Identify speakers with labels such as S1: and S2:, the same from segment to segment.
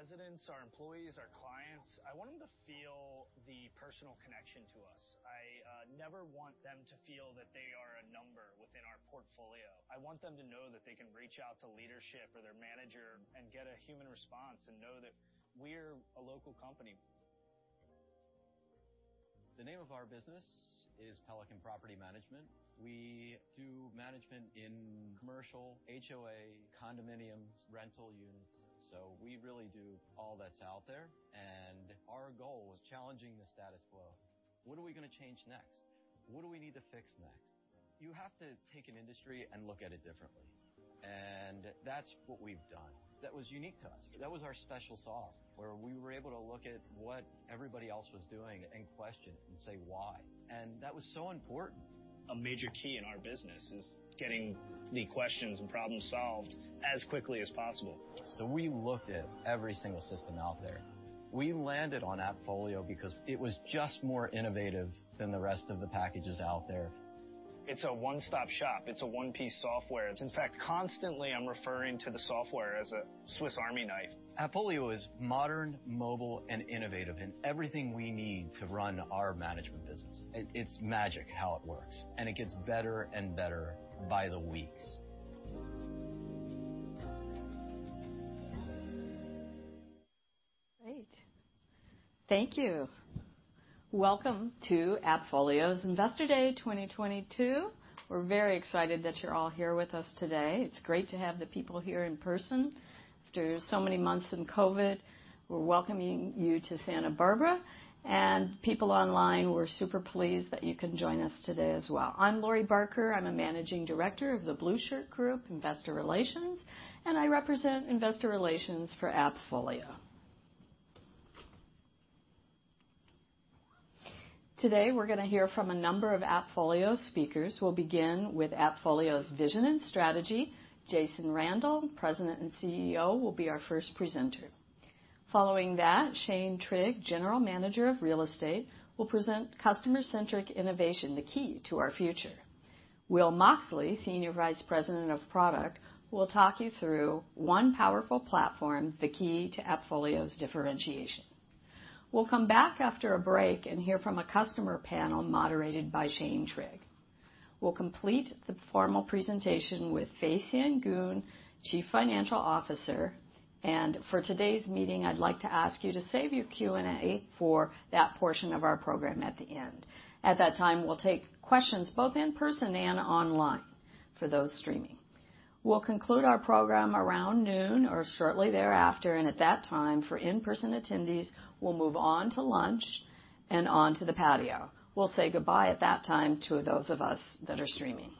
S1: Our residents, our employees, our clients, I want them to feel the personal connection to us. I never want them to feel that they are a number within our portfolio. I want them to know that they can reach out to leadership or their manager and get a human response and know that we're a local company. The name of our business is Pelican Property Management. We do management in commercial, HOA, condominiums, rental units. We really do all that's out there, and our goal was challenging the status quo. What are we gonna change next? What do we need to fix next? You have to take an industry and look at it differently, and that's what we've done. That was unique to us. That was our special sauce, where we were able to look at what everybody else was doing and question and say why, and that was so important. A major key in our business is getting the questions and problems solved as quickly as possible. We looked at every single system out there. We landed on AppFolio because it was just more innovative than the rest of the packages out there. It's a one-stop shop. It's a one-piece software. It's in fact, constantly I'm referring to the software as a Swiss army knife. AppFolio is modern, mobile, and innovative in everything we need to run our management business. It's magic how it works, and it gets better and better by the weeks.
S2: Great. Thank you. Welcome to AppFolio's Investor Day 2022. We're very excited that you're all here with us today. It's great to have the people here in person. After so many months in COVID, we're welcoming you to Santa Barbara. People online, we're super pleased that you can join us today as well. I'm Lori Barker. I'm a Managing Director of The Blueshirt Group, Investor Relations, and I represent investor relations for AppFolio. Today, we're gonna hear from a number of AppFolio speakers. We'll begin with AppFolio's vision and strategy. Jason Randall, President and CEO, will be our first presenter. Following that, Shane Trigg, General Manager of Real Estate, will present customer-centric innovation, the key to our future. Will Moxley, Senior Vice President of Product, will talk you through one powerful platform, the key to AppFolio's differentiation. We'll come back after a break and hear from a customer panel moderated by Shane Trigg. We'll complete the formal presentation with Fay Sien Goon, Chief Financial Officer, and for today's meeting, I'd like to ask you to save your Q&A for that portion of our program at the end. At that time, we'll take questions both in person and online for those streaming. We'll conclude our program around noon or shortly thereafter, and at that time, for in-person attendees, we'll move on to lunch and onto the patio. We'll say goodbye at that time to those of us that are streaming.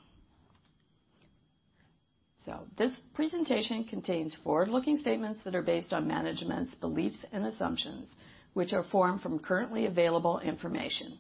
S2: This presentation contains forward-looking statements that are based on management's beliefs and assumptions, which are formed from currently available information.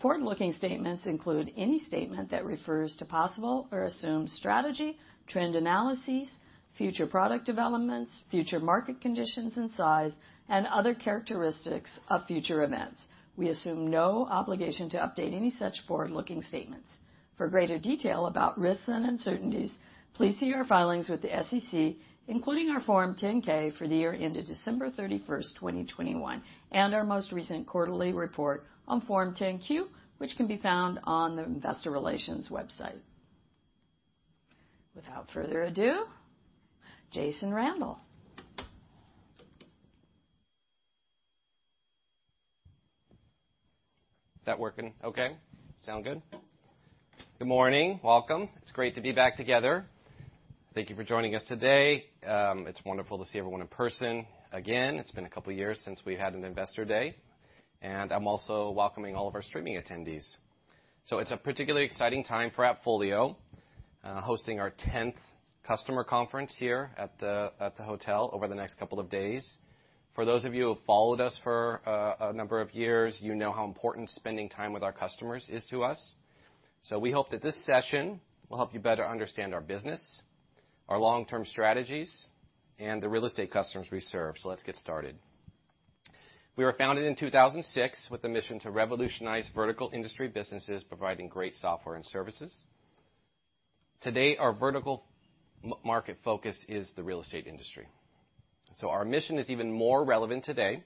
S2: Forward-looking statements include any statement that refers to possible or assumed strategy, trend analyses, future product developments, future market conditions and size, and other characteristics of future events. We assume no obligation to update any such forward-looking statements. For greater detail about risks and uncertainties, please see our filings with the SEC, including our Form 10-K for the year ended December 31, 2021, and our most recent quarterly report on Form 10-Q, which can be found on the investor relations website. Without further ado, Jason Randall.
S3: Is that working okay? Sound good? Good morning. Welcome. It's great to be back together. Thank you for joining us today. It's wonderful to see everyone in person again. It's been a couple years since we had an investor day, and I'm also welcoming all of our streaming attendees. It's a particularly exciting time for AppFolio, hosting our tenth customer conference here at the hotel over the next couple of days. For those of you who have followed us for a number of years, you know how important spending time with our customers is to us. We hope that this session will help you better understand our business, our long-term strategies, and the real estate customers we serve. Let's get started. We were founded in 2006 with the mission to revolutionize vertical industry businesses providing great software and services. Today, our vertical market focus is the real estate industry. Our mission is even more relevant today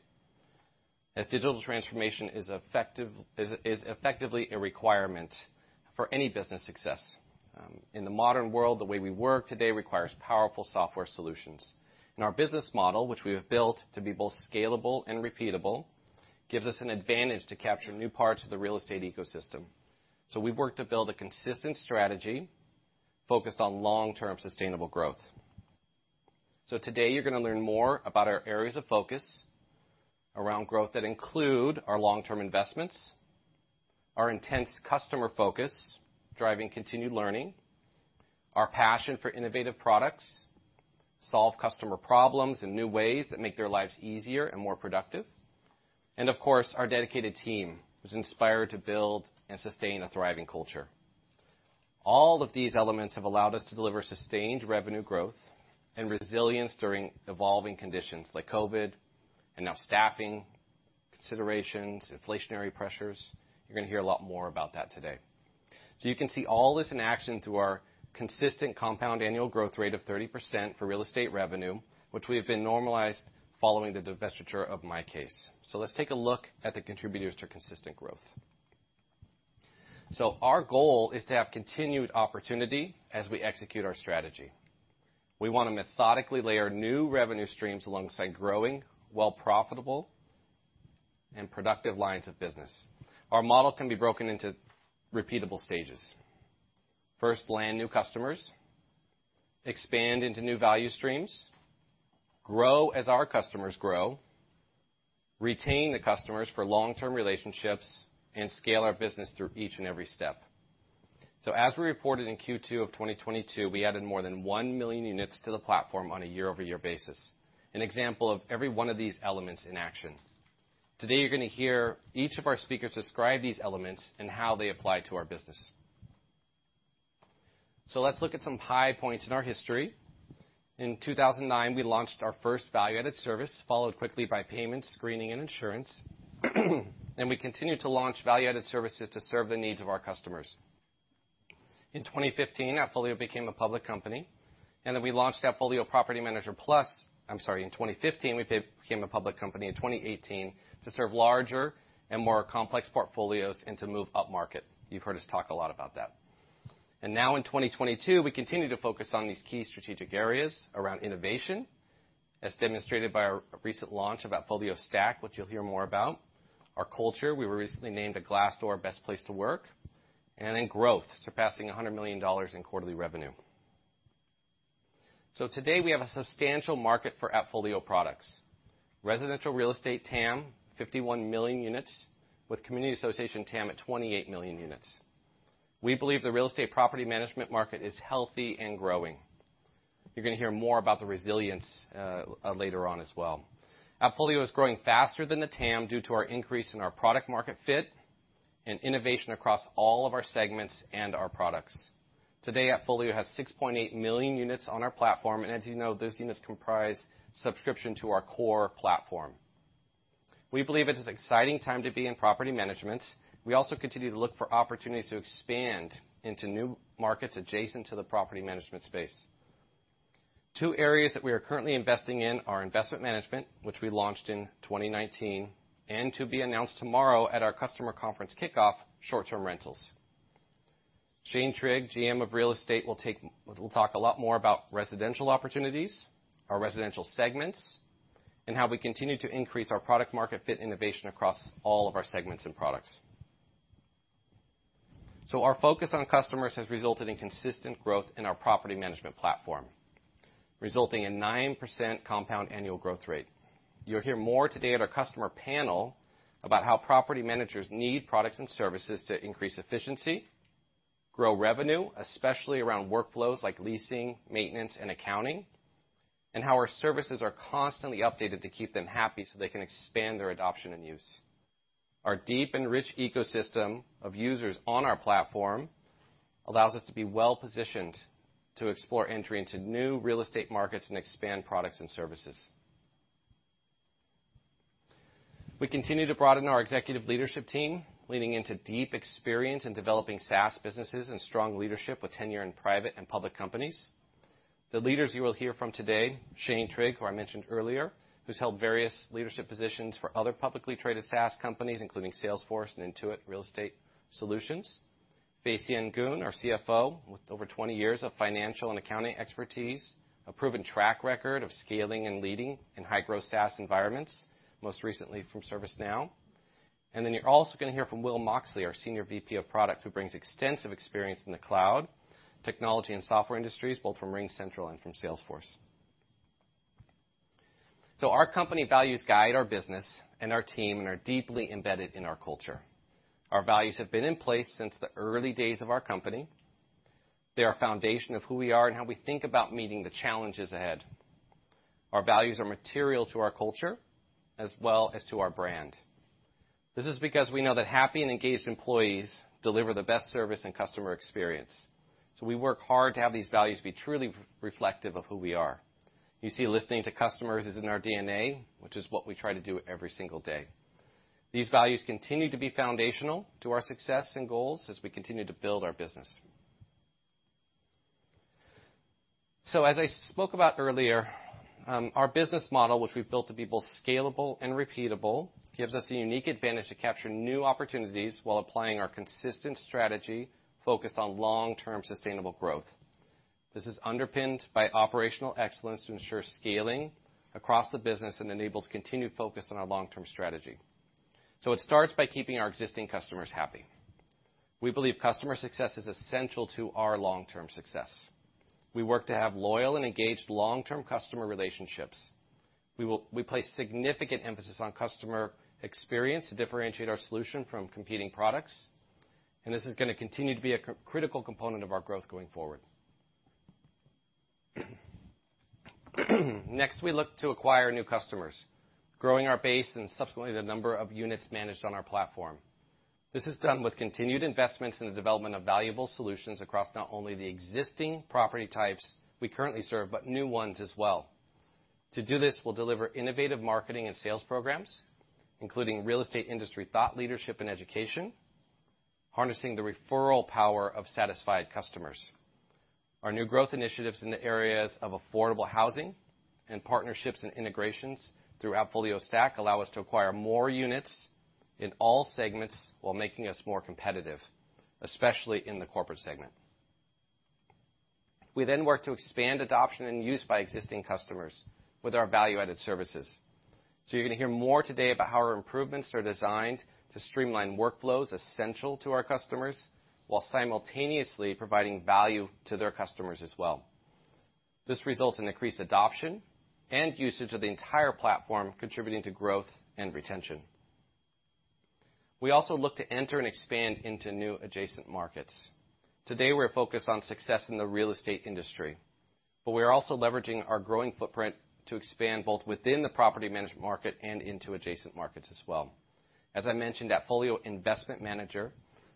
S3: as digital transformation is effectively a requirement for any business success. In the modern world, the way we work today requires powerful software solutions. Our business model, which we have built to be both scalable and repeatable, gives us an advantage to capture new parts of the real estate ecosystem. We've worked to build a consistent strategy focused on long-term sustainable growth. Today you're gonna learn more about our areas of focus around growth that include our long-term investments, our intense customer focus, driving continued learning, our passion for innovative products, solve customer problems in new ways that make their lives easier and more productive, and of course, our dedicated team, which is inspired to build and sustain a thriving culture. All of these elements have allowed us to deliver sustained revenue growth and resilience during evolving conditions like COVID and now staffing considerations, inflationary pressures. You're gonna hear a lot more about that today. You can see all this in action through our consistent compound annual growth rate of 30% for real estate revenue, which we have been normalized following the divestiture of MyCase. Let's take a look at the contributors to consistent growth. Our goal is to have continued opportunity as we execute our strategy. We wanna methodically layer new revenue streams alongside growing, while profitable and productive lines of business. Our model can be broken into repeatable stages. First, land new customers, expand into new value streams, grow as our customers grow, retain the customers for long-term relationships, and scale our business through each and every step. As we reported in Q2 of 2022, we added more than 1 million units to the platform on a year-over-year basis, an example of every one of these elements in action. Today, you're gonna hear each of our speakers describe these elements and how they apply to our business. Let's look at some high points in our history. In 2009, we launched our first value-added service, followed quickly by payment, screening, and insurance. We continued to launch value-added services to serve the needs of our customers. In 2015, we became a public company in 2018 to serve larger and more complex portfolios and to move upmarket. You've heard us talk a lot about that. Now in 2022, we continue to focus on these key strategic areas around innovation, as demonstrated by our recent launch of AppFolio Stack, which you'll hear more about. Our culture, we were recently named a Glassdoor Best Places to Work. In growth, surpassing $100 million in quarterly revenue. Today, we have a substantial market for AppFolio products. Residential real estate TAM, 51 million units, with community association TAM at 28 million units. We believe the real estate property management market is healthy and growing. You're gonna hear more about the resilience later on as well. AppFolio is growing faster than the TAM due to our increase in our product market fit and innovation across all of our segments and our products. Today, AppFolio has 6.8 million units on our platform, and as you know, those units comprise subscription to our core platform. We believe it is exciting time to be in property management. We also continue to look for opportunities to expand into new markets adjacent to the property management space. Two areas that we are currently investing in are investment management, which we launched in 2019, and to be announced tomorrow at our customer conference kickoff, short-term rentals. Shane Trigg, GM of Real Estate, will talk a lot more about residential opportunities, our residential segments, and how we continue to increase our product market fit innovation across all of our segments and products. Our focus on customers has resulted in consistent growth in our property management platform, resulting in 9% compound annual growth rate. You'll hear more today at our customer panel about how property managers need products and services to increase efficiency, grow revenue, especially around workflows like leasing, maintenance, and accounting, and how our services are constantly updated to keep them happy so they can expand their adoption and use. Our deep and rich ecosystem of users on our platform allows us to be well-positioned to explore entry into new real estate markets and expand products and services. We continue to broaden our executive leadership team, leaning into deep experience in developing SaaS businesses and strong leadership with tenure in private and public companies. The leaders you will hear from today, Shane Trigg, who I mentioned earlier, who's held various leadership positions for other publicly traded SaaS companies, including Salesforce and Intuit Real Estate Solutions. Fay Sien Goon, our CFO, with over 20 years of financial and accounting expertise, a proven track record of scaling and leading in high-growth SaaS environments, most recently from ServiceNow. Then you're also gonna hear from Will Moxley, our Senior VP of Product, who brings extensive experience in the cloud, technology, and software industries, both from RingCentral and from Salesforce. Our company values guide our business and our team and are deeply embedded in our culture. Our values have been in place since the early days of our company. They're our foundation of who we are and how we think about meeting the challenges ahead. Our values are material to our culture as well as to our brand. This is because we know that happy and engaged employees deliver the best service and customer experience, so we work hard to have these values be truly reflective of who we are. You see, listening to customers is in our DNA, which is what we try to do every single day. These values continue to be foundational to our success and goals as we continue to build our business. As I spoke about earlier, our business model, which we've built to be both scalable and repeatable, gives us a unique advantage to capture new opportunities while applying our consistent strategy focused on long-term sustainable growth. This is underpinned by operational excellence to ensure scaling across the business and enables continued focus on our long-term strategy. It starts by keeping our existing customers happy. We believe customer success is essential to our long-term success. We work to have loyal and engaged long-term customer relationships. We place significant emphasis on customer experience to differentiate our solution from competing products, and this is gonna continue to be a critical component of our growth going forward. Next, we look to acquire new customers, growing our base and subsequently the number of units managed on our platform. This is done with continued investments in the development of valuable solutions across not only the existing property types we currently serve but new ones as well. To do this, we'll deliver innovative marketing and sales programs, including real estate industry thought leadership and education, harnessing the referral power of satisfied customers. Our new growth initiatives in the areas of affordable housing and partnerships and integrations through AppFolio Stack allow us to acquire more units in all segments, while making us more competitive, especially in the corporate segment. We then work to expand adoption and use by existing customers with our value-added services. You're gonna hear more today about how our improvements are designed to streamline workflows essential to our customers, while simultaneously providing value to their customers as well. This results in increased adoption and usage of the entire platform, contributing to growth and retention. We also look to enter and expand into new adjacent markets. Today, we're focused on success in the real estate industry, but we're also leveraging our growing footprint to expand both within the property management market and into adjacent markets as well. As I mentioned, AppFolio Investment Manager,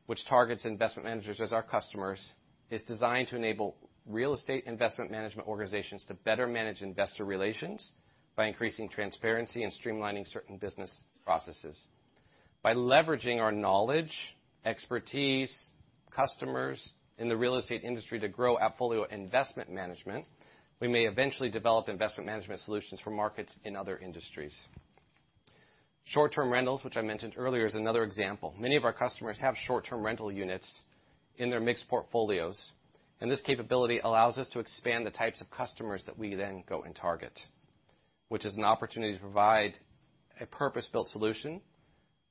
S3: which targets investment managers as our customers, is designed to enable real estate investment management organizations to better manage investor relations by increasing transparency and streamlining certain business processes. By leveraging our knowledge, expertise, customers in the real estate industry to grow AppFolio Investment Manager, we may eventually develop investment management solutions for markets in other industries. Short-term rentals, which I mentioned earlier, is another example. Many of our customers have short-term rental units in their mixed portfolios, and this capability allows us to expand the types of customers that we then go and target, which is an opportunity to provide a purpose-built solution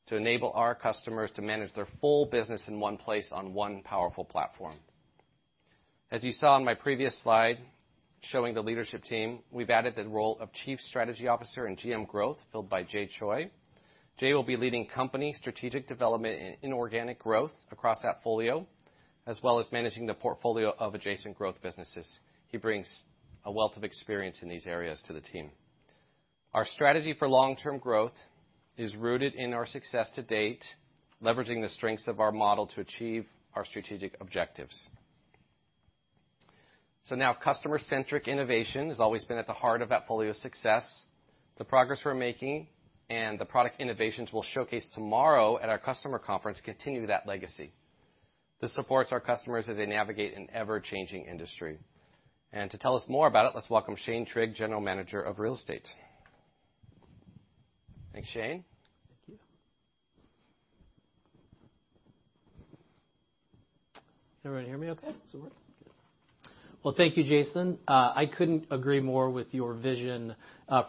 S3: to enable our customers to manage their full business in one place on one powerful platform. As you saw on my previous slide showing the leadership team, we've added the role of Chief Strategy Officer and General Manager, Growth, filled by Jay Choi. Jay will be leading company strategic development and inorganic growth across AppFolio, as well as managing the portfolio of adjacent growth businesses. He brings a wealth of experience in these areas to the team. Our strategy for long-term growth is rooted in our success to date, leveraging the strengths of our model to achieve our strategic objectives. Now customer-centric innovation has always been at the heart of AppFolio's success. The progress we're making and the product innovations we'll showcase tomorrow at our customer conference continue that legacy. This supports our customers as they navigate an ever-changing industry. To tell us more about it, let's welcome Shane Trigg, General Manager of Real Estate. Thanks, Shane.
S4: Thank you. Can everyone hear me okay? Does it work? Good. Well, thank you, Jason. I couldn't agree more with your vision,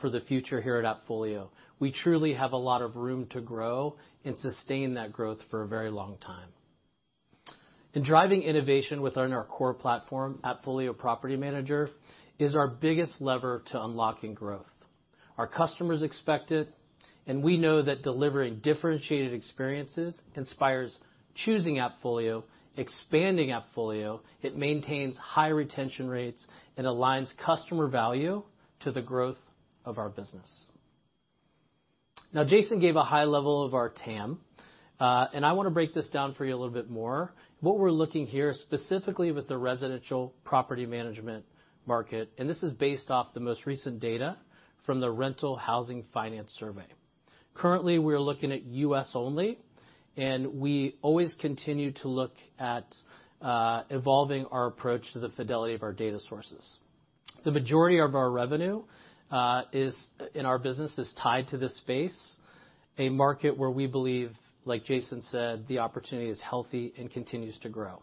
S4: for the future here at AppFolio. We truly have a lot of room to grow and sustain that growth for a very long time. Driving innovation within our core platform, AppFolio Property Manager, is our biggest lever to unlocking growth. Our customers expect it, and we know that delivering differentiated experiences inspires choosing AppFolio, expanding AppFolio, it maintains high retention rates and aligns customer value to the growth of our business. Now, Jason gave a high level of our TAM, and I wanna break this down for you a little bit more. What we're looking here is specifically with the residential property management market, and this is based off the most recent data from the Rental Housing Finance Survey. Currently, we're looking at U.S. only, and we always continue to look at evolving our approach to the fidelity of our data sources. The majority of our revenue in our business is tied to this space, a market where we believe, like Jason said, the opportunity is healthy and continues to grow.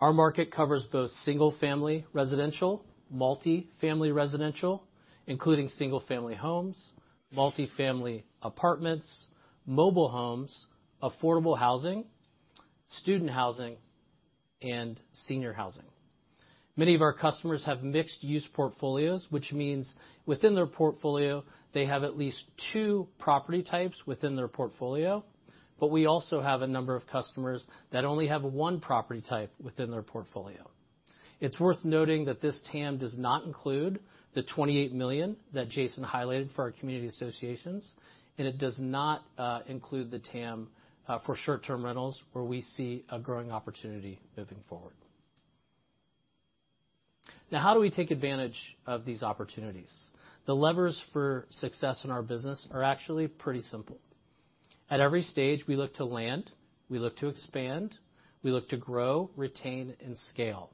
S4: Our market covers both single-family residential, multi-family residential, including single-family homes, multi-family apartments, mobile homes, affordable housing, student housing, and senior housing. Many of our customers have mixed use portfolios, which means within their portfolio, they have at least two property types within their portfolio, but we also have a number of customers that only have one property type within their portfolio. It's worth noting that this TAM does not include the 28 million that Jason highlighted for our community associations, and it does not include the TAM for short-term rentals, where we see a growing opportunity moving forward. Now, how do we take advantage of these opportunities? The levers for success in our business are actually pretty simple. At every stage, we look to land, we look to expand, we look to grow, retain, and scale.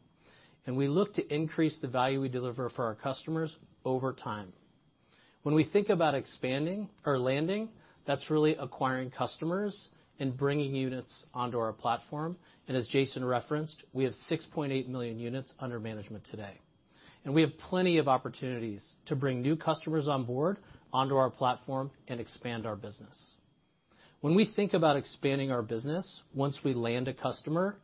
S4: We look to increase the value we deliver for our customers over time. When we think about expanding or landing, that's really acquiring customers and bringing units onto our platform. As Jason referenced, we have 6.8 million units under management today. We have plenty of opportunities to bring new customers on board onto our platform and expand our business. When we think about expanding our business, once we land a customer,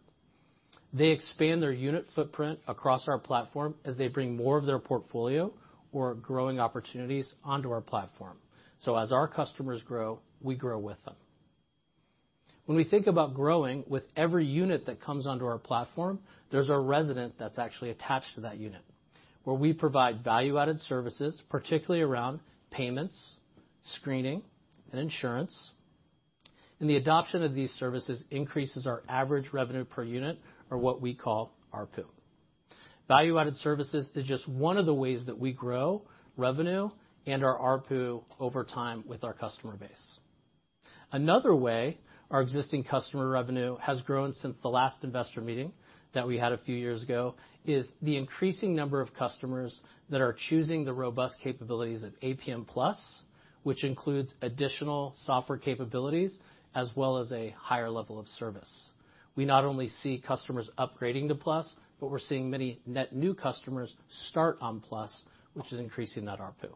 S4: they expand their unit footprint across our platform as they bring more of their portfolio or growing opportunities onto our platform. As our customers grow, we grow with them. When we think about growing, with every unit that comes onto our platform, there's a resident that's actually attached to that unit, where we provide Value Added Services, particularly around payments, screening, and insurance. The adoption of these services increases our average revenue per unit or what we call ARPU. Value Added Services is just one of the ways that we grow revenue and our ARPU over time with our customer base. Another way our existing customer revenue has grown since the last investor meeting that we had a few years ago is the increasing number of customers that are choosing the robust capabilities of APM Plus, which includes additional software capabilities as well as a higher level of service. We not only see customers upgrading to Plus, but we're seeing many net new customers start on Plus, which is increasing that ARPU.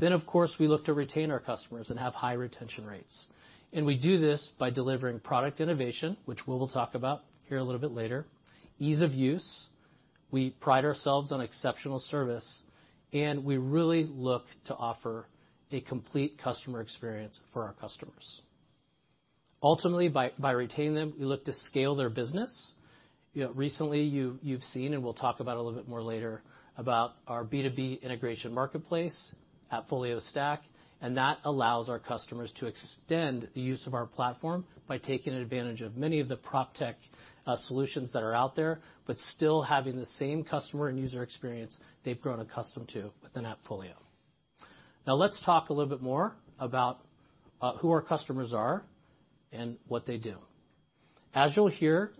S4: Of course, we look to retain our customers and have high retention rates. We do this by delivering product innovation, which Will will talk about here a little bit later, ease of use. We pride ourselves on exceptional service, and we really look to offer a complete customer experience for our customers. Ultimately, by retaining them, we look to scale their business. You know, recently you've seen, and we'll talk about a little bit more later about our B2B integration marketplace, AppFolio Stack, and that allows our customers to extend the use of our platform by taking advantage of many of the PropTech solutions that are out there, but still having the same customer and user experience they've grown accustomed to within AppFolio. Now let's talk a little bit more about who our customers are and what they do. As you'll hear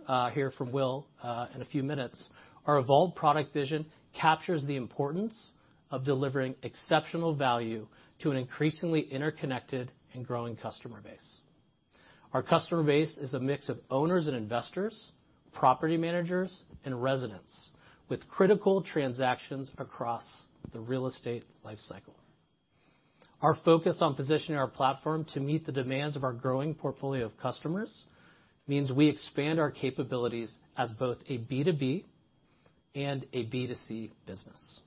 S4: from Will in a few minutes, our evolved product vision captures the importance of delivering exceptional value to an increasingly interconnected and growing customer base. Our customer base is a mix of owners and investors, property managers, and residents with critical transactions across the real estate life cycle. Our focus on positioning our platform to meet the demands of our growing portfolio of customers means we expand our capabilities as both a B2B and a B2C business.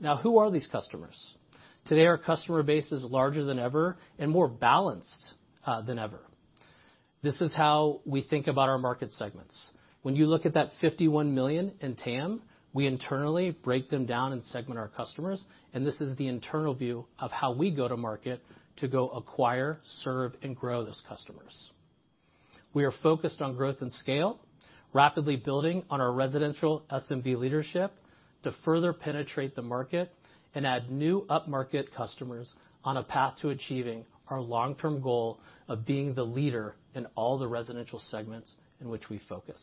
S4: Now, who are these customers? Today, our customer base is larger than ever and more balanced than ever. This is how we think about our market segments. When you look at that $51 million in TAM, we internally break them down and segment our customers, and this is the internal view of how we go to market to go acquire, serve, and grow those customers. We are focused on growth and scale, rapidly building on our residential SMB leadership to further penetrate the market and add new up-market customers on a path to achieving our long-term goal of being the leader in all the residential segments in which we focus.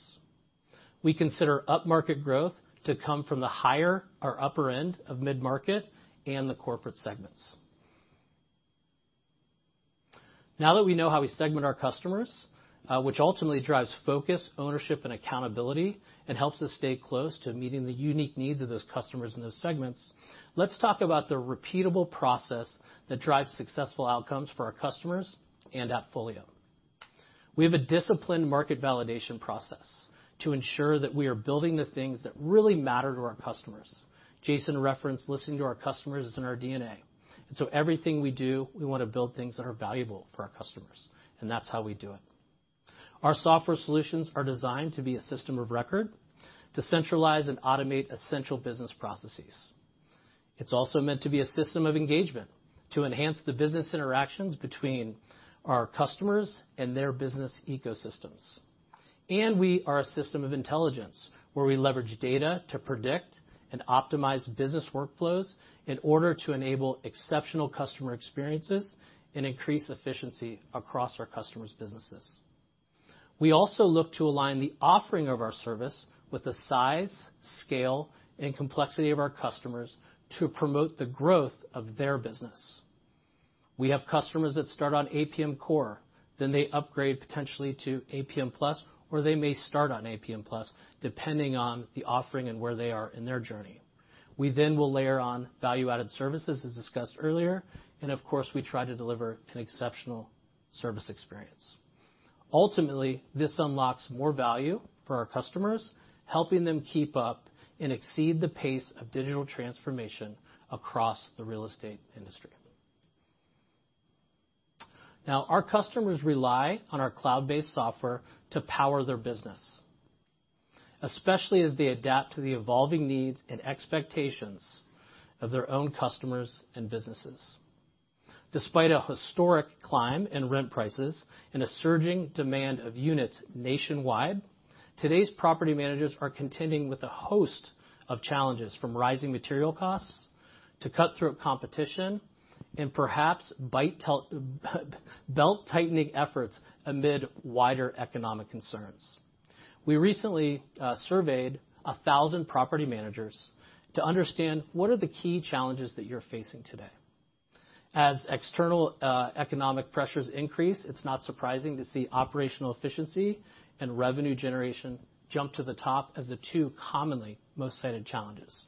S4: We consider up-market growth to come from the higher or upper end of mid-market and the corporate segments. Now that we know how we segment our customers, which ultimately drives focus, ownership, and accountability and helps us stay close to meeting the unique needs of those customers in those segments, let's talk about the repeatable process that drives successful outcomes for our customers and AppFolio. We have a disciplined market validation process to ensure that we are building the things that really matter to our customers. Jason referenced listening to our customers is in our DNA, and so everything we do, we wanna build things that are valuable for our customers, and that's how we do it. Our software solutions are designed to be a system of record to centralize and automate essential business processes. It's also meant to be a system of engagement to enhance the business interactions between our customers and their business ecosystems. We are a system of intelligence, where we leverage data to predict and optimize business workflows in order to enable exceptional customer experiences and increase efficiency across our customers' businesses. We also look to align the offering of our service with the size, scale, and complexity of our customers to promote the growth of their business. We have customers that start on APM Core, then they upgrade potentially to APM Plus, or they may start on APM Plus, depending on the offering and where they are in their journey. We then will layer on value-added services as discussed earlier, and of course, we try to deliver an exceptional service experience. Ultimately, this unlocks more value for our customers, helping them keep up and exceed the pace of digital transformation across the real estate industry. Now, our customers rely on our cloud-based software to power their business, especially as they adapt to the evolving needs and expectations of their own customers and businesses. Despite a historic climb in rent prices and a surging demand of units nationwide, today's property managers are contending with a host of challenges from rising material costs to cutthroat competition and perhaps belt-tightening efforts amid wider economic concerns. We recently surveyed 1,000 property managers to understand what are the key challenges that you're facing today. As external economic pressures increase, it's not surprising to see operational efficiency and revenue generation jump to the top as the two commonly most cited challenges.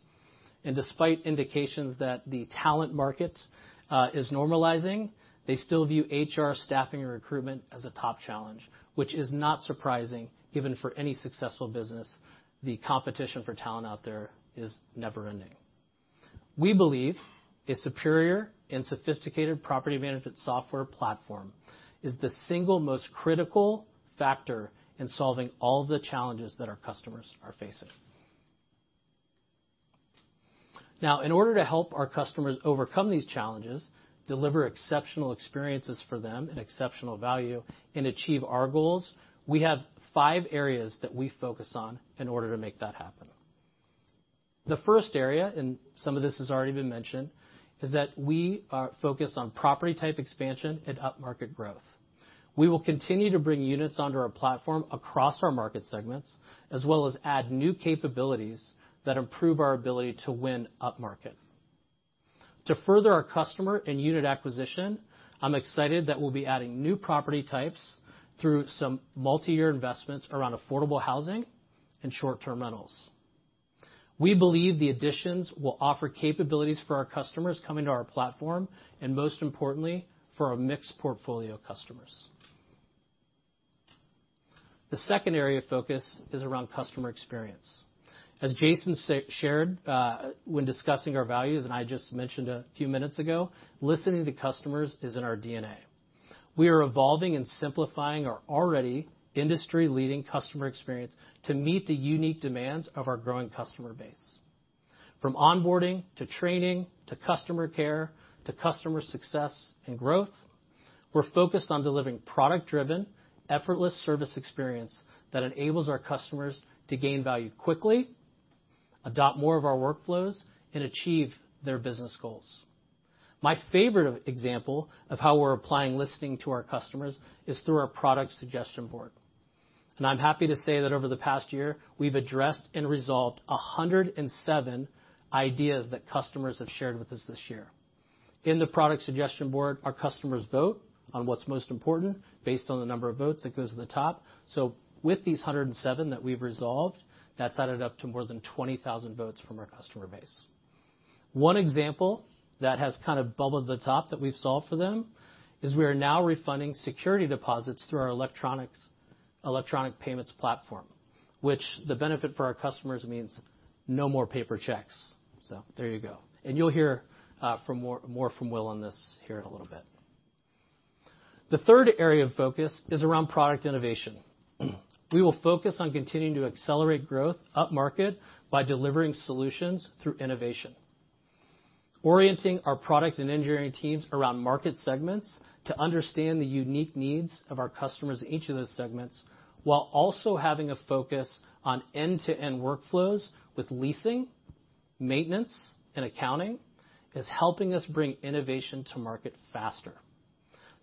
S4: Despite indications that the talent market is normalizing, they still view HR staffing and recruitment as a top challenge, which is not surprising given for any successful business, the competition for talent out there is never ending. We believe a superior and sophisticated property management software platform is the single most critical factor in solving all the challenges that our customers are facing. Now, in order to help our customers overcome these challenges, deliver exceptional experiences for them and exceptional value, and achieve our goals, we have five areas that we focus on in order to make that happen. The first area, and some of this has already been mentioned, is that we are focused on property type expansion and upmarket growth. We will continue to bring units onto our platform across our market segments, as well as add new capabilities that improve our ability to win upmarket. To further our customer and unit acquisition, I'm excited that we'll be adding new property types through some multi-year investments around affordable housing and short-term rentals. We believe the additions will offer capabilities for our customers coming to our platform and most importantly, for our mixed portfolio customers. The second area of focus is around customer experience. As Jason shared, when discussing our values, and I just mentioned a few minutes ago, listening to customers is in our DNA. We are evolving and simplifying our already industry-leading customer experience to meet the unique demands of our growing customer base. From onboarding, to training, to customer care, to customer success and growth, we're focused on delivering product-driven, effortless service experience that enables our customers to gain value quickly, adopt more of our workflows, and achieve their business goals. My favorite example of how we're applying listening to our customers is through our product suggestion board. I'm happy to say that over the past year, we've addressed and resolved 107 ideas that customers have shared with us this year. In the product suggestion board, our customers vote on what's most important. Based on the number of votes, it goes to the top. With these 107 that we've resolved, that's added up to more than 20,000 votes from our customer base. One example that has kind of bubbled at the top that we've solved for them is we are now refunding security deposits through our electronic payments platform, which the benefit for our customers means no more paper checks. There you go. You'll hear from more from Will on this here in a little bit. The third area of focus is around product innovation. We will focus on continuing to accelerate growth upmarket by delivering solutions through innovation. Orienting our product and engineering teams around market segments to understand the unique needs of our customers in each of those segments, while also having a focus on end-to-end workflows with leasing, maintenance, and accounting, is helping us bring innovation to market faster.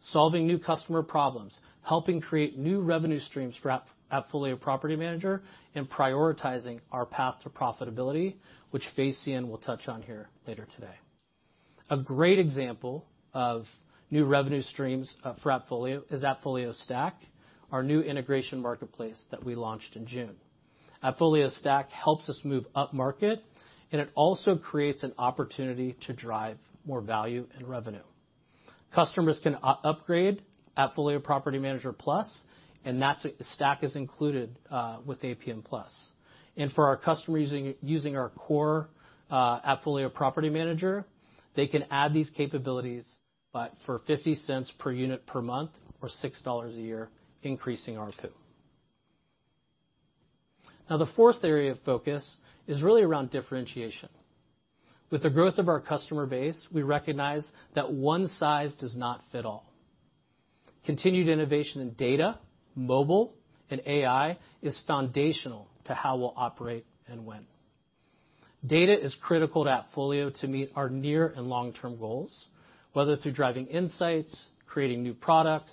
S4: Solving new customer problems, helping create new revenue streams for AppFolio Property Manager, and prioritizing our path to profitability, which Fay Sien Goon will touch on here later today. A great example of new revenue streams for AppFolio is AppFolio Stack, our new integration marketplace that we launched in June. AppFolio Stack helps us move upmarket, and it also creates an opportunity to drive more value and revenue. Customers can upgrade AppFolio Property Manager Plus, and that's Stack is included with APM Plus. For our customers using our core AppFolio Property Manager, they can add these capabilities for $0.50 per unit per month or $6 a year, increasing our PU. The fourth area of focus is really around differentiation. With the growth of our customer base, we recognize that one size does not fit all. Continued innovation in data, mobile, and AI is foundational to how we'll operate and win. Data is critical to AppFolio to meet our near- and long-term goals, whether through driving insights, creating new products,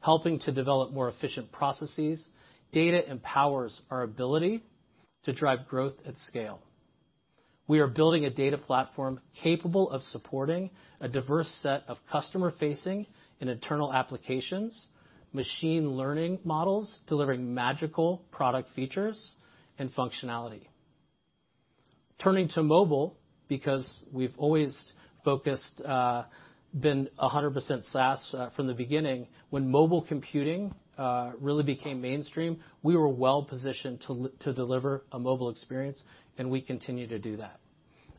S4: helping to develop more efficient processes. Data empowers our ability to drive growth at scale. We are building a data platform capable of supporting a diverse set of customer-facing and internal applications, machine learning models, delivering magical product features and functionality. Turning to mobile, because we've always focused, been 100% SaaS from the beginning, when mobile computing really became mainstream, we were well-positioned to deliver a mobile experience, and we continue to do that.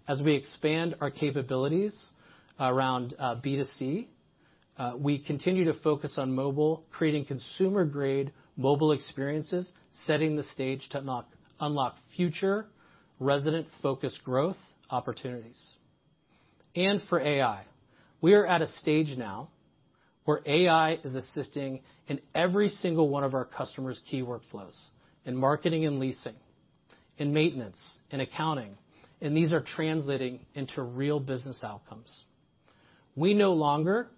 S4: As we expand our capabilities around B2C, we continue to focus on mobile, creating consumer-grade mobile experiences, setting the stage to unlock future resident-focused growth opportunities. For AI, we are at a stage now where AI is assisting in every single one of our customers' key workflows, in marketing and leasing, in maintenance, in accounting, and these are translating into real business outcomes. We no longer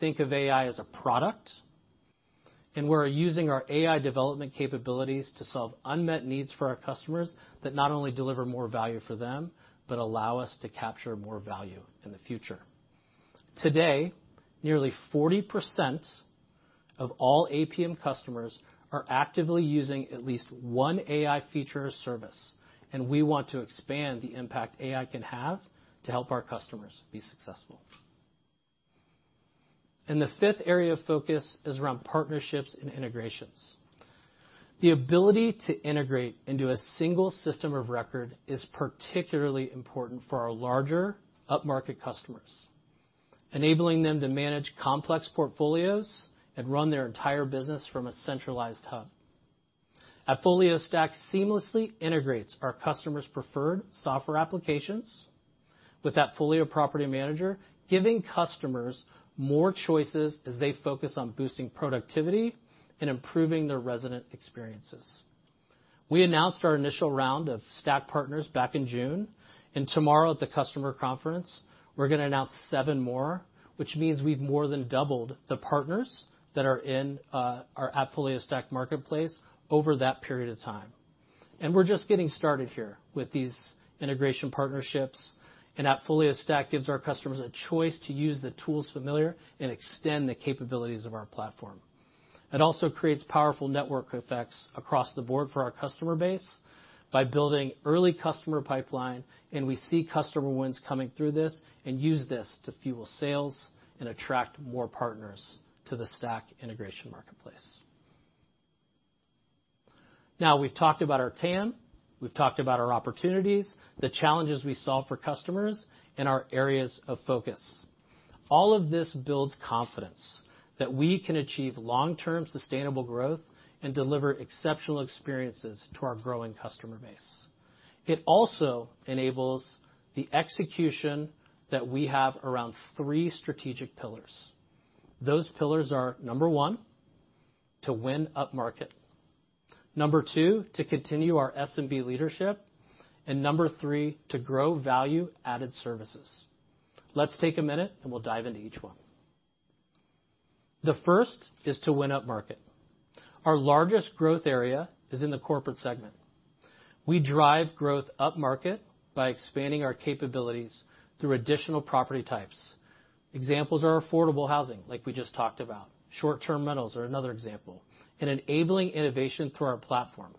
S4: think of AI as a product, and we're using our AI development capabilities to solve unmet needs for our customers that not only deliver more value for them, but allow us to capture more value in the future. Today, nearly 40% of all APM customers are actively using at least one AI feature or service, and we want to expand the impact AI can have to help our customers be successful. The fifth area of focus is around partnerships and integrations. The ability to integrate into a single system of record is particularly important for our larger upmarket customers, enabling them to manage complex portfolios and run their entire business from a centralized hub. AppFolio Stack seamlessly integrates our customers' preferred software applications with AppFolio Property Manager, giving customers more choices as they focus on boosting productivity and improving their resident experiences. We announced our initial round of Stack partners back in June, and tomorrow at the customer conference, we're gonna announce 7 more, which means we've more than doubled the partners that are in our AppFolio Stack marketplace over that period of time. We're just getting started here with these integration partnerships, and AppFolio Stack gives our customers a choice to use the tools familiar and extend the capabilities of our platform. It also creates powerful network effects across the board for our customer base by building early customer pipeline, and we see customer wins coming through this and use this to fuel sales and attract more partners to the Stack integration marketplace. Now we've talked about our TAM, we've talked about our opportunities, the challenges we solve for customers, and our areas of focus. All of this builds confidence that we can achieve long-term sustainable growth and deliver exceptional experiences to our growing customer base. It also enables the execution that we have around three strategic pillars. Those pillars are, number one, to win up-market. Number two, to continue our SMB leadership. Number three, to grow value-added services. Let's take a minute, and we'll dive into each one. The first is to win up-market. Our largest growth area is in the corporate segment. We drive growth up-market by expanding our capabilities through additional property types. Examples are affordable housing, like we just talked about. Short-term rentals are another example. Enabling innovation through our platform.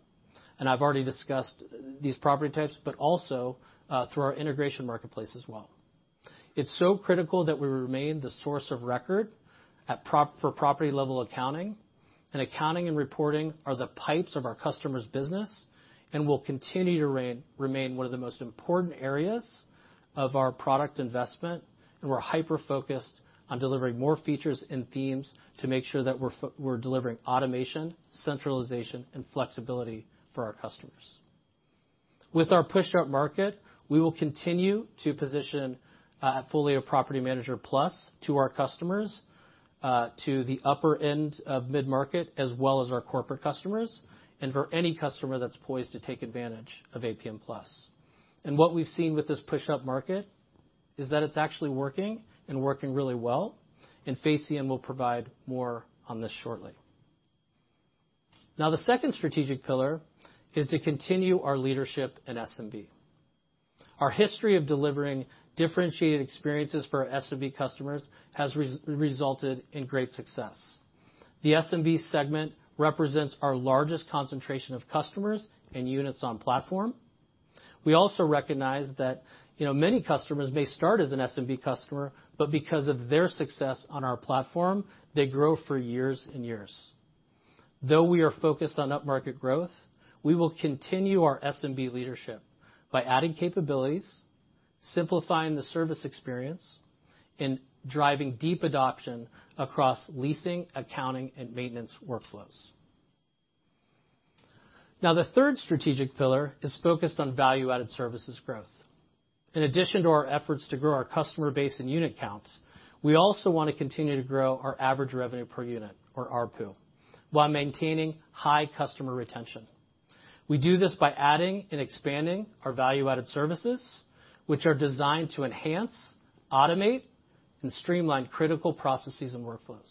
S4: I've already discussed these property types, but also, through our integration marketplace as well. It's so critical that we remain the source of record for property-level accounting, and accounting and reporting are the pipes of our customers' business and will continue to remain one of the most important areas of our product investment. We're hyper-focused on delivering more features and themes to make sure that we're delivering automation, centralization, and flexibility for our customers. With our push upmarket, we will continue to position AppFolio Property Manager Plus to our customers to the upper end of mid-market as well as our corporate customers, and for any customer that's poised to take advantage of APM Plus. What we've seen with this push upmarket is that it's actually working and working really well, and Fay Sien Goon will provide more on this shortly. Now, the second strategic pillar is to continue our leadership in SMB. Our history of delivering differentiated experiences for our SMB customers has resulted in great success. The SMB segment represents our largest concentration of customers and units on platform. We also recognize that many customers may start as an SMB customer, but because of their success on our platform, they grow for years and years. Though we are focused on up-market growth, we will continue our SMB leadership by adding capabilities, simplifying the service experience, and driving deep adoption across leasing, accounting, and maintenance workflows. Now, the third strategic pillar is focused on value-added services growth. In addition to our efforts to grow our customer base and unit counts, we also wanna continue to grow our average revenue per unit or ARPU while maintaining high customer retention. We do this by adding and expanding our value-added services, which are designed to enhance, automate, and streamline critical processes and workflows.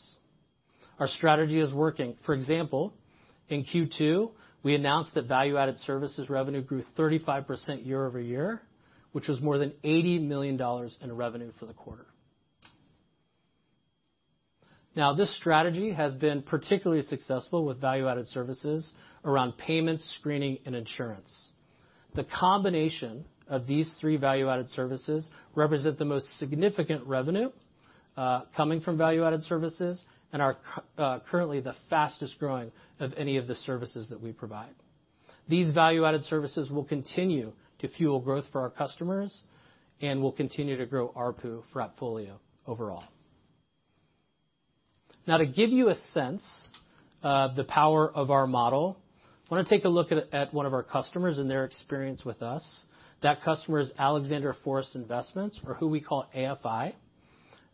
S4: Our strategy is working. For example, in Q2, we announced that value-added services revenue grew 35% year-over-year, which was more than $80 million in revenue for the quarter. Now, this strategy has been particularly successful with value-added services around payments, screening, and insurance. The combination of these three value-added services represent the most significant revenue coming from value-added services and are currently the fastest-growing of any of the services that we provide. These value-added services will continue to fuel growth for our customers and will continue to grow ARPU for AppFolio overall. Now to give you a sense of the power of our model, I wanna take a look at one of our customers and their experience with us. That customer is Alexander Forrest Investments, or who we call AFI.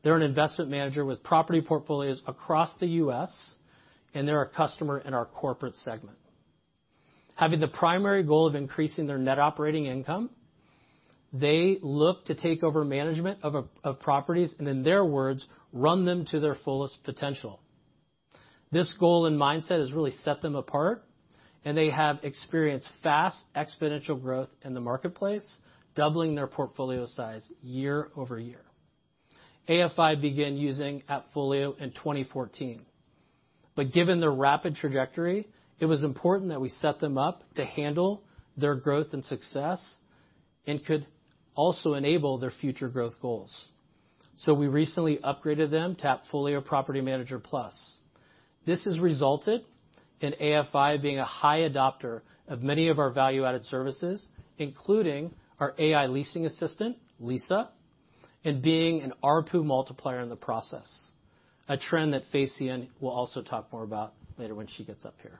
S4: They're an investment manager with property portfolios across the U.S., and they're a customer in our corporate segment. Having the primary goal of increasing their net operating income, they look to take over management of properties and, in their words, run them to their fullest potential. This goal and mindset has really set them apart, and they have experienced fast, exponential growth in the marketplace, doubling their portfolio size year-over-year. AFI began using AppFolio in 2014. Given the rapid trajectory, it was important that we set them up to handle their growth and success and could also enable their future growth goals. We recently upgraded them to AppFolio Property Manager Plus. This has resulted in AFI being a high adopter of many of our value-added services, including our AI leasing assistant, Lisa. And being an ARPU multiplier in the process, a trend that Fay Sien will also talk more about later when she gets up here.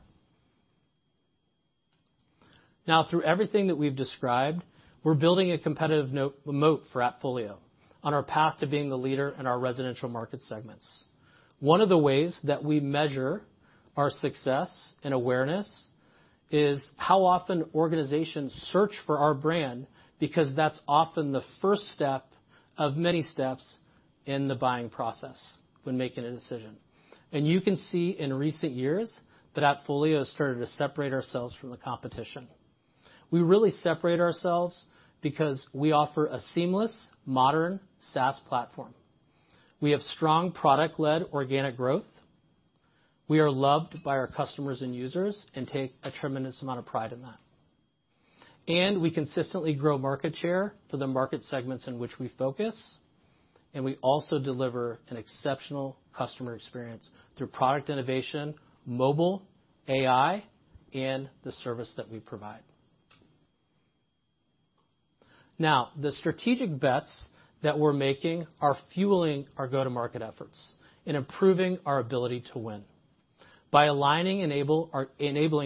S4: Now through everything that we've described, we're building a competitive moat for AppFolio on our path to being the leader in our residential market segments. One of the ways that we measure our success and awareness is how often organizations search for our brand, because that's often the first step of many steps in the buying process when making a decision. You can see in recent years that AppFolio has started to separate ourselves from the competition. We really separate ourselves because we offer a seamless, modern SaaS platform. We have strong product-led organic growth. We are loved by our customers and users and take a tremendous amount of pride in that. We consistently grow market share for the market segments in which we focus, and we also deliver an exceptional customer experience through product innovation, mobile, AI, and the service that we provide. Now, the strategic bets that we're making are fueling our go-to-market efforts and improving our ability to win. By enabling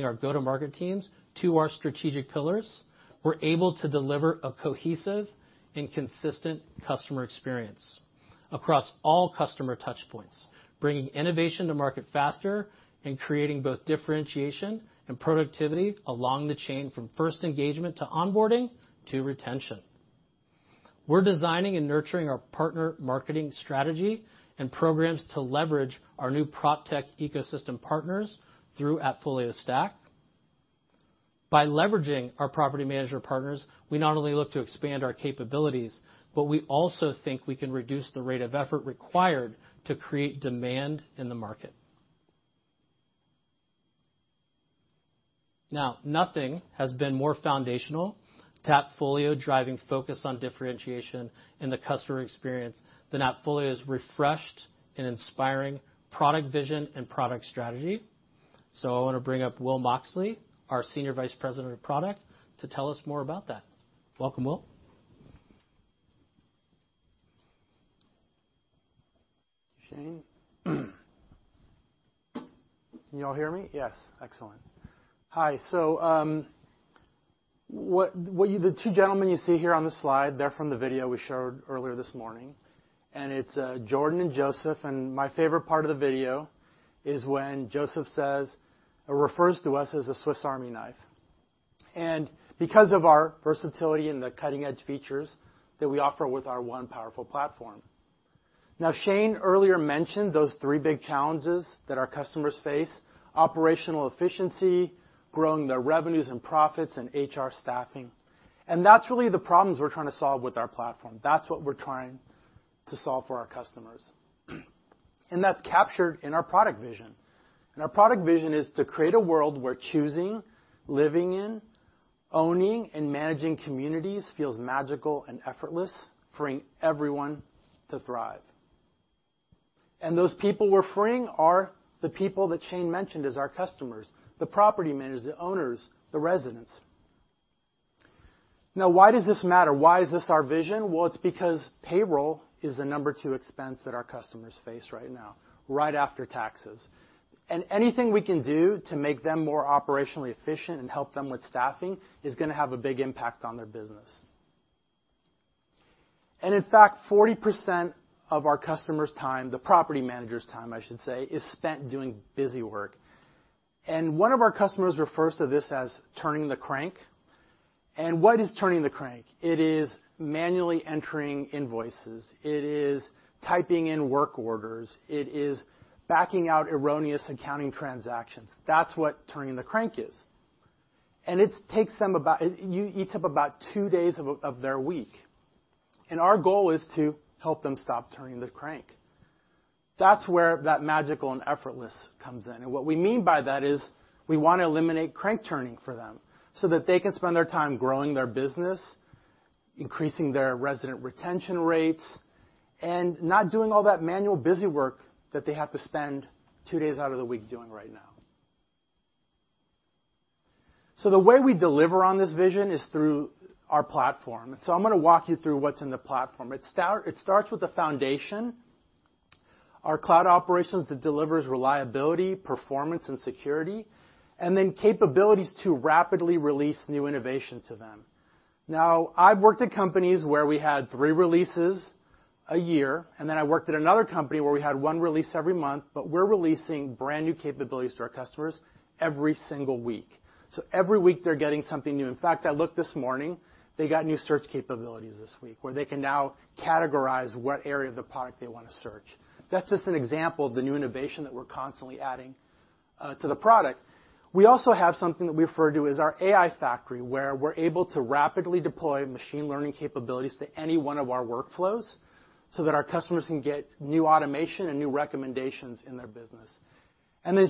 S4: our go-to-market teams to our strategic pillars, we're able to deliver a cohesive and consistent customer experience across all customer touch points, bringing innovation to market faster and creating both differentiation and productivity along the chain from first engagement to onboarding to retention. We're designing and nurturing our partner marketing strategy and programs to leverage our new PropTech ecosystem partners through AppFolio Stack. By leveraging our property manager partners, we not only look to expand our capabilities, but we also think we can reduce the rate of effort required to create demand in the market. Now, nothing has been more foundational to AppFolio driving focus on differentiation in the customer experience than AppFolio's refreshed and inspiring product vision and product strategy. I wanna bring up Will Moxley, our Senior Vice President of Product, to tell us more about that. Welcome, Will.
S5: Shane. Can you all hear me? Yes. Excellent. Hi. The two gentlemen you see here on the slide, they're from the video we showed earlier this morning, and it's Jordan and Joseph. My favorite part of the video is when Joseph says or refers to us as the Swiss Army knife, and because of our versatility and the cutting-edge features that we offer with our one powerful platform. Now, Shane earlier mentioned those three big challenges that our customers face, operational efficiency, growing their revenues and profits, and HR staffing. That's really the problems we're trying to solve with our platform. That's what we're trying to solve for our customers. That's captured in our product vision. Our product vision is to create a world where choosing, living in, owning, and managing communities feels magical and effortless, freeing everyone to thrive. Those people we're freeing are the people that Shane mentioned as our customers, the property managers, the owners, the residents. Now, why does this matter? Why is this our vision? Well, it's because payroll is the number 2 expense that our customers face right now, right after taxes. Anything we can do to make them more operationally efficient and help them with staffing is gonna have a big impact on their business. In fact, 40% of our customers' time, the property managers' time, I should say, is spent doing busy work. One of our customers refers to this as turning the crank. What is turning the crank? It is manually entering invoices. It is typing in work orders. It is backing out erroneous accounting transactions. That's what turning the crank is. It takes them about... It eats up about two days of their week. Our goal is to help them stop turning the crank. That's where that magical and effortless comes in. What we mean by that is we wanna eliminate crank turning for them, so that they can spend their time growing their business, increasing their resident retention rates, and not doing all that manual busy work that they have to spend two days out of the week doing right now. The way we deliver on this vision is through our platform. I'm gonna walk you through what's in the platform. It starts with the foundation, our cloud operations that delivers reliability, performance, and security, and then capabilities to rapidly release new innovation to them. Now, I've worked at companies where we had three releases a year, and then I worked at another company where we had one release every month, but we're releasing brand-new capabilities to our customers every single week. Every week, they're getting something new. In fact, I looked this morning, they got new search capabilities this week, where they can now categorize what area of the product they wanna search. That's just an example of the new innovation that we're constantly adding to the product. We also have something that we refer to as our AI factory, where we're able to rapidly deploy machine learning capabilities to any one of our workflows so that our customers can get new automation and new recommendations in their business.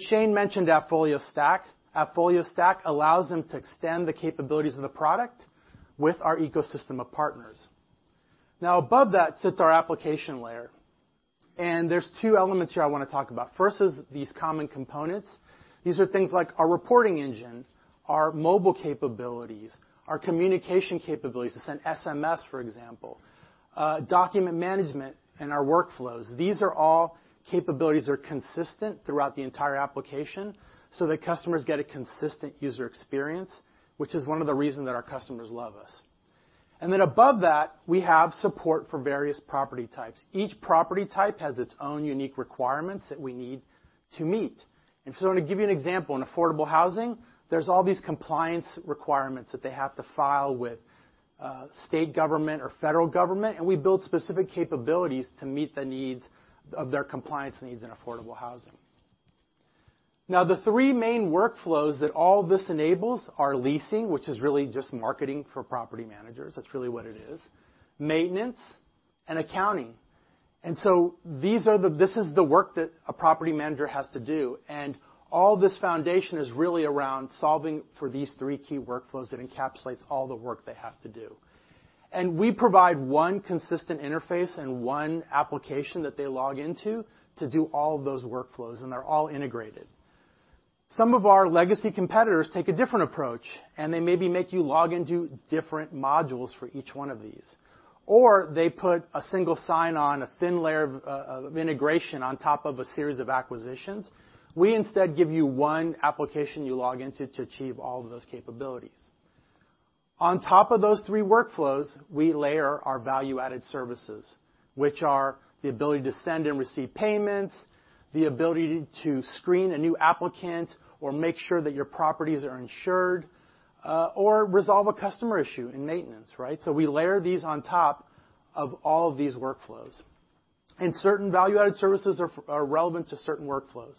S5: Shane mentioned AppFolio Stack. AppFolio Stack allows them to extend the capabilities of the product with our ecosystem of partners. Now, above that sits our application layer. There's two elements here I wanna talk about. First is these common components. These are things like our reporting engine, our mobile capabilities, our communication capabilities to send SMS, for example, document management and our workflows. These are all capabilities that are consistent throughout the entire application, so that customers get a consistent user experience, which is one of the reasons that our customers love us. Then above that, we have support for various property types. Each property type has its own unique requirements that we need to meet. To give you an example, in affordable housing, there's all these compliance requirements that they have to file with, state government or federal government, and we build specific capabilities to meet the needs of their compliance needs in affordable housing. Now, the three main workflows that all of this enables are leasing, which is really just marketing for property managers. That's really what it is. Maintenance and accounting. This is the work that a property manager has to do, and all this foundation is really around solving for these three key workflows that encapsulates all the work they have to do. We provide one consistent interface and one application that they log into to do all of those workflows, and they're all integrated. Some of our legacy competitors take a different approach, and they maybe make you log into different modules for each one of these. They put a single sign on, a thin layer of integration on top of a series of acquisitions. We instead give you one application you log into to achieve all of those capabilities. On top of those three workflows, we layer our Value Added Services, which are the ability to send and receive payments, the ability to screen a new applicant or make sure that your properties are insured, or resolve a customer issue in maintenance, right? We layer these on top of all of these workflows. Certain Value Added Services are relevant to certain workflows.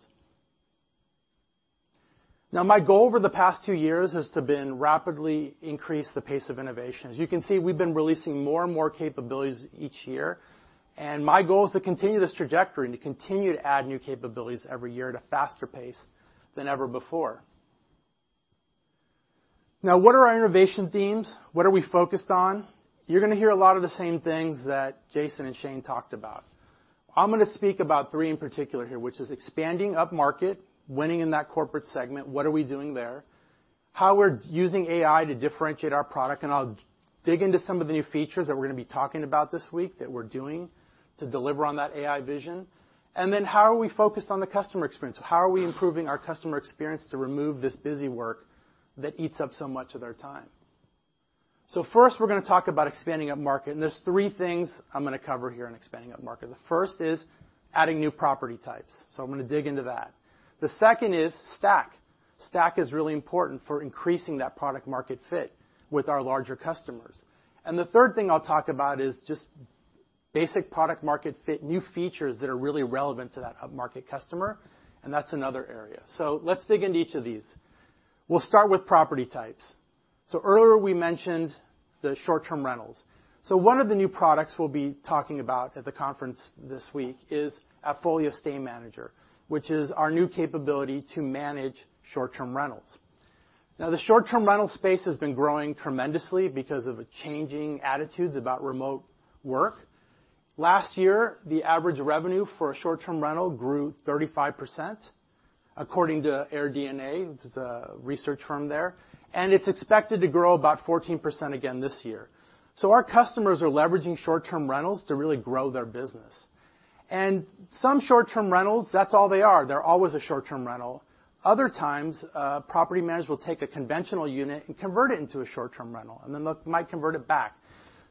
S5: Now, my goal over the past two years has been to rapidly increase the pace of innovation. As you can see, we've been releasing more and more capabilities each year, and my goal is to continue this trajectory, to continue to add new capabilities every year at a faster pace than ever before. Now, what are our innovation themes? What are we focused on? You're gonna hear a lot of the same things that Jason and Shane talked about. I'm gonna speak about three in particular here, which is expanding upmarket, winning in that corporate segment. What are we doing there? How we're using AI to differentiate our product, and I'll dig into some of the new features that we're gonna be talking about this week that we're doing to deliver on that AI vision. How are we focused on the customer experience? How are we improving our customer experience to remove this busy work that eats up so much of their time? First, we're gonna talk about expanding upmarket, and there's three things I'm gonna cover here in expanding upmarket. The first is adding new property types, so I'm gonna dig into that. The second is STACK. STACK is really important for increasing that product market fit with our larger customers. The third thing I'll talk about is just basic product market fit, new features that are really relevant to that upmarket customer, and that's another area. Let's dig into each of these. We'll start with property types. Earlier, we mentioned the short-term rentals. One of the new products we'll be talking about at the conference this week is AppFolio Stay Manager, which is our new capability to manage short-term rentals. Now, the short-term rental space has been growing tremendously because of the changing attitudes about remote work. Last year, the average revenue for a short-term rental grew 35% according to AirDNA. This is a research firm there. It's expected to grow about 14% again this year. Our customers are leveraging short-term rentals to really grow their business. Some short-term rentals, that's all they are. They're always a short-term rental. Other times, a property manager will take a conventional unit and convert it into a short-term rental, and then they might convert it back.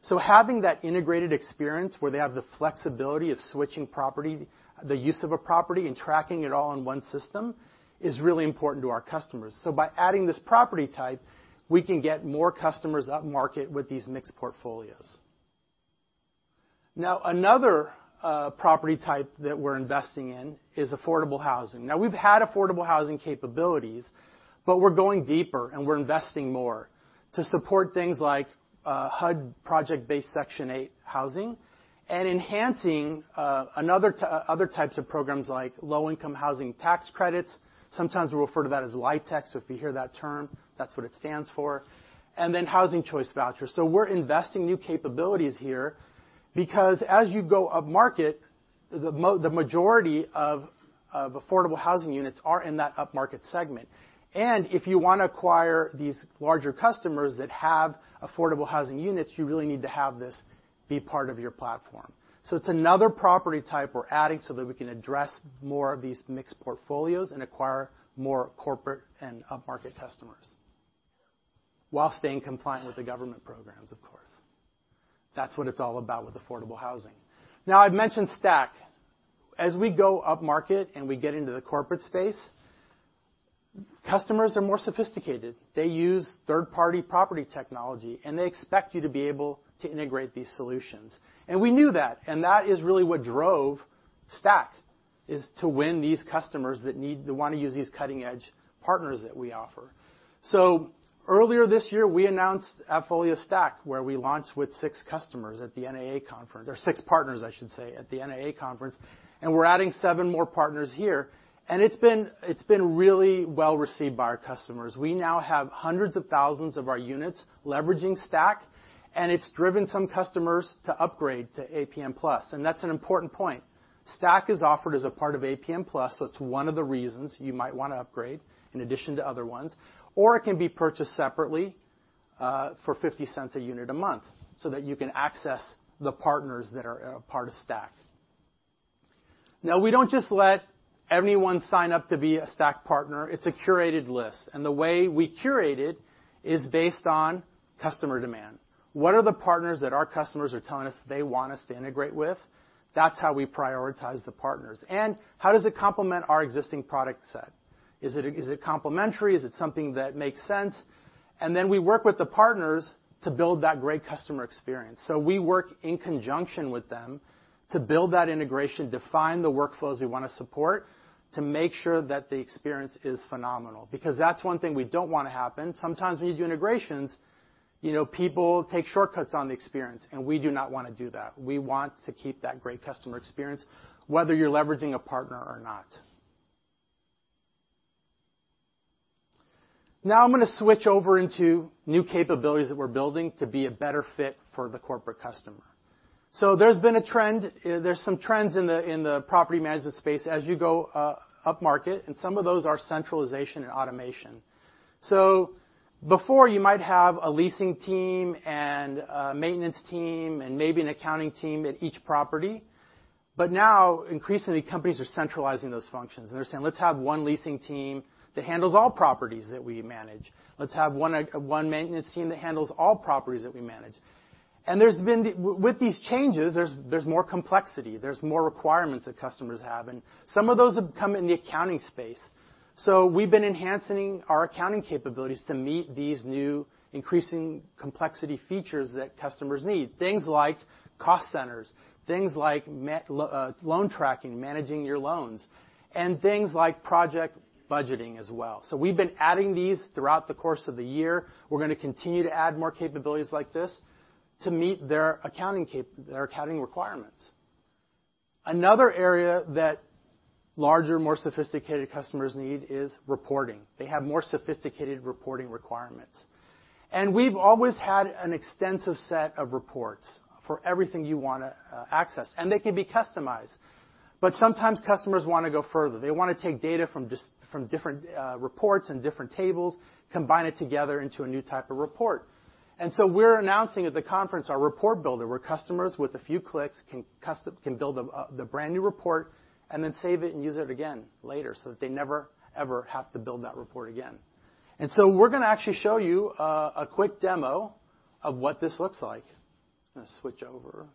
S5: Having that integrated experience where they have the flexibility of switching property, the use of a property, and tracking it all in one system is really important to our customers. By adding this property type, we can get more customers upmarket with these mixed portfolios. Now, another property type that we're investing in is affordable housing. Now we've had affordable housing capabilities, but we're going deeper, and we're investing more to support things like HUD project-based Section 8 housing and enhancing other types of programs like low-income housing tax credits. Sometimes we refer to that as Low-Income Housing Tax Credit. If you hear that term, that's what it stands for. Then housing choice vouchers. We're investing new capabilities here because as you go upmarket, the majority of affordable housing units are in that upmarket segment. If you wanna acquire these larger customers that have affordable housing units, you really need to have this be part of your platform. It's another property type we're adding so that we can address more of these mixed portfolios and acquire more corporate and upmarket customers while staying compliant with the government programs, of course. That's what it's all about with affordable housing. Now, I've mentioned STACK. As we go upmarket, and we get into the corporate space, customers are more sophisticated. They use third-party property technology, and they expect you to be able to integrate these solutions. We knew that, and that is really what drove Stack, is to win these customers that wanna use these cutting-edge partners that we offer. Earlier this year, we announced AppFolio Stack, where we launched with six partners, I should say, at the NAA conference, and we're adding seven more partners here. It's been really well-received by our customers. We now have hundreds of thousands of our units leveraging Stack, and it's driven some customers to upgrade to APM Plus, and that's an important point. Stack is offered as a part of APM Plus, so it's one of the reasons you might wanna upgrade in addition to other ones. It can be purchased separately for $0.50 a unit a month so that you can access the partners that are part of Stack. Now we don't just let anyone sign up to be a Stack partner. It's a curated list, and the way we curate it is based on customer demand. What are the partners that our customers are telling us they want us to integrate with? That's how we prioritize the partners. How does it complement our existing product set? Is it complementary? Is it something that makes sense? Then we work with the partners to build that great customer experience. We work in conjunction with them to build that integration, define the workflows we wanna support to make sure that the experience is phenomenal because that's one thing we don't wanna happen. Sometimes when you do integrations people take shortcuts on the experience, and we do not wanna do that. We want to keep that great customer experience whether you're leveraging a partner or not. Now I'm gonna switch over into new capabilities that we're building to be a better fit for the corporate customer. There's been a trend, there's some trends in the property management space as you go upmarket, and some of those are centralization and automation. Before you might have a leasing team and a maintenance team and maybe an accounting team at each property. Now increasingly, companies are centralizing those functions, and they're saying, "Let's have one leasing team that handles all properties that we manage. Let's have one maintenance team that handles all properties that we manage." With these changes, there's more complexity, there's more requirements that customers have, and some of those have come in the accounting space. We've been enhancing our accounting capabilities to meet these new increasing complexity features that customers need. Things like cost centers, things like loan tracking, managing your loans, and things like project budgeting as well. We've been adding these throughout the course of the year. We're gonna continue to add more capabilities like this to meet their accounting requirements. Another area that larger, more sophisticated customers need is reporting. They have more sophisticated reporting requirements. We've always had an extensive set of reports for everything you wanna access, and they can be customized. Sometimes customers wanna go further. They wanna take data from different reports and different tables, combine it together into a new type of report. We're announcing at the conference our report builder, where customers with a few clicks can build a the brand-new report and then save it and use it again later so that they never, ever have to build that report again. We're gonna actually show you a quick demo of what this looks like. I'm gonna switch over.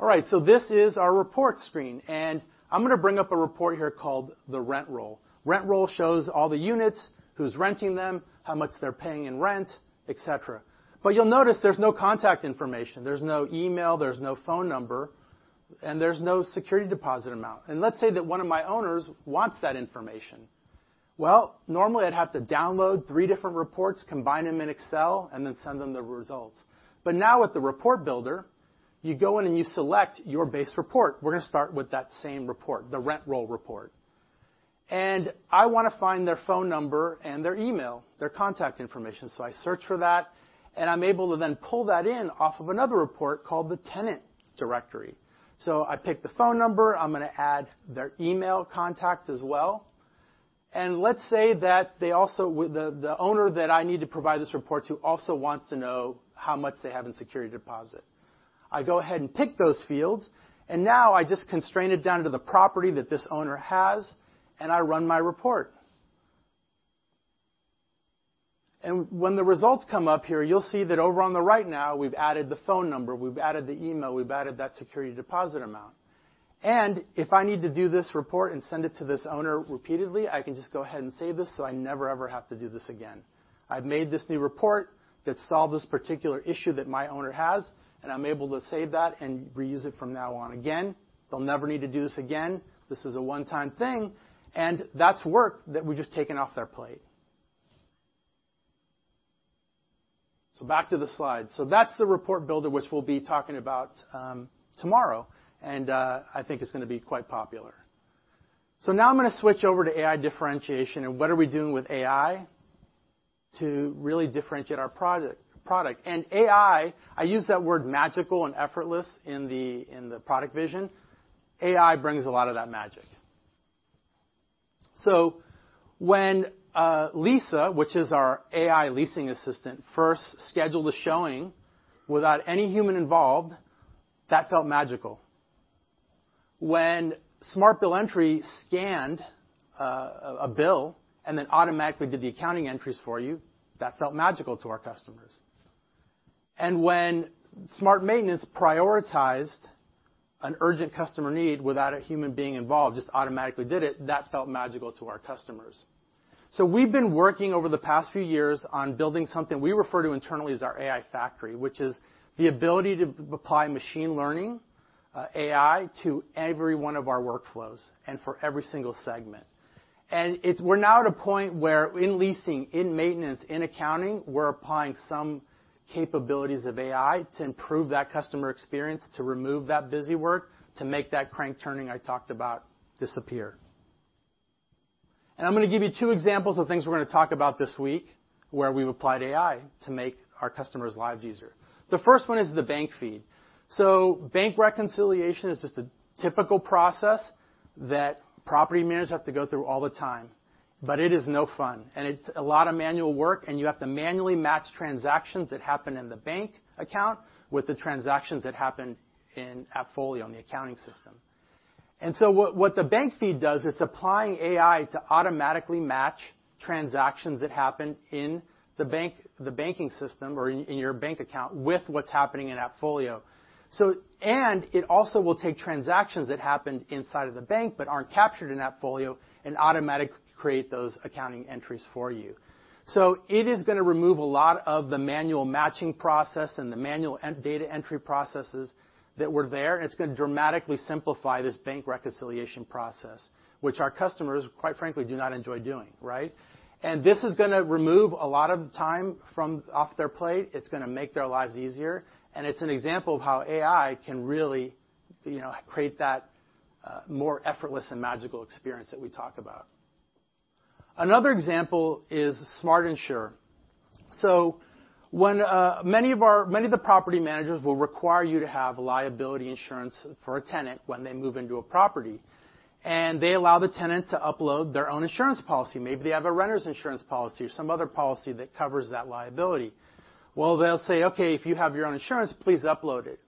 S5: All right, this is our report screen, and I'm gonna bring up a report here called the rent roll. Rent roll shows all the units, who's renting them, how much they're paying in rent, et cetera. You'll notice there's no contact information. There's no email, there's no phone number, and there's no security deposit amount. Let's say that one of my owners wants that information. Well, normally, I'd have to download three different reports, combine them in Excel, and then send them the results. Now with the report builder, you go in and you select your base report. We're gonna start with that same report, the rent roll report. I wanna find their phone number and their email, their contact information, so I search for that, and I'm able to then pull that in off of another report called the tenant directory. I pick the phone number. I'm gonna add their email contact as well. Let's say that the owner that I need to provide this report to also wants to know how much they have in security deposit. I go ahead and pick those fields, and now I just constrain it down to the property that this owner has, and I run my report. When the results come up here, you'll see that over on the right now, we've added the phone number, we've added the email, we've added that security deposit amount. If I need to do this report and send it to this owner repeatedly, I can just go ahead and save this, so I never, ever have to do this again. I've made this new report that solved this particular issue that my owner has, and I'm able to save that and reuse it from now on. Again, they'll never need to do this again. This is a one-time thing, and that's work that we've just taken off their plate. Back to the slide. That's the report builder, which we'll be talking about tomorrow, and I think it's gonna be quite popular. Now I'm gonna switch over to AI differentiation and what are we doing with AI to really differentiate our product. AI, I use that word magical and effortless in the product vision. AI brings a lot of that magic. When Lisa, which is our AI leasing assistant, first scheduled a showing without any human involved, that felt magical. When Smart Bill Entry scanned a bill and then automatically did the accounting entries for you, that felt magical to our customers. When Smart Maintenance prioritized an urgent customer need without a human being involved, just automatically did it, that felt magical to our customers. We've been working over the past few years on building something we refer to internally as our AI factory, which is the ability to apply machine learning, AI, to every one of our workflows and for every single segment. We're now at a point where in leasing, in maintenance, in accounting, we're applying some capabilities of AI to improve that customer experience, to remove that busywork, to make that crank-turning I talked about disappear. I'm gonna give you two examples of things we're gonna talk about this week where we've applied AI to make our customers' lives easier. The first one is the bank feed. Bank reconciliation is just a typical process that property managers have to go through all the time, but it is no fun and it's a lot of manual work, and you have to manually match transactions that happen in the bank account with the transactions that happen in AppFolio in the accounting system. What the bank feed does, it's applying AI to automatically match transactions that happen in the banking system or in your bank account with what's happening in AppFolio. It also will take transactions that happen inside of the bank but aren't captured in AppFolio and automatically create those accounting entries for you. It is gonna remove a lot of the manual matching process and the manual data entry processes that were there. It's gonna dramatically simplify this bank reconciliation process, which our customers, quite frankly, do not enjoy doing, right? This is gonna remove a lot of time off their plate. It's gonna make their lives easier, and it's an example of how AI can really create that more effortless and magical experience that we talk about. Another example is Smart Insure. When many of the property managers will require you to have liability insurance for a tenant when they move into a property, and they allow the tenant to upload their own insurance policy. Maybe they have a renter's insurance policy or some other policy that covers that liability. Well, they'll say, "Okay, if you have your own insurance, please upload it."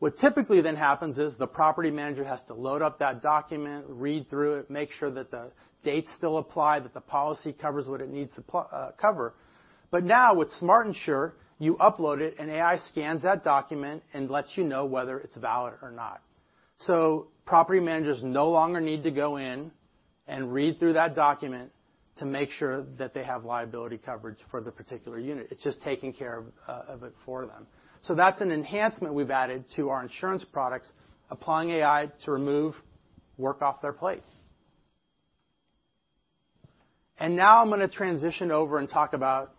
S5: What typically then happens is the property manager has to load up that document, read through it, make sure that the dates still apply, that the policy covers what it needs to cover. Now with Smart Insure, you upload it, and AI scans that document and lets you know whether it's valid or not. Property managers no longer need to go in and read through that document to make sure that they have liability coverage for the particular unit. It's just taking care of it for them. That's an enhancement we've added to our insurance products, applying AI to remove work off their plate. Now I'm gonna transition over and talk about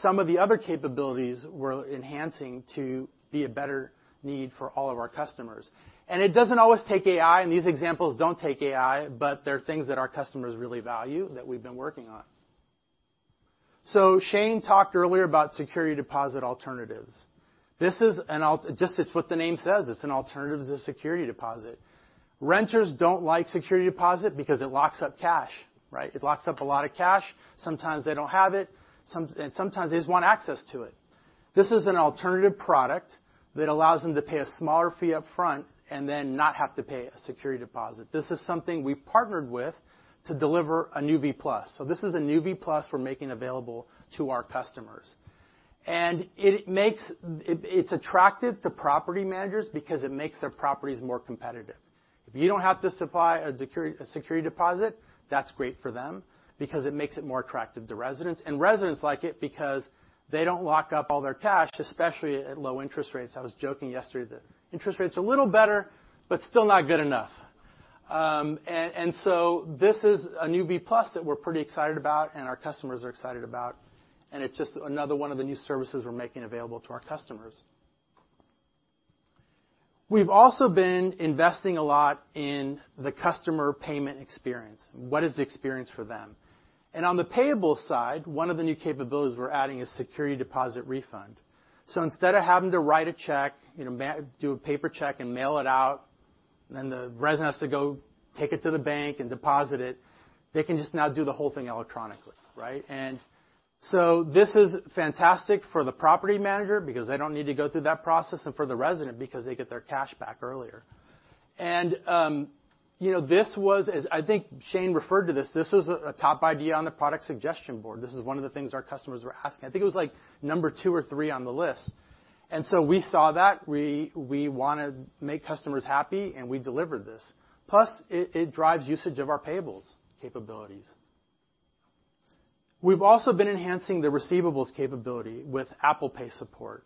S5: some of the other capabilities we're enhancing to be a better need for all of our customers. It doesn't always take AI, and these examples don't take AI, but they're things that our customers really value that we've been working on. Shane talked earlier about security deposit alternatives. This is just what the name says. It's an alternative to security deposit. Renters don't like security deposit because it locks up cash, right? It locks up a lot of cash. Sometimes they don't have it, and sometimes they just want access to it. This is an alternative product that allows them to pay a smaller fee up front and then not have to pay a security deposit. This is something we partnered with to deliver a new V Plus. This is a new V Plus we're making available to our customers. It's attractive to property managers because it makes their properties more competitive. If you don't have to supply a security, a security deposit, that's great for them because it makes it more attractive to residents, and residents like it because they don't lock up all their cash, especially at low interest rates. I was joking yesterday that interest rate's a little better, but still not good enough. This is a new V Plus that we're pretty excited about and our customers are excited about, and it's just another one of the new services we're making available to our customers. We've also been investing a lot in the customer payment experience. What is the experience for them? On the payable side, one of the new capabilities we're adding is security deposit refund. Instead of having to write a check do a paper check and mail it out, and then the resident has to go take it to the bank and deposit it, they can just now do the whole thing electronically, right? This is fantastic for the property manager because they don't need to go through that process and for the resident because they get their cash back earlier. You know, this was I think Shane referred to this. This is a top idea on the product suggestion board. This is one of the things our customers were asking. I think it was like number two or three on the list. We saw that, we wanna make customers happy, and we delivered this. It drives usage of our payables capabilities. We've also been enhancing the receivables capability with Apple Pay support.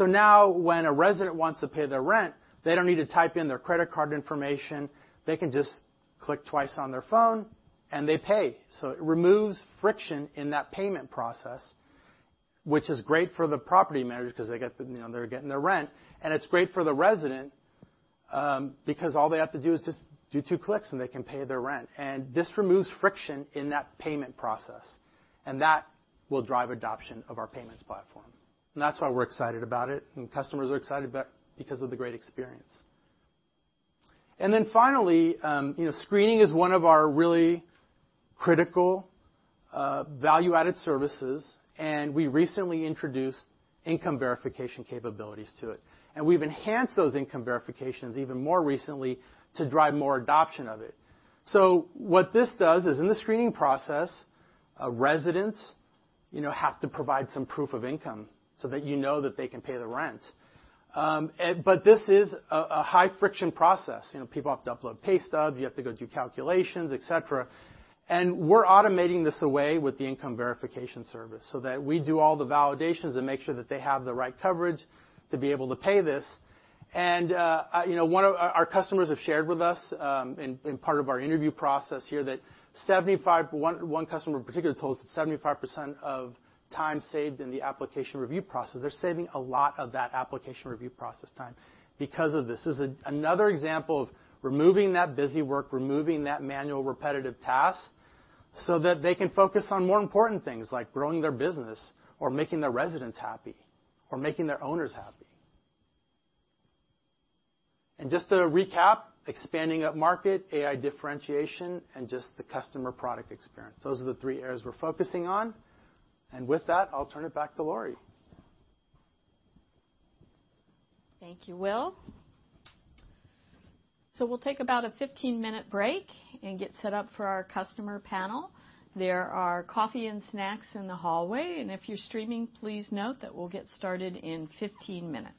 S5: Now when a resident wants to pay their rent, they don't need to type in their credit card information. They can just click twice on their phone, and they pay. It removes friction in that payment process, which is great for the property manager 'cause they get they're getting their rent. It's great for the resident, because all they have to do is just do two clicks, and they can pay their rent. This removes friction in that payment process, and that will drive adoption of our payments platform. That's why we're excited about it, and customers are excited about it because of the great experience. Then finally screening is one of our really critical Value Added Services, and we recently introduced income verification capabilities to it. We've enhanced those income verifications even more recently to drive more adoption of it. What this does is, in the screening process, a resident have to provide some proof of income so that you know that they can pay the rent. This is a high-friction process. You know, people have to upload pay stubs, you have to go do calculations, et cetera. We're automating this away with the income verification service so that we do all the validations and make sure that they have the right coverage to be able to pay this. You know, one of... Our customers have shared with us in part of our interview process here that one customer in particular told us that 75% of time saved in the application review process, they're saving a lot of that application review process time because of this. This is another example of removing that busywork, removing that manual repetitive task so that they can focus on more important things like growing their business or making their residents happy or making their owners happy. Just to recap, expanding upmarket, AI differentiation, and just the customer product experience. Those are the three areas we're focusing on. With that, I'll turn it back to Lori.
S2: Thank you, Will. We'll take about a 15-minute break and get set up for our customer panel. There are coffee and snacks in the hallway, and if you're streaming, please note that we'll get started in 15 minutes.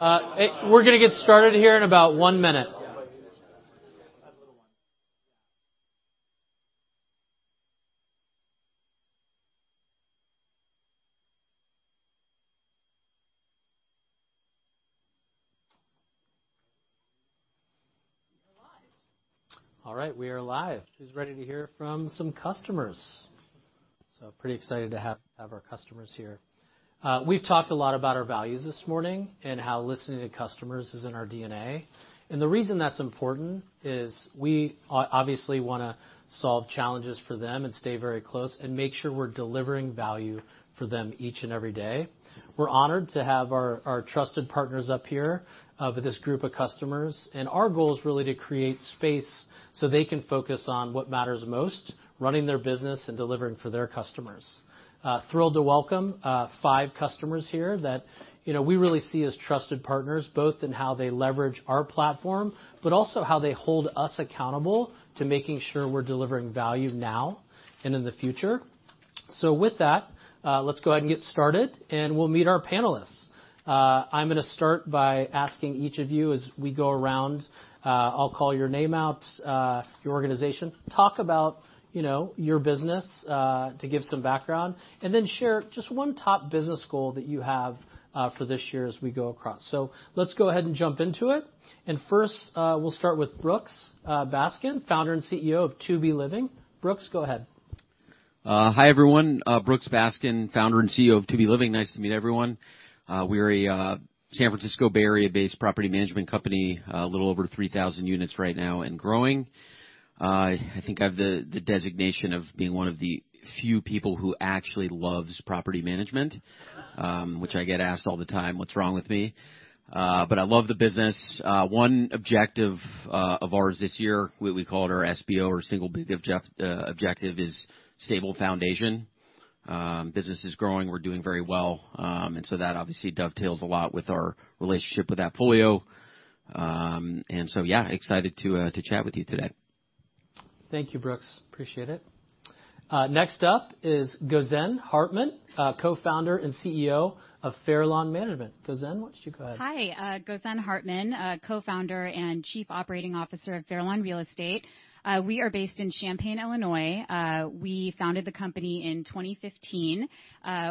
S4: We're gonna get started here in about one minute. All right. We are live. Who's ready to hear from some customers? Pretty excited to have our customers here. We've talked a lot about our values this morning and how listening to customers is in our DNA. The reason that's important is we obviously wanna solve challenges for them and stay very close and make sure we're delivering value for them each and every day. We're honored to have our trusted partners up here with this group of customers. Our goal is really to create space so they can focus on what matters most, running their business and delivering for their customers. Thrilled to welcome five customers here that we really see as trusted partners, both in how they leverage our platform, but also how they hold us accountable to making sure we're delivering value now and in the future. With that, let's go ahead and get started, and we'll meet our panelists. I'm gonna start by asking each of you as we go around, I'll call your name out, your organization, talk about your business, to give some background, and then share just one top business goal that you have, for this year as we go across. Let's go ahead and jump into it. First, we'll start with Brooks Baskin, founder and CEO of 2B Living. Brooks, go ahead.
S6: Hi, everyone. Brooks Baskin, founder and CEO of 2B Living. Nice to meet everyone. We're a San Francisco Bay Area-based property management company, a little over 3,000 units right now and growing. I think I have the designation of being one of the few people who actually loves property management, which I get asked all the time what's wrong with me. But I love the business. One objective of ours this year, we call it our SBO or single big objective, is stable foundation. Business is growing. We're doing very well. That obviously dovetails a lot with our relationship with AppFolio. Yeah, excited to chat with you today.
S4: Thank you, Brooks. Appreciate it. Next up is Gozen Hartman, co-founder and CEO of Fairlawn Real Estate. Gozen, why don't you go ahead?
S7: Hi. Gozen Hartman, co-founder and chief operating officer of Fairlawn Real Estate. We are based in Champaign, Illinois. We founded the company in 2015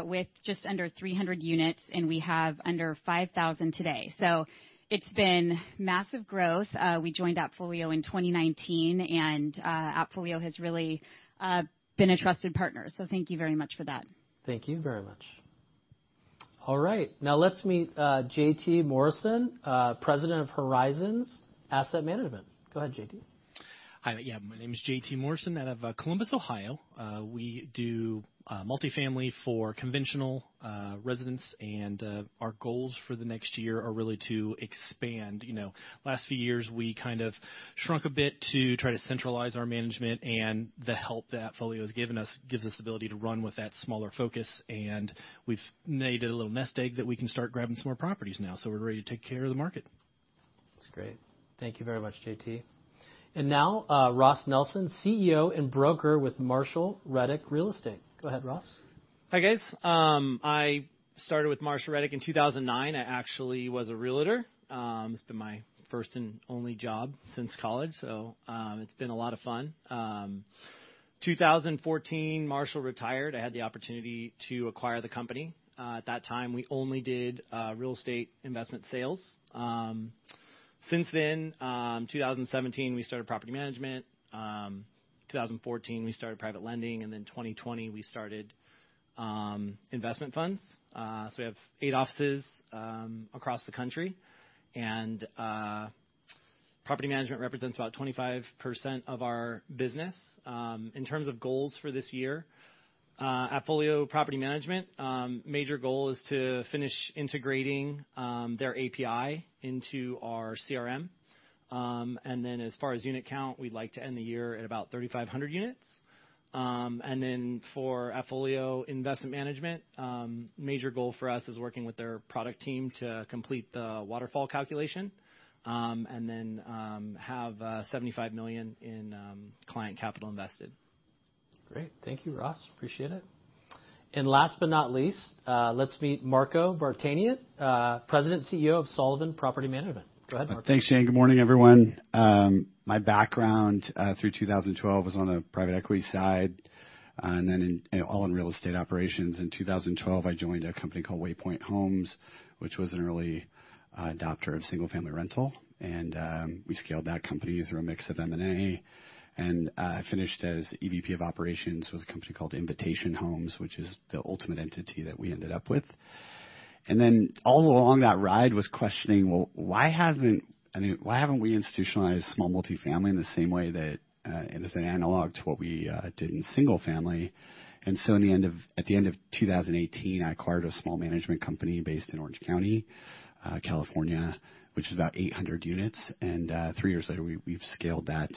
S7: with just under 300 units, and we have under 5,000 today. It's been massive growth. We joined AppFolio in 2019, and AppFolio has really been a trusted partner. Thank you very much for that.
S4: Thank you very much. All right. Now let's meet John Morrison, President of Horizons Asset Management. Go ahead, John Morrison.
S8: Hi. Yeah, my name is John Morrison out of Columbus, Ohio. We do multifamily for conventional residents, and our goals for the next year are really to expand. You know, last few years, we kind of shrunk a bit to try to centralize our management and the help that AppFolio has given us gives us the ability to run with that smaller focus, and we've made a little nest egg that we can start grabbing some more properties now, so we're ready to take care of the market.
S4: That's great. Thank you very much, John Morrison. Now, Ross Nelson, CEO and Broker with Marshall Reddick Real Estate. Go ahead, Ross.
S9: Hi, guys. I started with Marshall Reddick Real Estate in 2009. I actually was a realtor. It's been my first and only job since college, so it's been a lot of fun. 2014, Marshall retired. I had the opportunity to acquire the company. At that time, we only did real estate investment sales. Since then, 2017, we started property management. 2014, we started private lending. 2020, we started investment funds. We have 8 offices across the country. Property management represents about 25% of our business. In terms of goals for this year, AppFolio property management major goal is to finish integrating their API into our CRM. As far as unit count, we'd like to end the year at about 3,500 units. For AppFolio Investment Manager, major goal for us is working with their product team to complete the waterfall calculation, and then have $75 million in client capital invested.
S4: Great. Thank you, Ross. Appreciate it. Last but not least, let's meet Marco Vartanian, President and CEO of Sullivan Property Management. Go ahead, Marco.
S10: Thanks, Shane. Good morning, everyone. My background through 2012 was on the private equity side, and then all in real estate operations. In 2012, I joined a company called Waypoint Homes, which was an early adopter of single-family rental. We scaled that company through a mix of M&A. I finished as EVP of operations with a company called Invitation Homes, which is the ultimate entity that we ended up with. All along that ride was questioning, well, why hasn't. I mean, why haven't we institutionalized small multifamily in the same way that, as an analog to what we did in single family? At the end of 2018, I acquired a small management company based in Orange County, California, which is about 800 units. Three years later, we've scaled that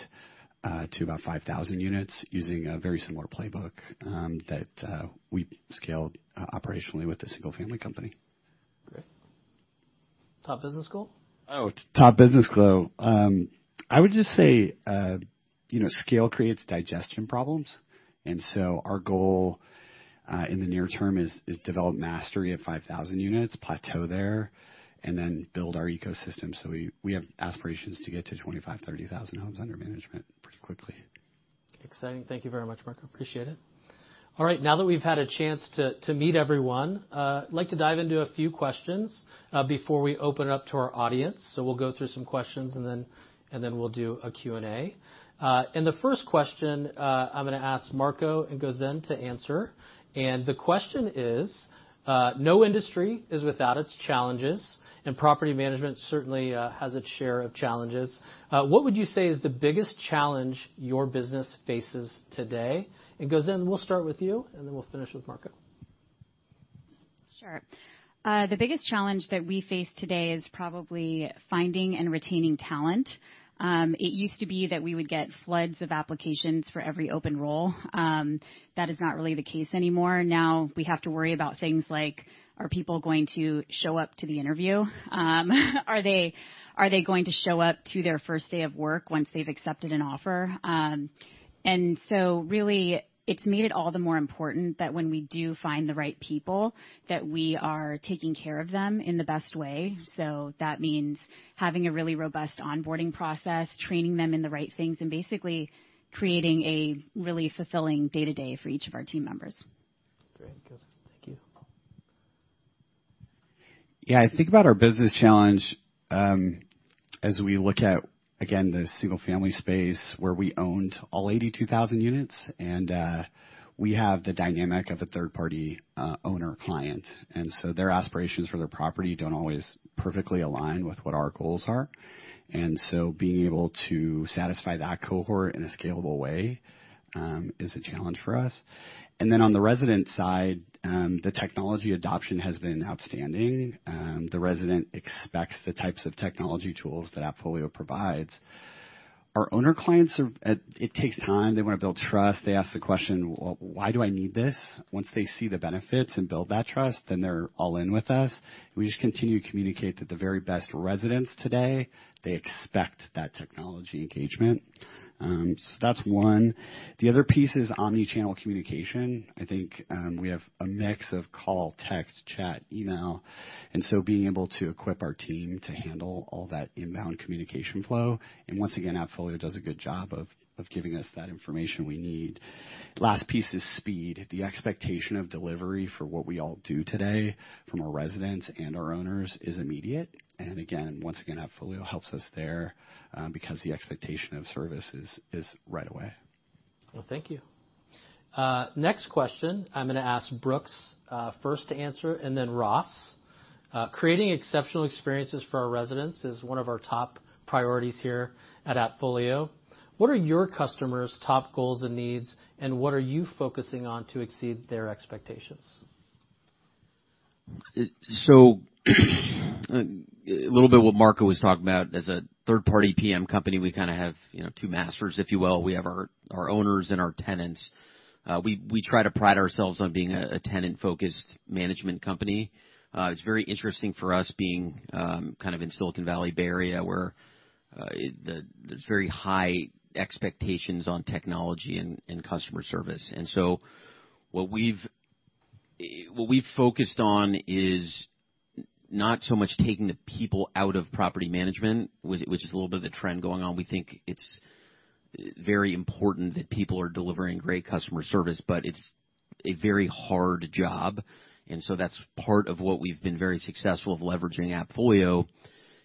S10: to about 5,000 units using a very similar playbook that we scaled operationally with the single-family company.
S4: Great. Top business goal?
S10: Top business goal. I would just say scale creates digestion problems. Our goal in the near term is develop mastery at 5,000 units, plateau there, and then build our ecosystem. We have aspirations to get to 25,000-30,000 homes under management pretty quickly.
S4: Exciting. Thank you very much, Marco. Appreciate it. All right. Now that we've had a chance to meet everyone, I'd like to dive into a few questions before we open up to our audience. We'll go through some questions and then we'll do a Q&A. The first question, I'm gonna ask Marco and Gozen to answer. The question is, no industry is without its challenges, and property management certainly has its share of challenges. What would you say is the biggest challenge your business faces today? Gozen, we'll start with you, and then we'll finish with Marco.
S7: Sure. The biggest challenge that we face today is probably finding and retaining talent. It used to be that we would get floods of applications for every open role. That is not really the case anymore. Now, we have to worry about things like, are people going to show up to the interview? Are they going to show up to their first day of work once they've accepted an offer? Really, it's made it all the more important that when we do find the right people, that we are taking care of them in the best way. That means having a really robust onboarding process, training them in the right things, and basically creating a really fulfilling day-to-day for each of our team members.
S4: Great. Gozen. Thank you.
S6: Yeah. I think about our business challenge, as we look at, again, the single-family space where we owned all 82,000 units, and we have the dynamic of a third-party owner client. Their aspirations for their property don't always perfectly align with what our goals are. Being able to satisfy that cohort in a scalable way is a challenge for us. On the resident side, the technology adoption has been outstanding. The resident expects the types of technology tools that AppFolio provides. Our owner clients. It takes time. They wanna build trust. They ask the question, "Well, why do I need this?" Once they see the benefits and build that trust, then they're all in with us. We just continue to communicate that the very best residents today, they expect that technology engagement. That's one. The other piece is omni-channel communication. I think we have a mix of call, text, chat, email, and so being able to equip our team to handle all that inbound communication flow. Once again, AppFolio does a good job of giving us that information we need. Last piece is speed. The expectation of delivery for what we all do today from our residents and our owners is immediate. Again, once again, AppFolio helps us there because the expectation of service is right away.
S4: Well, thank you. Next question I'm gonna ask Brooks, first to answer and then Ross. Creating exceptional experiences for our residents is one of our top priorities here at AppFolio. What are your customers' top goals and needs, and what are you focusing on to exceed their expectations?
S6: A little bit what Marco was talking about. As a third-party PM company, we kinda have two masters, if you will. We have our owners and our tenants. We try to pride ourselves on being a tenant-focused management company. It's very interesting for us being kind of in Silicon Valley Bay Area where there's very high expectations on technology and customer service. What we've focused on is not so much taking the people out of property management, which is a little bit of a trend going on. We think it's very important that people are delivering great customer service, but it's a very hard job. That's part of what we've been very successful of leveraging AppFolio,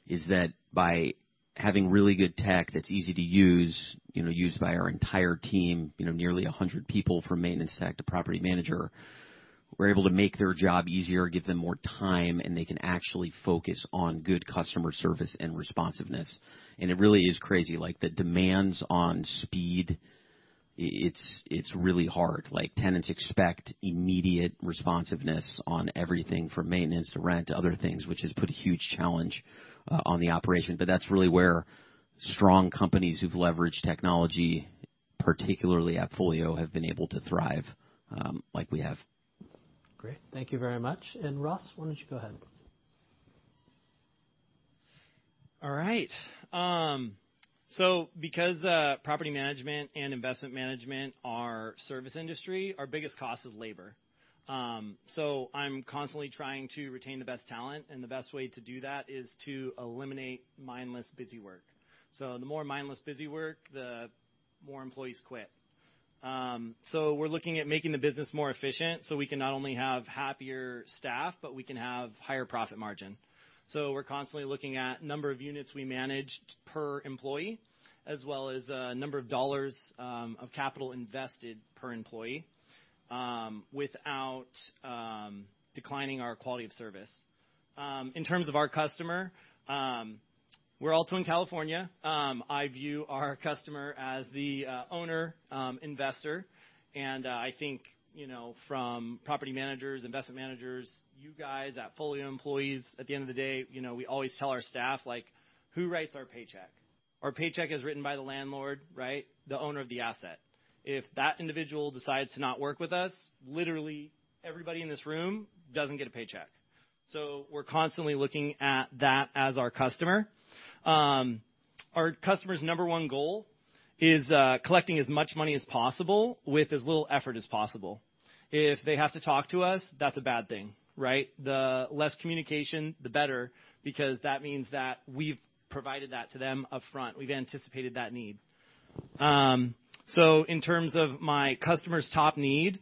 S6: is that by having really good tech that's easy to use used by our entire team nearly 100 people from maintenance tech to property manager, we're able to make their job easier, give them more time, and they can actually focus on good customer service and responsiveness. It really is crazy, like the demands on speed, it's really hard. Like, tenants expect immediate responsiveness on everything from maintenance to rent to other things, which has put huge challenge on the operation. That's really where strong companies who've leveraged technology, particularly AppFolio, have been able to thrive, like we have.
S4: Great. Thank you very much. Ross, why don't you go ahead?
S9: All right. Because property management and investment management are service industry, our biggest cost is labor. I'm constantly trying to retain the best talent, and the best way to do that is to eliminate mindless busywork. The more mindless busywork, the more employees quit. We're looking at making the business more efficient, so we can not only have happier staff, but we can have higher profit margin. We're constantly looking at number of units we managed per employee, as well as number of dollars of capital invested per employee without declining our quality of service. In terms of our customer, we're also in California. I view our customer as the owner investor. I think from property managers, investment managers, you guys, AppFolio employees, at the end of the day we always tell our staff, like, "Who writes our paycheck?" Our paycheck is written by the landlord, right? The owner of the asset. If that individual decides to not work with us, literally everybody in this room doesn't get a paycheck. We're constantly looking at that as our customer. Our customer's number one goal is collecting as much money as possible with as little effort as possible. If they have to talk to us, that's a bad thing, right? The less communication, the better, because that means that we've provided that to them upfront. We've anticipated that need. In terms of my customer's top need,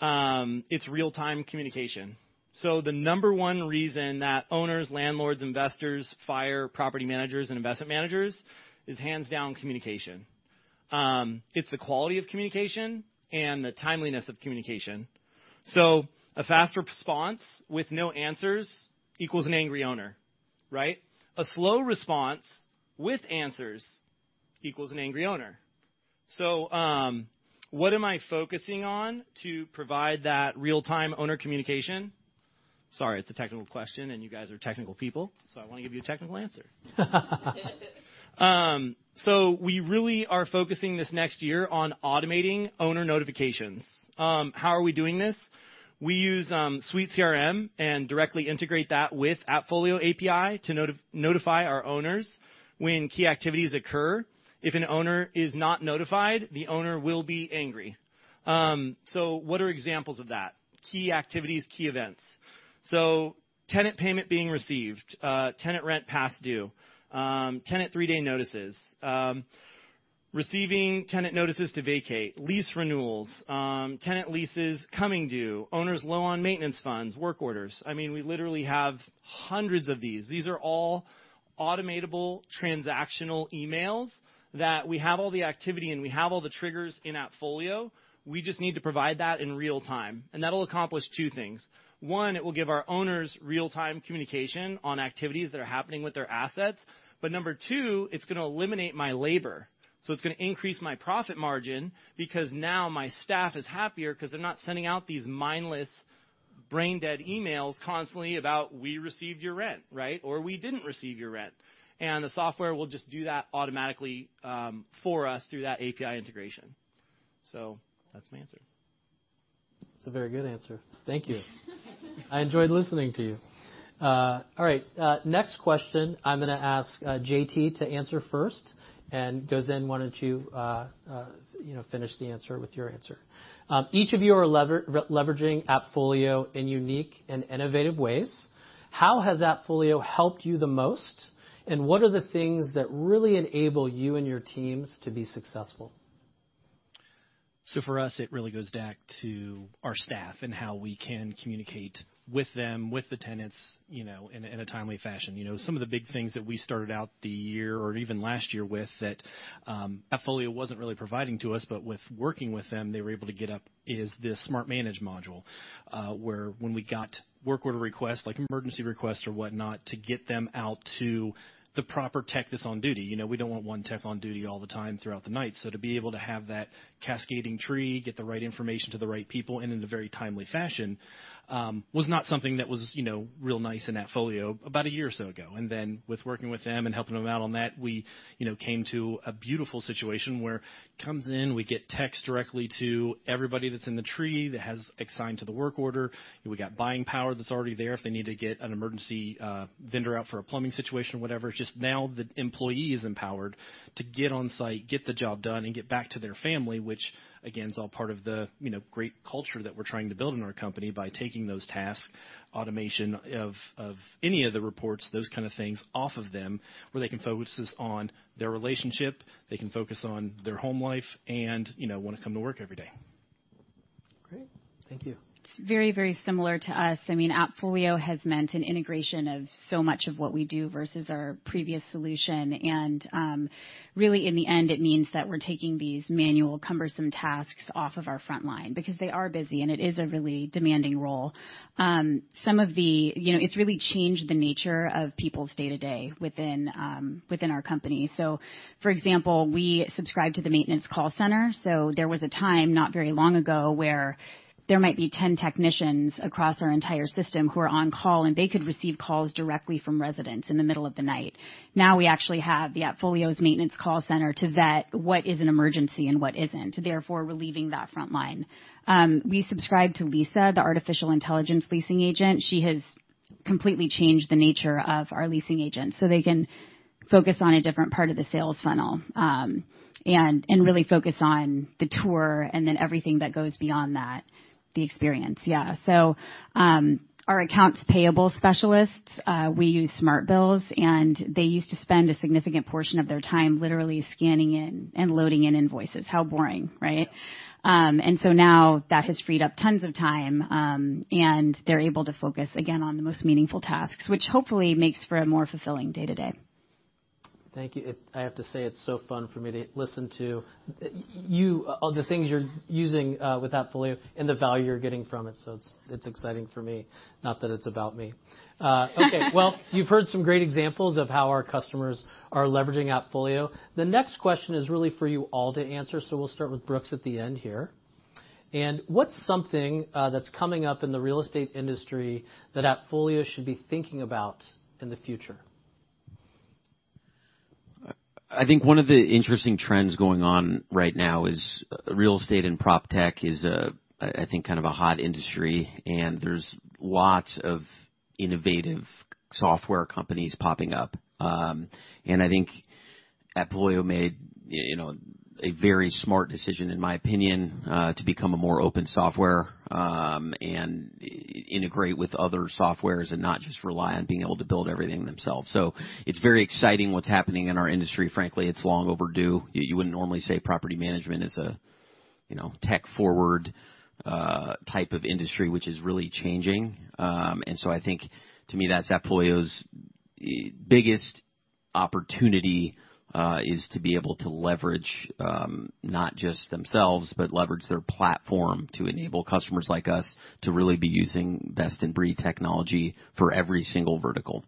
S9: it's real-time communication. The number one reason that owners, landlords, investors fire property managers and investment managers is hands down communication. It's the quality of communication and the timeliness of communication. A faster response with no answers equals an angry owner, right? A slow response with answers equals an angry owner. What am I focusing on to provide that real-time owner communication? Sorry, it's a technical question, and you guys are technical people, so I want to give you a technical answer. We really are focusing this next year on automating owner notifications. How are we doing this? We use SuiteCRM and directly integrate that with AppFolio API to notify our owners when key activities occur. If an owner is not notified, the owner will be angry. What are examples of that? Key activities, key events. Tenant payment being received, tenant rent past due, tenant three-day notices, receiving tenant notices to vacate, lease renewals, tenant leases coming due, owners low on maintenance funds, work orders. I mean, we literally have hundreds of these. These are all automatable, transactional emails that we have all the activity, and we have all the triggers in AppFolio. We just need to provide that in real time, and that'll accomplish two things. One, it will give our owners real-time communication on activities that are happening with their assets. Number two, it's gonna eliminate my labor, so it's gonna increase my profit margin because now my staff is happier 'cause they're not sending out these mindless, brain dead emails constantly about we received your rent, right? Or we didn't receive your rent. The software will just do that automatically, for us through that API integration. That's my answer.
S4: That's a very good answer. Thank you. I enjoyed listening to you. All right. Next question I'm gonna ask John Morrison to answer first and Gozen then why don't you know, finish the answer with your answer. Each of you are leveraging AppFolio in unique and innovative ways. How has AppFolio helped you the most, and what are the things that really enable you and your teams to be successful?
S8: For us, it really goes back to our staff and how we can communicate with them, with the tenants in a timely fashion. You know, some of the big things that we started out the year or even last year with that AppFolio wasn't really providing to us, but with working with them, they were able to get up is the Smart Maintenance module, where when we got work order requests, like emergency requests or whatnot, to get them out to the proper tech that's on duty. You know, we don't want one tech on duty all the time throughout the night. To be able to have that cascading tree, get the right information to the right people and in a very timely fashion was not something that was real nice in AppFolio about a year or so ago. With working with them and helping them out on that, we came to a beautiful situation where comes in, we get texts directly to everybody that's in the tree that has assigned to the work order. We got buying power that's already there. If they need to get an emergency vendor out for a plumbing situation or whatever, it's just now the employee is empowered to get on site, get the job done, and get back to their family, which again, is all part of the great culture that we're trying to build in our company by taking those tasks, automation of any of the reports, those kind of things off of them, where they can focus on their relationship, they can focus on their home life and wanna come to work every day.
S4: Great. Thank you.
S7: It's very, very similar to us. I mean, AppFolio has meant an integration of so much of what we do versus our previous solution. Really in the end, it means that we're taking these manual cumbersome tasks off of our front line because they are busy, and it is a really demanding role. You know, it's really changed the nature of people's day-to-day within our company. For example, we subscribe to the maintenance call center. There was a time not very long ago, where there might be 10 technicians across our entire system who are on call, and they could receive calls directly from residents in the middle of the night. Now we actually have the AppFolio's maintenance call center to vet what is an emergency and what isn't, therefore relieving that front line. We subscribe to Lisa, the artificial intelligence leasing agent. She has completely changed the nature of our leasing agents, so they can focus on a different part of the sales funnel, and really focus on the tour and then everything that goes beyond that, the experience. Our accounts payable specialists, we use Smart Bill Entry, and they used to spend a significant portion of their time literally scanning in and loading in invoices. How boring, right? Now that has freed up tons of time, and they're able to focus again on the most meaningful tasks, which hopefully makes for a more fulfilling day-to-day.
S4: Thank you. I have to say it's so fun for me to listen to you, all the things you're using with AppFolio and the value you're getting from it, so it's exciting for me. Not that it's about me. Okay. Well, you've heard some great examples of how our customers are leveraging AppFolio. The next question is really for you all to answer, so we'll start with Brooks at the end here. What's something that's coming up in the real estate industry that AppFolio should be thinking about in the future?
S6: I think one of the interesting trends going on right now is real estate and PropTech. I think kind of a hot industry, and there's lots of innovative software companies popping up. I think AppFolio made you know a very smart decision, in my opinion, to become a more open software and integrate with other softwares and not just rely on being able to build everything themselves. It's very exciting what's happening in our industry. Frankly, it's long overdue. You wouldn't normally say property management is a you know tech-forward type of industry, which is really changing. I think to me that's AppFolio's biggest opportunity is to be able to leverage not just themselves but leverage their platform to enable customers like us to really be using best-in-breed technology for every single vertical.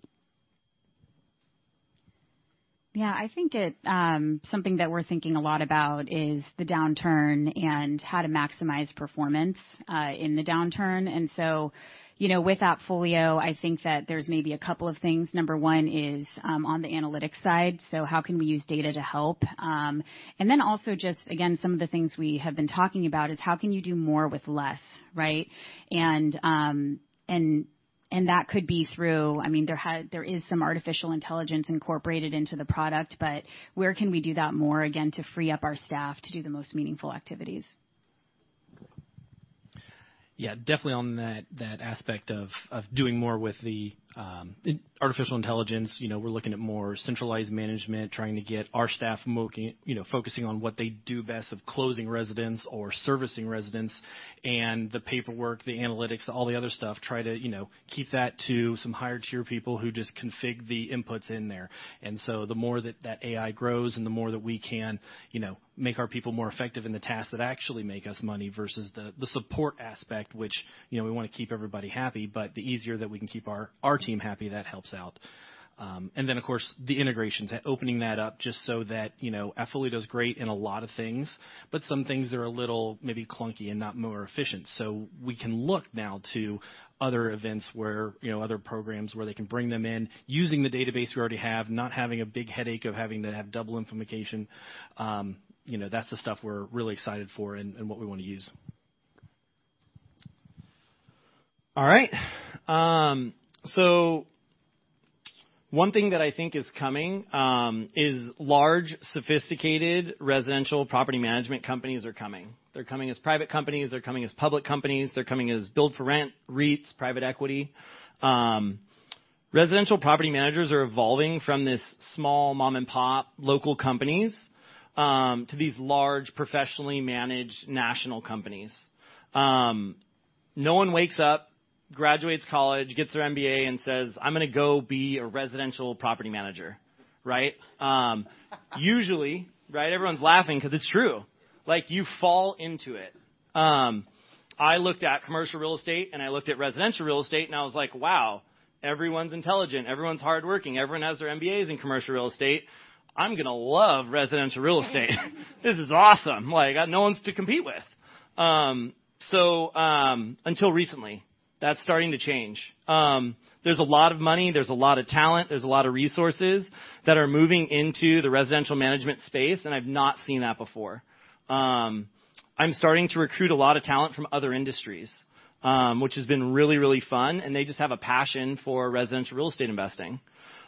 S7: Yeah, I think it. Something that we're thinking a lot about is the downturn and how to maximize performance in the downturn. You know, with AppFolio, I think that there's maybe a couple of things. Number one is on the analytics side. How can we use data to help? And then also just again, some of the things we have been talking about is how can you do more with less, right? And that could be through. I mean, there is some artificial intelligence incorporated into the product, but where can we do that more, again, to free up our staff to do the most meaningful activities?
S9: Yeah, definitely on that aspect of doing more with the artificial intelligence. You know, we're looking at more centralized management, trying to get our staff focusing on what they do best of closing residents or servicing residents and the paperwork, the analytics, all the other stuff. Try to keep that to some higher tier people who just config the inputs in there. The more that that AI grows and the more that we can make our people more effective in the tasks that actually make us money versus the support aspect, which we wanna keep everybody happy, but the easier that we can keep our team happy, that helps out. And then of course, the integrations. Opening that up just so that AppFolio's great in a lot of things, but some things are a little maybe clunky and not more efficient. We can look now to other events where other programs where they can bring them in using the database we already have, not having a big headache of having to have double information. You know, that's the stuff we're really excited for and what we wanna use. All right. One thing that I think is coming is large, sophisticated residential property management companies are coming. They're coming as private companies, they're coming as public companies, they're coming as build for rent, REITs, private equity. Residential property managers are evolving from this small mom-and-pop local companies to these large, professionally managed national companies. No one wakes up, graduates college, gets their MBA and says, "I'm gonna go be a residential property manager," right? Usually. Right? Everyone's laughing 'cause it's true. Like, you fall into it. I looked at commercial real estate and I looked at residential real estate, and I was like, "Wow, everyone's intelligent, everyone's hardworking, everyone has their MBAs in commercial real estate. I'm gonna love residential real estate. This is awesome. Like, I got no ones to compete with." Until recently. That's starting to change. There's a lot of money, there's a lot of talent, there's a lot of resources that are moving into the residential management space, and I've not seen that before. I'm starting to recruit a lot of talent from other industries, which has been really, really fun, and they just have a passion for residential real estate investing.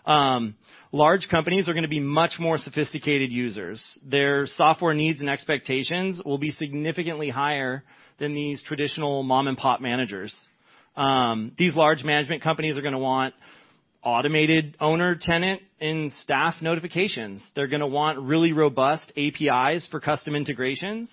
S9: Large companies are gonna be much more sophisticated users. Their software needs and expectations will be significantly higher than these traditional mom-and-pop managers. These large management companies are gonna want automated owner, tenant, and staff notifications. They're gonna want really robust APIs for custom integrations.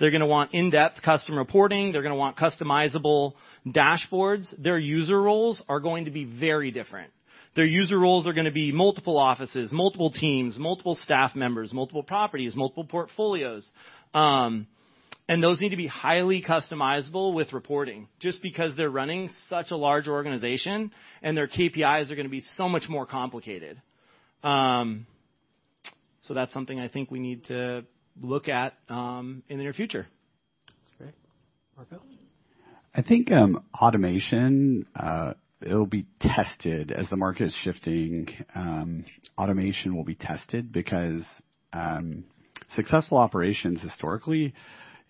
S9: They're gonna want in-depth customer reporting. They're gonna want customizable dashboards. Their user roles are going to be very different. Their user roles are gonna be multiple offices, multiple teams, multiple staff members, multiple properties, multiple portfolios. Those need to be highly customizable with reporting, just because they're running such a large organization, and their KPIs are gonna be so much more complicated. That's something I think we need to look at in the near future.
S6: That's great. Marco? I think automation it'll be tested as the market is shifting. Automation will be tested because successful operations historically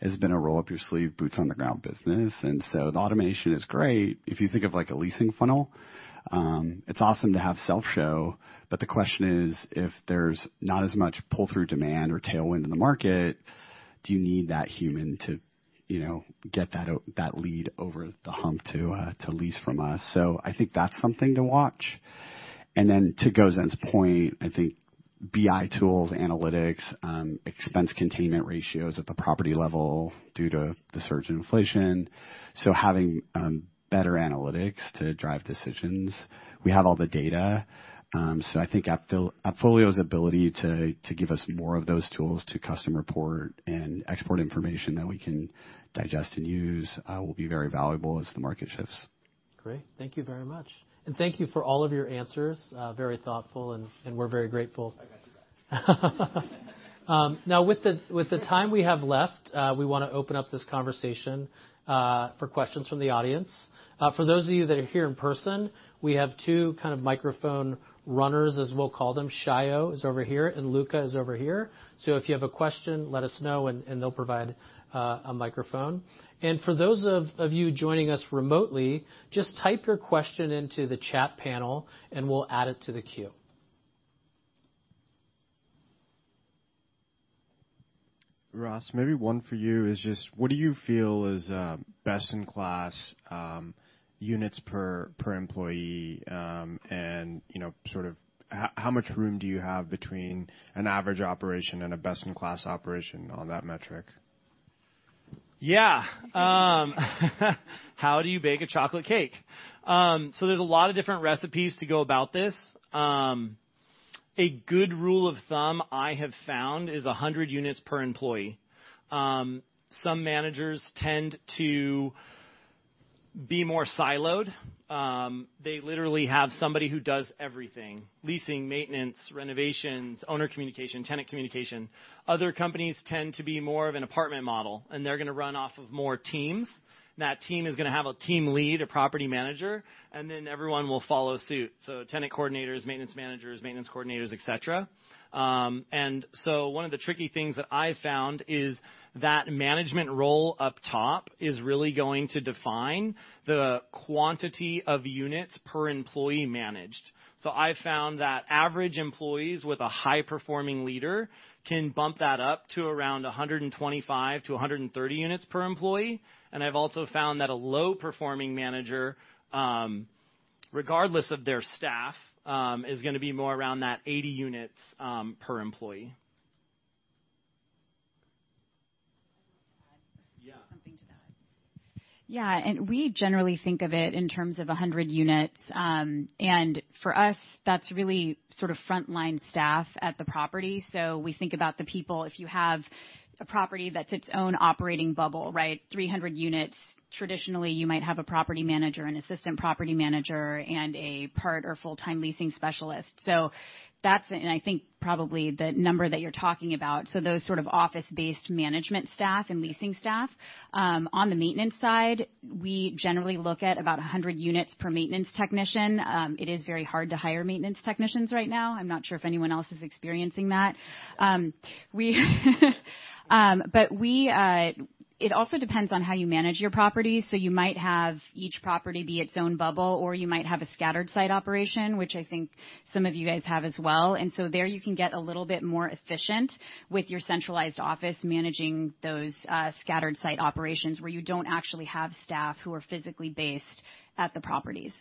S6: has been a roll up your sleeve, boots on the ground business. The automation is great. If you think of like a leasing funnel, it's awesome to have self-show, but the question is, if there's not as much pull-through demand or tailwind in the market, do you need that human to get that lead over the hump to lease from us? I think that's something to watch. To go to Gozen's point, I think BI tools, analytics, expense containment ratios at the property level due to the surge in inflation, so having better analytics to drive decisions. We have all the data, so I think AppFolio's ability to give us more of those tools to custom report and export information that we can digest and use will be very valuable as the market shifts. Great. Thank you very much. Thank you for all of your answers. Very thoughtful and we're very grateful.
S4: Now with the time we have left, we wanna open up this conversation for questions from the audience. For those of you that are here in person, we have two kind of microphone runners as we'll call them. Shayo is over here, and Luca is over here. So if you have a question, let us know and they'll provide a microphone. For those of you joining us remotely, just type your question into the chat panel and we'll add it to the queue.
S11: Ross, maybe one for you is just what do you feel is best in class units per employee, and you know, sort of how much room do you have between an average operation and a best in class operation on that metric?
S9: How do you bake a chocolate cake? There's a lot of different recipes to go about this. A good rule of thumb I have found is 100 units per employee. Some managers tend to be more siloed. They literally have somebody who does everything, leasing, maintenance, renovations, owner communication, tenant communication. Other companies tend to be more of an apartment model, and they're gonna run off of more teams. That team is gonna have a team lead, a property manager, and then everyone will follow suit, so tenant coordinators, maintenance managers, maintenance coordinators, et cetera. One of the tricky things that I've found is that management role up top is really going to define the quantity of units per employee managed. I've found that average employees with a high performing leader can bump that up to around 125-130 units per employee. I've also found that a low performing manager, regardless of their staff, is gonna be more around that 80 units per employee.
S7: Something to that.
S9: Yeah.
S7: Something to that. Yeah. We generally think of it in terms of 100 units. For us, that's really sort of frontline staff at the property. We think about the people. If you have a property that's its own operating bubble, right, 300 units, traditionally, you might have a property manager and assistant property manager and a part or full-time leasing specialist. That's the number that you're talking about, those sort of office-based management staff and leasing staff. On the maintenance side, we generally look at about 100 units per maintenance technician. It is very hard to hire maintenance technicians right now. I'm not sure if anyone else is experiencing that. It also depends on how you manage your property. You might have each property be its own bubble, or you might have a scattered site operation, which I think some of you guys have as well. There you can get a little bit more efficient with your centralized office managing those, scattered site operations where you don't actually have staff who are physically based at the properties.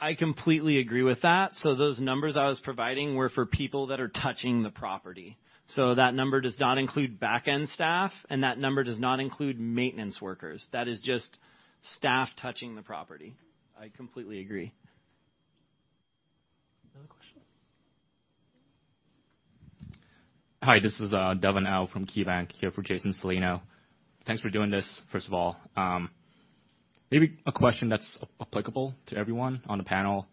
S9: I completely agree with that. Those numbers I was providing were for people that are touching the property. That number does not include back-end staff, and that number does not include maintenance workers. That is just staff touching the property. I completely agree.
S4: Another question.
S12: Hi. This is Devin Au from KeyBank, here for Jason Celino. Thanks for doing this, first of all. Maybe a question that's applicable to everyone on the panel.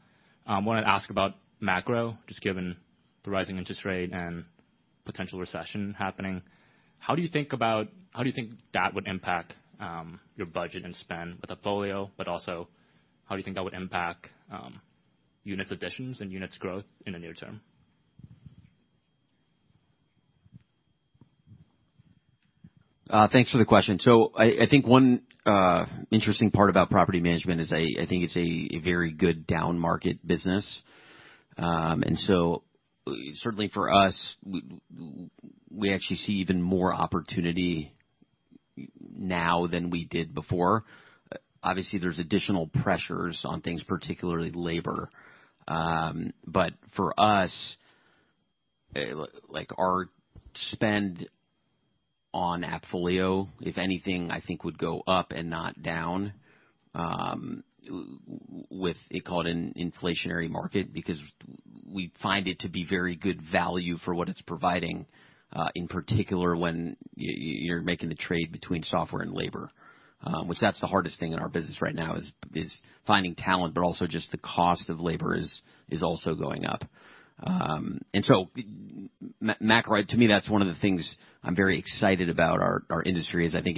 S12: Wanna ask about macro, just given the rising interest rate and potential recession happening. How do you think that would impact your budget and spend with AppFolio, but also how do you think that would impact units additions and units growth in the near term?
S6: Thanks for the question. I think one interesting part about property management is I think it's a very good downmarket business. Certainly for us, we actually see even more opportunity now than we did before. Obviously, there's additional pressures on things, particularly labor. For us, like, our spend on AppFolio, if anything, I think would go up and not down, with, call it, an inflationary market, because we find it to be very good value for what it's providing, in particular when you're making the trade between software and labor. Which that's the hardest thing in our business right now is finding talent, but also just the cost of labor is also going up. Excites me, that's one of the things I'm very excited about our industry. I think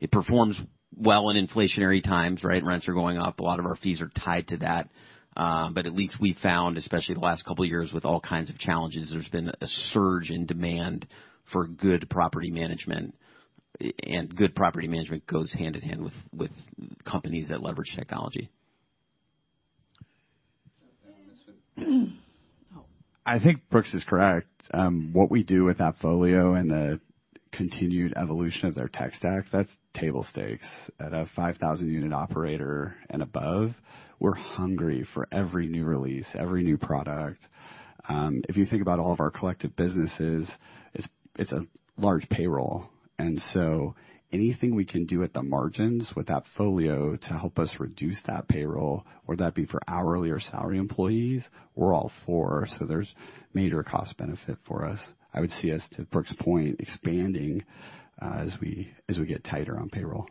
S6: it performs well in inflationary times, right? Rents are going up. A lot of our fees are tied to that. At least we found, especially the last couple of years with all kinds of challenges, there's been a surge in demand for good property management, and good property management goes hand in hand with companies that leverage technology.
S4: Anything to add on this one?
S6: I think Brooks is correct. What we do with AppFolio and the continued evolution of their tech stack, that's table stakes. At a 5,000 unit operator and above, we're hungry for every new release, every new product. If you think about all of our collective businesses, it's a large payroll. Anything we can do at the margins with AppFolio to help us reduce that payroll, whether that be for hourly or salary employees, we're all for. There's major cost benefit for us. I would see us, to Brooks' point, expanding, as we get tighter on payroll.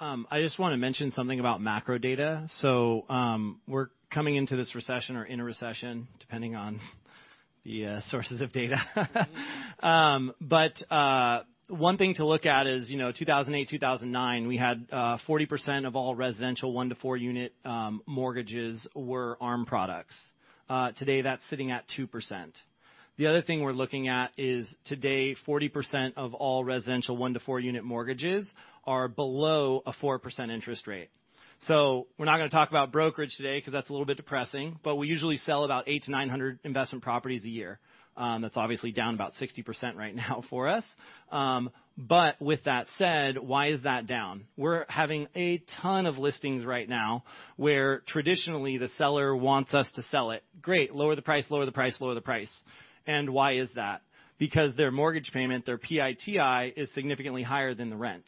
S9: I just wanna mention something about macro data. We're coming into this recession or in a recession, depending on the sources of data. One thing to look at is 2008, 2009, we had 40% of all residential one- to four-unit mortgages were ARM products. Today, that's sitting at 2%. The other thing we're looking at is today 40% of all residential one- to four-unit mortgages are below a 4% interest rate. We're not gonna talk about brokerage today 'cause that's a little bit depressing, but we usually sell about 800-900 investment properties a year. That's obviously down about 60% right now for us. With that said, why is that down? We're having a ton of listings right now where traditionally the seller wants us to sell it. Great. Lower the price, lower the price, lower the price. Why is that? Because their mortgage payment, their PITI, is significantly higher than the rent.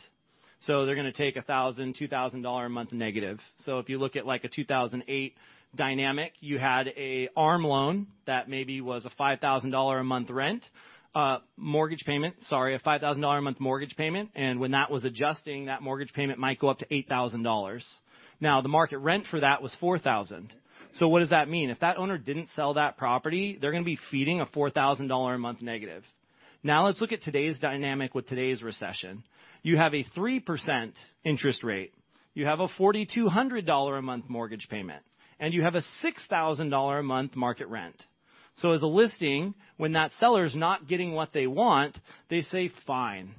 S9: They're gonna take a $1,000, $2,000 dollar a month negative. If you look at, like, a 2008 dynamic, you had a ARM loan that maybe was a $5,000 dollar a month mortgage payment, and when that was adjusting, that mortgage payment might go up to $8,000. Now, the market rent for that was $4,000. What does that mean? If that owner didn't sell that property, they're gonna be feeding a $4,000 dollar a month negative. Now let's look at today's dynamic with today's recession. You have a 3% interest rate. You have a $4,200 a month mortgage payment. You have a $6,000 a month market rent. As a listing, when that seller's not getting what they want, they say, "Fine.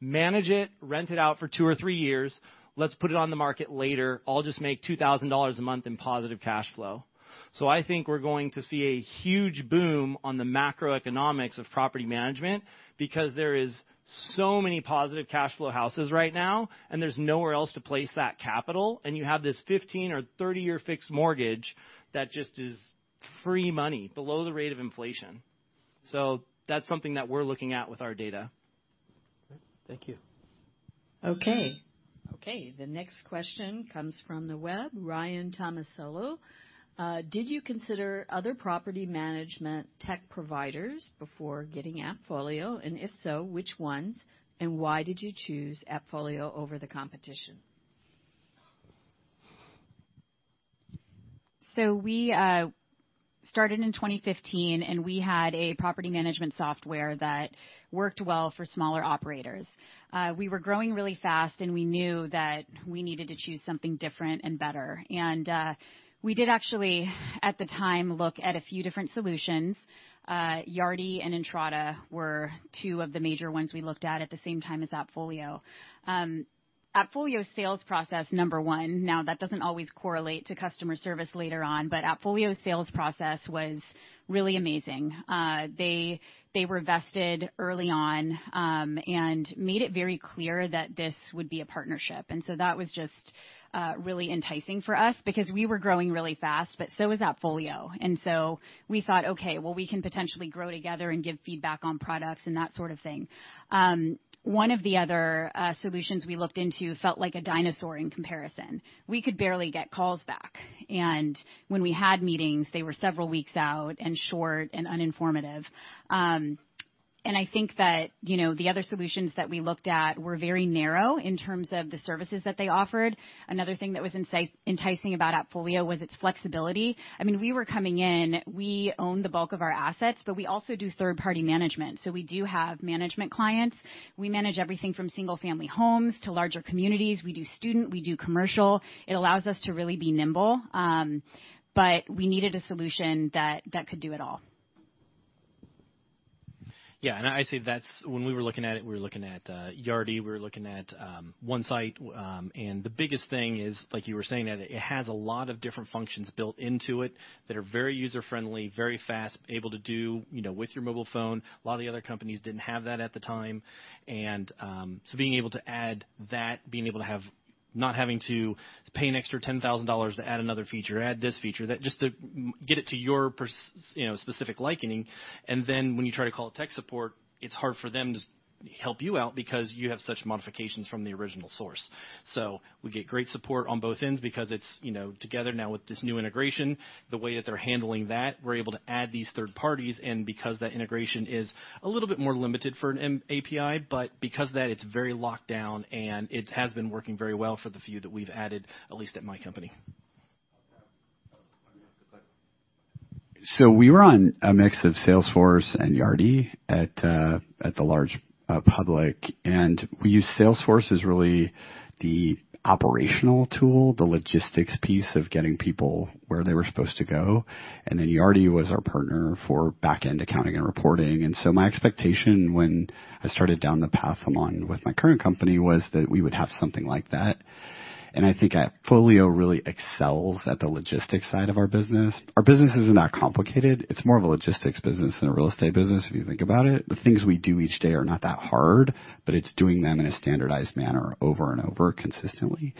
S9: Manage it. Rent it out for 2 or 3 years. Let's put it on the market later. I'll just make $2,000 a month in positive cash flow." I think we're going to see a huge boom on the macroeconomics of property management because there is so many positive cash flow houses right now, and there's nowhere else to place that capital, and you have this 15- or 30-year fixed mortgage that just is free money below the rate of inflation. That's something that we're looking at with our data.
S6: Thank you.
S7: Okay.
S2: Okay. The next question comes from the web. Ryan Tomasello. Did you consider other property management tech providers before getting AppFolio? If so, which ones, and why did you choose AppFolio over the competition?
S7: We started in 2015, and we had a property management software that worked well for smaller operators. We were growing really fast, and we knew that we needed to choose something different and better. We did actually at the time look at a few different solutions. Yardi and Entrata were two of the major ones we looked at at the same time as AppFolio. AppFolio's sales process, number one, now that doesn't always correlate to customer service later on, but AppFolio's sales process was really amazing. They were vested early on and made it very clear that this would be a partnership. That was just really enticing for us because we were growing really fast, but so was AppFolio. We thought, "Okay. Well, we can potentially grow together and give feedback on products and that sort of thing." One of the other solutions we looked into felt like a dinosaur in comparison. We could barely get calls back. When we had meetings, they were several weeks out and short and uninformative. I think that the other solutions that we looked at were very narrow in terms of the services that they offered. Another thing that was exciting about AppFolio was its flexibility. I mean, we were coming in, we own the bulk of our assets, but we also do third-party management, so we do have management clients. We manage everything from single-family homes to larger communities. We do student. We do commercial. It allows us to really be nimble. We needed a solution that could do it all.
S9: Yeah. I'd say that's. When we were looking at it, we were looking at Yardi, we were looking at OneSite, and the biggest thing is, like you were saying, that it has a lot of different functions built into it that are very user-friendly, very fast, able to do with your mobile phone. A lot of the other companies didn't have that at the time. Being able to add that, being able to have. Not having to pay an extra $10,000 to add another feature, add this feature. That just to make it to your specific liking, and then when you try to call tech support, it's hard for them to help you out because you have such modifications from the original source. We get great support on both ends because it's together now with this new integration, the way that they're handling that. We're able to add these third parties, and because that integration is a little bit more limited for an M-API, but because of that it's very locked down, and it has been working very well for the few that we've added, at least at my company.
S6: We were on a mix of Salesforce and Yardi at the large public, and we used Salesforce as really the operational tool, the logistics piece of getting people where they were supposed to go. Yardi was our partner for back-end accounting and reporting. My expectation when I started down the path along with my current company was that we would have something like that. I think AppFolio really excels at the logistics side of our business. Our business is not complicated. It's more of a logistics business than a real estate business, if you think about it. The things we do each day are not that hard, but it's doing them in a standardized manner over and over consistently.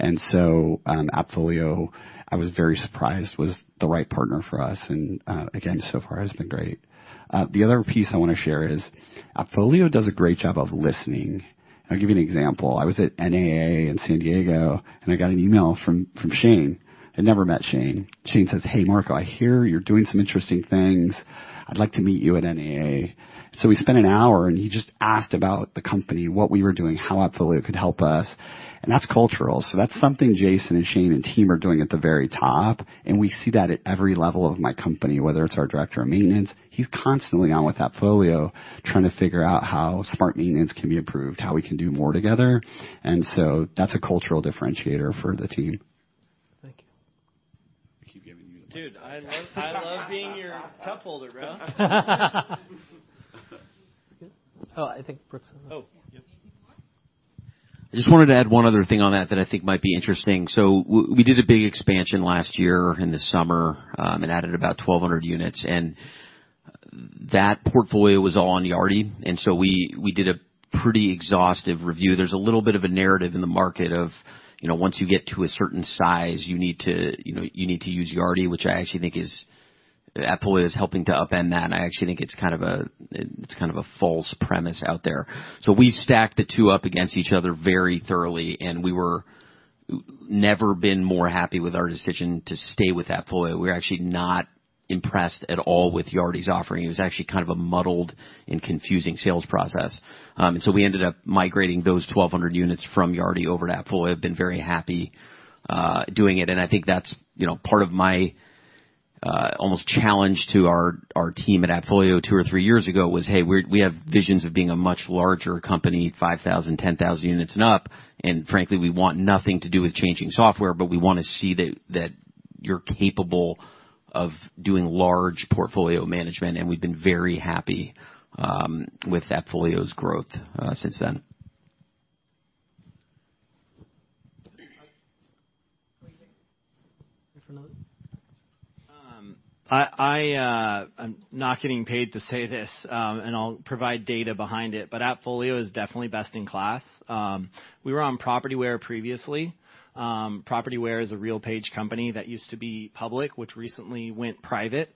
S6: AppFolio, I was very surprised, was the right partner for us, and again, so far has been great. The other piece I wanna share is AppFolio does a great job of listening. I'll give you an example. I was at NAA in San Diego, and I got an email from Shane. I'd never met Shane. Shane says, "Hey, Marco, I hear you're doing some interesting things. I'd like to meet you at NAA." We spent an hour, and he just asked about the company, what we were doing, how AppFolio could help us, and that's cultural. That's something Jason and Shane and team are doing at the very top, and we see that at every level of my company, whether it's our director of maintenance. He's constantly on with AppFolio trying to figure out how Smart Maintenance can be improved, how we can do more together, and so that's a cultural differentiator for the team.
S4: Thank you.
S6: I keep giving you the mic.
S4: Dude, I love being your cup holder, bro. Oh, I think Brooks's-
S6: Oh, yep. I just wanted to add one other thing on that I think might be interesting. We did a big expansion last year in the summer and added about 1,200 units, and that portfolio was all on Yardi. We did a pretty exhaustive review. There's a little bit of a narrative in the market of once you get to a certain size, you need to you need to use Yardi, which I actually think AppFolio is helping to upend. I actually think it's kind of a false premise out there. We stacked the two up against each other very thoroughly, and we've never been more happy with our decision to stay with AppFolio. We're actually not impressed at all with Yardi's offering. It was actually kind of a muddled and confusing sales process. We ended up migrating those 1,200 units from Yardi over to AppFolio. We have been very happy doing it, and I think that's part of my almost challenge to our team at AppFolio 2 or 3 years ago was, "Hey, we have visions of being a much larger company, 5,000, 10,000 units and up, and frankly, we want nothing to do with changing software, but we wanna see that you're capable of doing large portfolio management," and we've been very happy with AppFolio's growth since then.
S4: Wait for another.
S9: I'm not getting paid to say this, and I'll provide data behind it, but AppFolio is definitely best in class. We were on Propertyware previously. Propertyware is a RealPage company that used to be public, which recently went private.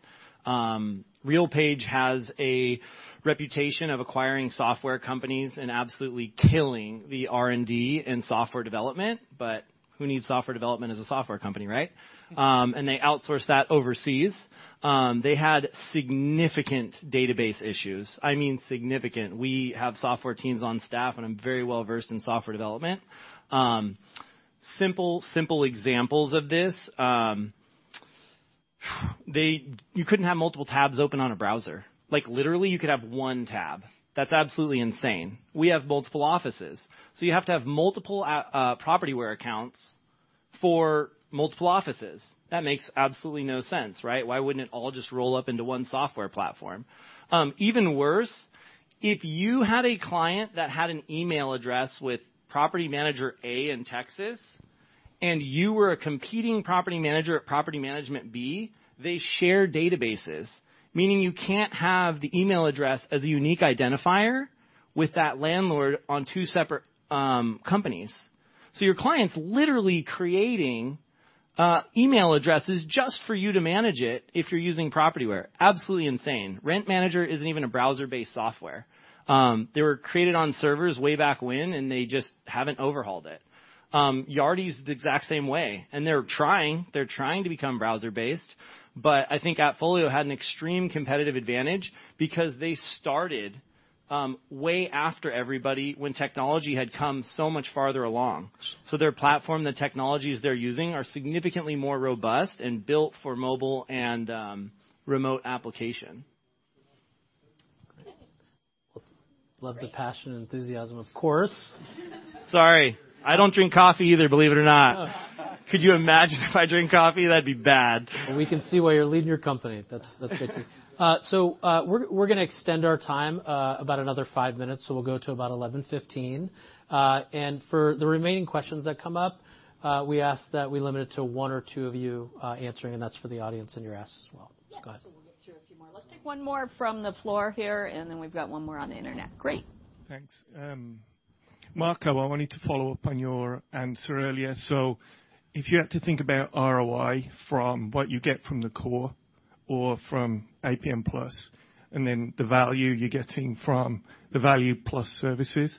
S9: RealPage has a reputation of acquiring software companies and absolutely killing the R&D and software development, but who needs software development as a software company, right? They outsource that overseas. They had significant database issues. I mean significant. We have software teams on staff, and I'm very well-versed in software development. Simple examples of this. You couldn't have multiple tabs open on a browser. Like, literally, you could have one tab. That's absolutely insane. We have multiple offices, so you have to have multiple Propertyware accounts for multiple offices. That makes absolutely no sense, right? Why wouldn't it all just roll up into one software platform? Even worse, if you had a client that had an email address with property manager A in Texas and you were a competing property manager at property management B, they share databases, meaning you can't have the email address as a unique identifier with that landlord on two separate companies. Your client's literally creating email addresses just for you to manage it if you're using Propertyware. Absolutely insane. Rent Manager isn't even a browser-based software. They were created on servers way back when, and they just haven't overhauled it. Yardi is the exact same way, and they're trying to become browser-based, but I think AppFolio had an extreme competitive advantage because they started way after everybody when technology had come so much farther along. Their platform, the technologies they're using are significantly more robust and built for mobile and remote application.
S4: Love the passion and enthusiasm, of course.
S9: Sorry. I don't drink coffee either, believe it or not. Could you imagine if I drink coffee? That'd be bad.
S4: We can see why you're leading your company. That's good too. We're gonna extend our time about another five minutes, so we'll go to about 11:15. For the remaining questions that come up, we ask that we limit it to one or two of you answering, and that's for the audience and your ass as well. Go ahead.
S2: Yeah. We'll get through a few more. Let's take one more from the floor here, and then we've got one more on the internet. Great.
S11: Thanks. Marco, I wanted to follow up on your answer earlier. If you had to think about ROI from what you get from the core or from APM Plus, and then the value you're getting from the Value Added Services,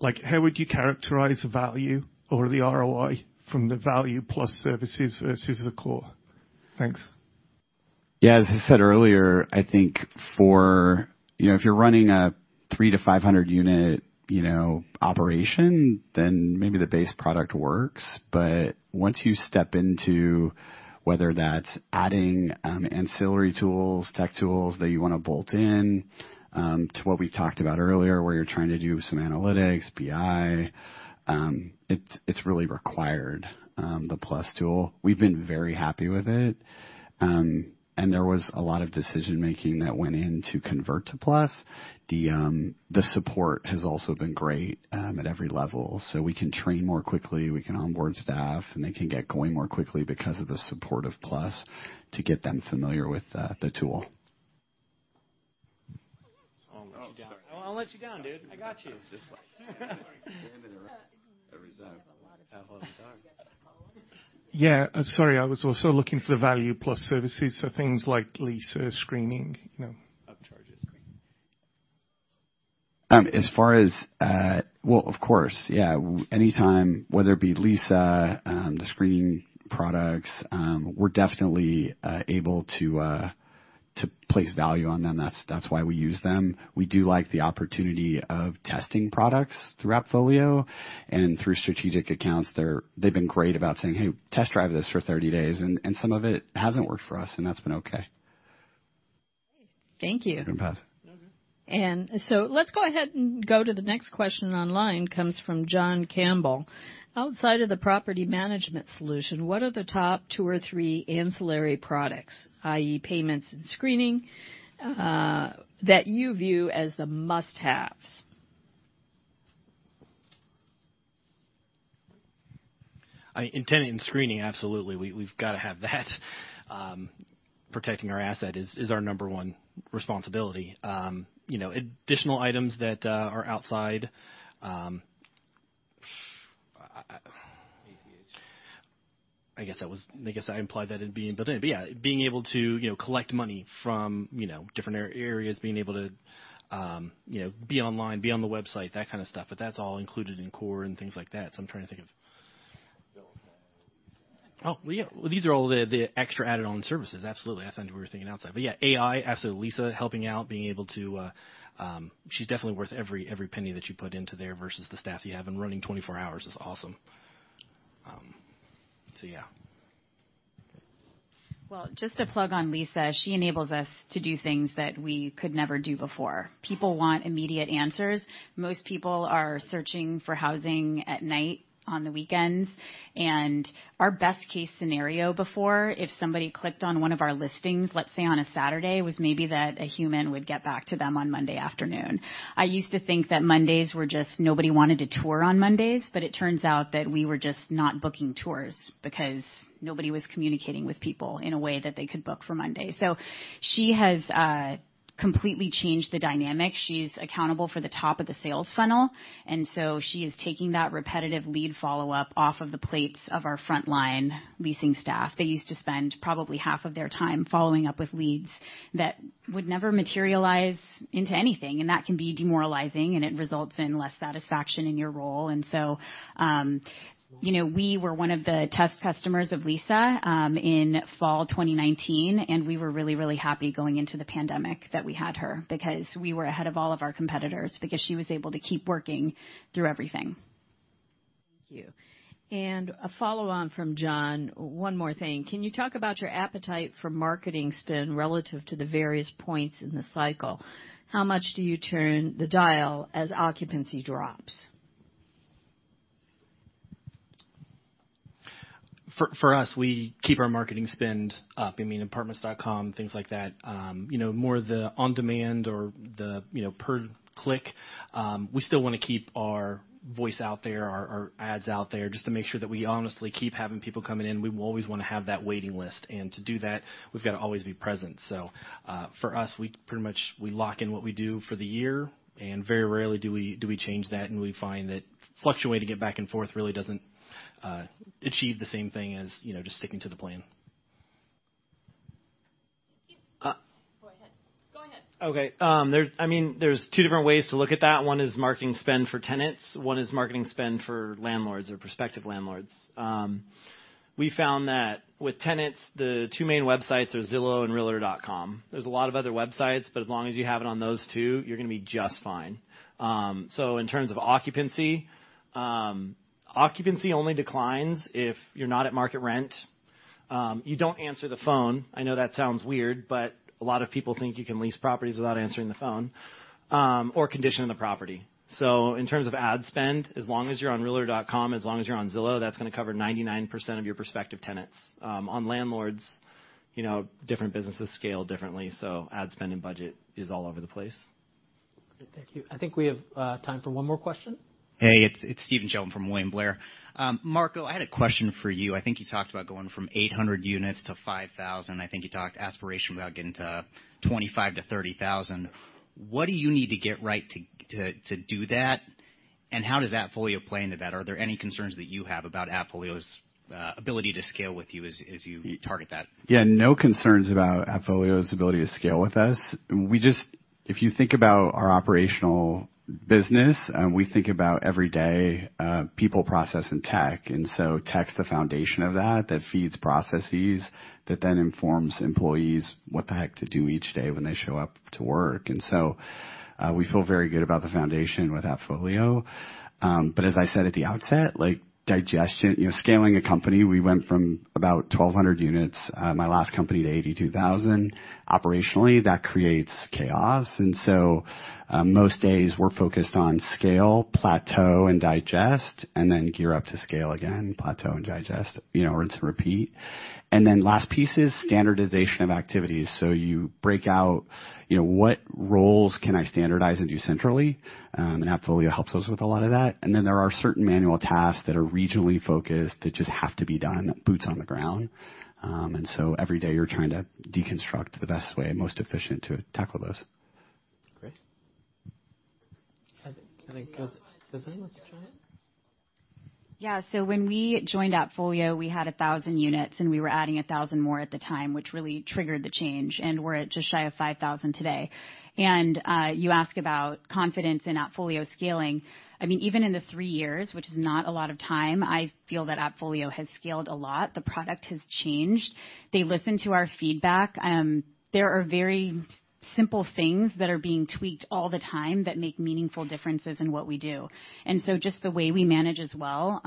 S11: like, how would you characterize the value or the ROI from the Value Added Services versus the core? Thanks.
S6: Yeah. As I said earlier, I think for you know, if you're running a 300- to 500-unit operation, then maybe the base product works. Once you step into whether that's adding ancillary tools, tech tools that you wanna bolt in to what we talked about earlier, where you're trying to do some analytics, BI, it's really required the Plus tool. We've been very happy with it, and there was a lot of decision-making that went in to convert to Plus. The support has also been great at every level. We can train more quickly, we can onboard staff, and they can get going more quickly because of the support of Plus to get them familiar with the tool.
S4: I'll let you down, dude. I got you.
S11: Yeah. Sorry, I was also looking for the Value Added Services, so things like lease screening, you know.
S6: As far as, well, of course, yeah. Anytime, whether it be Lisa, the screening products, we're definitely able to place value on them. That's why we use them. We do like the opportunity of testing products through AppFolio and through strategic accounts. They've been great about saying, "Hey, test drive this for 30 days." Some of it hasn't worked for us, and that's been okay.
S2: Thank you.
S6: You can pass.
S2: Let's go ahead and go to the next question online, comes from John Campbell. Outside of the property management solution, what are the top two or three ancillary products, i.e., payments and screening, that you view as the must-haves?
S8: I intended in screening, absolutely. We've gotta have that. Protecting our asset is our number one responsibility. You know, additional items that are outside.
S6: ACH.
S8: Anyway, yeah, being able to collect money from different areas, being able to be online, be on the website, that kind of stuff, but that's all included in Core and things like that. I'm trying to think of
S6: Bill pay.
S8: Oh, yeah. These are all the extra added-on services. Absolutely. I thought you were thinking outside. Yeah, AI, absolutely. Lisa helping out. She's definitely worth every penny that you put into there versus the staff you have and running 24 hours is awesome. Yeah.
S7: Well, just to plug on Lisa, she enables us to do things that we could never do before. People want immediate answers. Most people are searching for housing at night, on the weekends, and our best case scenario before, if somebody clicked on one of our listings, let's say on a Saturday, was maybe that a human would get back to them on Monday afternoon. I used to think that Mondays were just, nobody wanted to tour on Mondays, but it turns out that we were just not booking tours because nobody was communicating with people in a way that they could book for Monday. She has completely changed the dynamic. She's accountable for the top of the sales funnel, and so she is taking that repetitive lead follow-up off of the plates of our frontline leasing staff. They used to spend probably half of their time following up with leads that would never materialize into anything, and that can be demoralizing, and it results in less satisfaction in your role. You know, we were one of the test customers of Lisa in fall 2019, and we were really, really happy going into the pandemic that we had her because we were ahead of all of our competitors because she was able to keep working through everything.
S2: Thank you. A follow on from John. One more thing. Can you talk about your appetite for marketing spend relative to the various points in the cycle? How much do you turn the dial as occupancy drops?
S8: For us, we keep our marketing spend up. I mean, Apartments.com, things like that. You know, more the on-demand or the per click. We still wanna keep our voice out there, our ads out there, just to make sure that we honestly keep having people coming in. We always wanna have that waiting list. To do that, we've gotta always be present. For us, we pretty much lock in what we do for the year, and very rarely do we change that, and we find that fluctuating it back and forth really doesn't achieve the same thing as just sticking to the plan.
S2: Thank you.
S8: Uh-
S7: Go ahead.
S8: Okay. I mean, there's two different ways to look at that. One is marketing spend for tenants, one is marketing spend for landlords or prospective landlords. We found that with tenants, the two main websites are Zillow and realtor.com. There's a lot of other websites, but as long as you have it on those two, you're gonna be just fine. In terms of occupancy only declines if you're not at market rent, you don't answer the phone. I know that sounds weird, but a lot of people think you can lease properties without answering the phone, or condition of the property. In terms of ad spend, as long as you're on realtor.com, as long as you're on Zillow, that's gonna cover 99% of your prospective tenants. On landlords different businesses scale differently, so ad spend and budget is all over the place.
S2: Great. Thank you. I think we have time for one more question.
S13: Hey, it's Stephen Sheldon from William Blair. Marco, I had a question for you. I think you talked about going from 800 units to 5,000. I think you talked aspirationally about getting to 25,000-30,000. What do you need to get right to do that? How does AppFolio play into that? Are there any concerns that you have about AppFolio's ability to scale with you as you target that?
S6: Yeah, no concerns about AppFolio's ability to scale with us. If you think about our operational business, and we think about every day, people, process, and tech. Tech's the foundation of that feeds processes that then informs employees what the heck to do each day when they show up to work. We feel very good about the foundation with AppFolio. As I said at the outset, like digestion scaling a company, we went from about 1,200 units, my last company, to 82,000. Operationally, that creates chaos. Most days we're focused on scale, plateau, and digest, and then gear up to scale again, plateau and digest rinse and repeat. Last piece is standardization of activities. You break out what roles can I standardize and do centrally? AppFolio helps us with a lot of that. Then there are certain manual tasks that are regionally focused that just have to be done boots on the ground. Every day you're trying to deconstruct the best way and most efficient to tackle those.
S2: Great. Can I?
S7: Lisa wants to try it. Yeah. When we joined AppFolio, we had 1,000 units, and we were adding 1,000 more at the time, which really triggered the change, and we're at just shy of 5,000 today. You ask about confidence in AppFolio scaling. I mean, even in the 3 years, which is not a lot of time, I feel that AppFolio has scaled a lot. The product has changed. They listen to our feedback. There are very simple things that are being tweaked all the time that make meaningful differences in what we do. Just the way we manage as well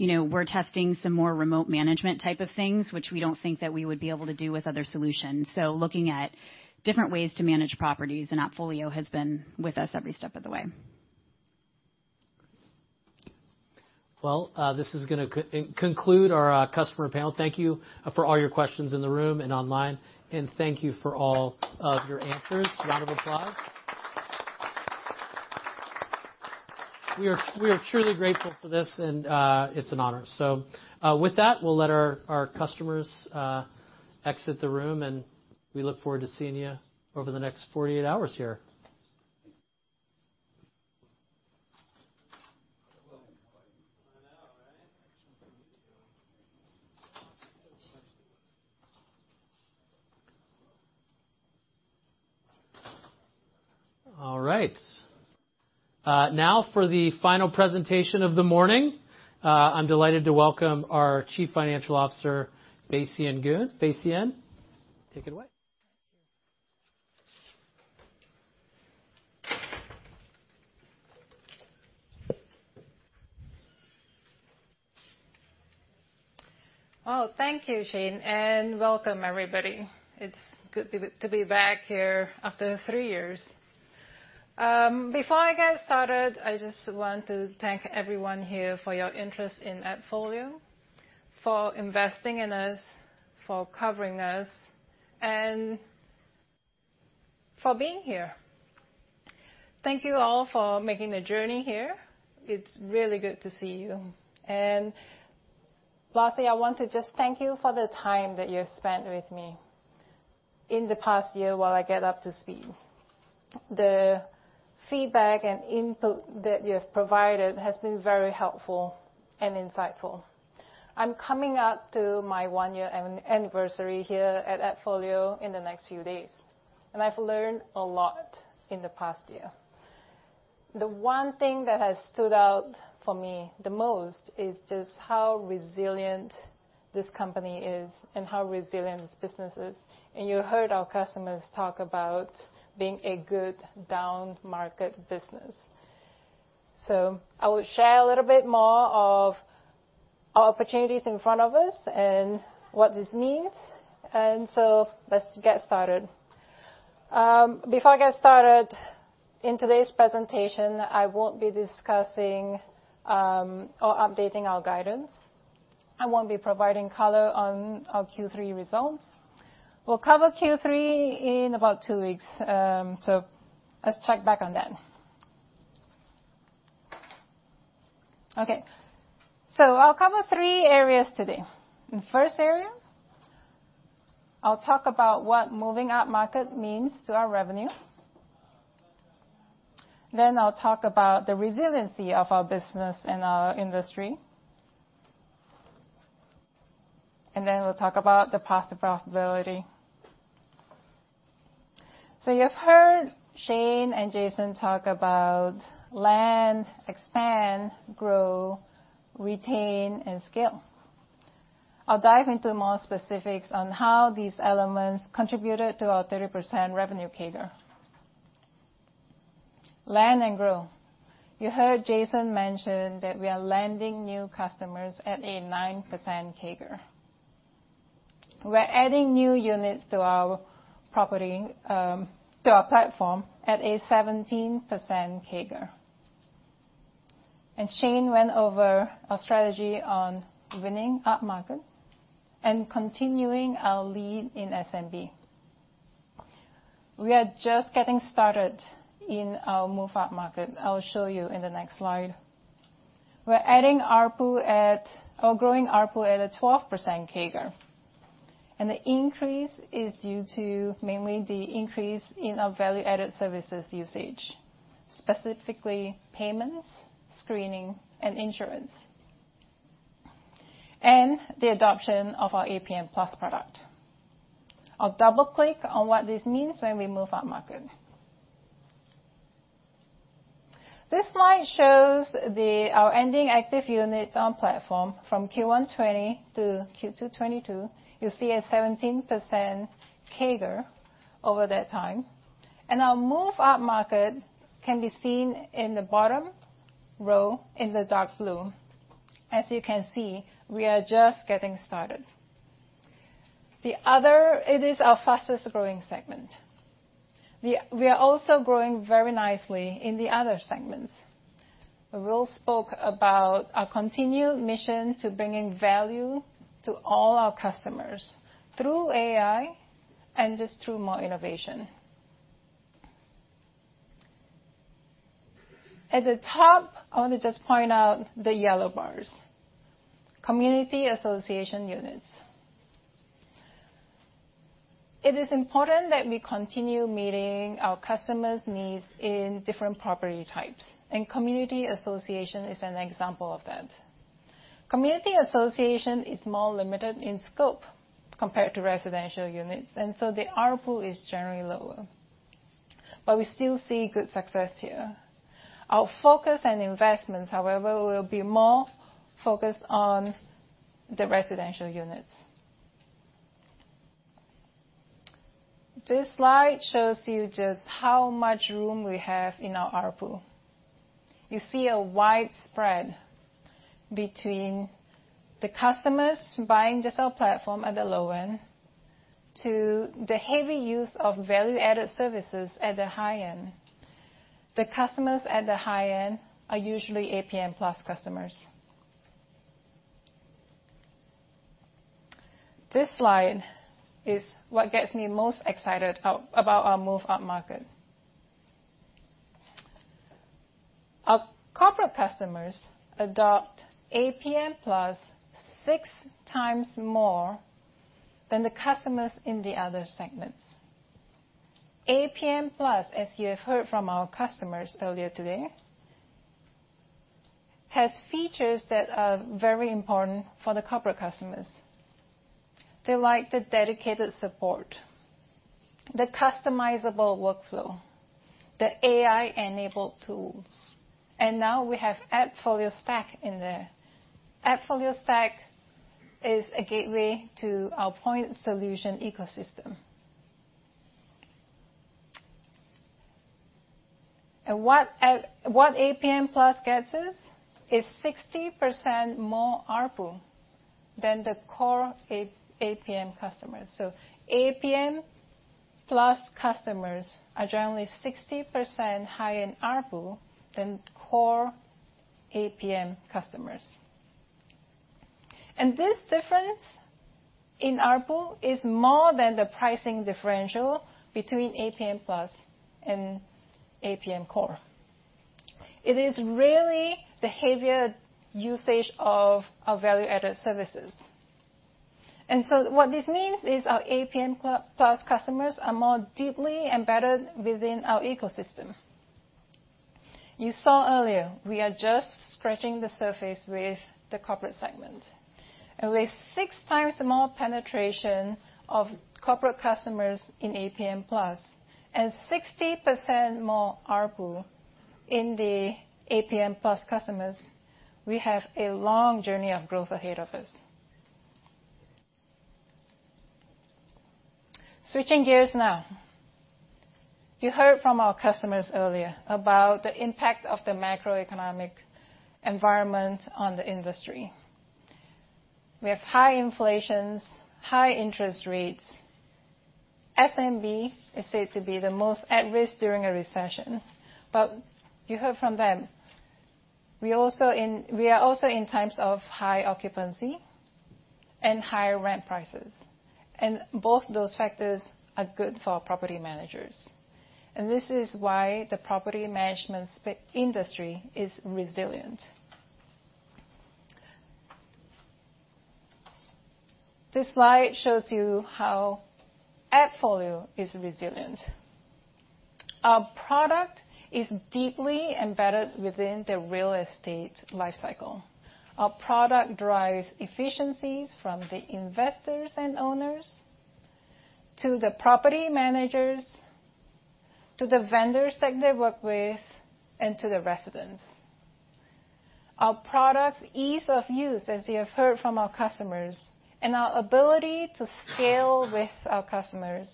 S7: we're testing some more remote management type of things, which we don't think that we would be able to do with other solutions. Looking at different ways to manage properties, and AppFolio has been with us every step of the way.
S4: Well, this is gonna conclude our customer panel. Thank you for all your questions in the room and online, and thank you for all of your answers. Round of applause. We are truly grateful for this, and it's an honor. With that, we'll let our customers exit the room, and we look forward to seeing you over the next 48 hours here. All right. Now for the final presentation of the morning, I'm delighted to welcome our Chief Financial Officer, Fay Sien Goon. Fay Sien, take it away.
S14: Thank you. Well, thank you, Shane, and welcome, everybody. It's good to be back here after three years. Before I get started, I just want to thank everyone here for your interest in AppFolio, for investing in us, for covering us, and for being here. Thank you all for making the journey here. It's really good to see you. Lastly, I want to just thank you for the time that you've spent with me in the past year while I get up to speed. The feedback and input that you have provided has been very helpful and insightful. I'm coming up to my one-year anniversary here at AppFolio in the next few days, and I've learned a lot in the past year. The one thing that has stood out for me the most is just how resilient this company is and how resilient this business is. You heard our customers talk about being a good downmarket business. I will share a little bit more of opportunities in front of us and what this means. Let's get started. Before I get started, in today's presentation, I won't be discussing or updating our guidance. I won't be providing color on our Q3 results. We'll cover Q3 in about two weeks. Let's check back on that. Okay. I'll cover three areas today. The first area, I'll talk about what moving upmarket means to our revenue. Then I'll talk about the resiliency of our business and our industry. We'll talk about the path to profitability. You've heard Shane and Jason talk about land, expand, grow, retain, and scale. I'll dive into more specifics on how these elements contributed to our 30% revenue CAGR. Land and grow. You heard Jason mention that we are landing new customers at a 9% CAGR. We're adding new units to our property to our platform at a 17% CAGR. Shane went over our strategy on winning upmarket and continuing our lead in SMB. We are just getting started in our move upmarket. I'll show you in the next slide. We're adding ARPU at or growing ARPU at a 12% CAGR, and the increase is due to mainly the increase in our value-added services usage, specifically payments, screening, and insurance, and the adoption of our APM Plus product. I'll double-click on what this means when we move upmarket. This slide shows our ending active units on platform from Q1 2020 to Q2 2022. You see a 17% CAGR over that time. Our move upmarket can be seen in the bottom row in the dark blue. As you can see, we are just getting started. It is our fastest growing segment. We are also growing very nicely in the other segments. Will spoke about our continued mission to bringing value to all our customers through AI and just through more innovation. At the top, I want to just point out the yellow bars. Community association units. It is important that we continue meeting our customers' needs in different property types, and community association is an example of that. Community association is more limited in scope compared to residential units, and so the ARPU is generally lower, but we still see good success here. Our focus and investments, however, will be more focused on the residential units. This slide shows you just how much room we have in our ARPU. You see a wide spread between the customers buying just our platform at the low end to the heavy use of value-added services at the high end. The customers at the high end are usually APM Plus customers. This slide is what gets me most excited about our move-up market. Our corporate customers adopt APM Plus six times more than the customers in the other segments. APM Plus, as you have heard from our customers earlier today, has features that are very important for the corporate customers. They like the dedicated support, the customizable workflow, the AI-enabled tools. Now we have AppFolio Stack in there. AppFolio Stack is a gateway to our point solution ecosystem. What APM Plus gets us is 60% more ARPU than the core APM customers. APM Plus customers are generally 60% higher in ARPU than APM Core customers. This difference in ARPU is more than the pricing differential between APM Plus and APM Core. It is really the heavier usage of our value-added services. What this means is our APM Plus customers are more deeply embedded within our ecosystem. You saw earlier, we are just scratching the surface with the corporate segment. With 6 times more penetration of corporate customers in APM Plus and 60% more ARPU in the APM Plus customers, we have a long journey of growth ahead of us. Switching gears now. You heard from our customers earlier about the impact of the macroeconomic environment on the industry. We have high inflation, high interest rates. SMB is said to be the most at risk during a recession. You heard from them, we are also in times of high occupancy and higher rent prices. Both those factors are good for property managers. This is why the property management industry is resilient. This slide shows you how AppFolio is resilient. Our product is deeply embedded within the real estate life cycle. Our product drives efficiencies from the investors and owners to the property managers, to the vendors that they work with, and to the residents. Our product's ease of use, as you have heard from our customers, and our ability to scale with our customers,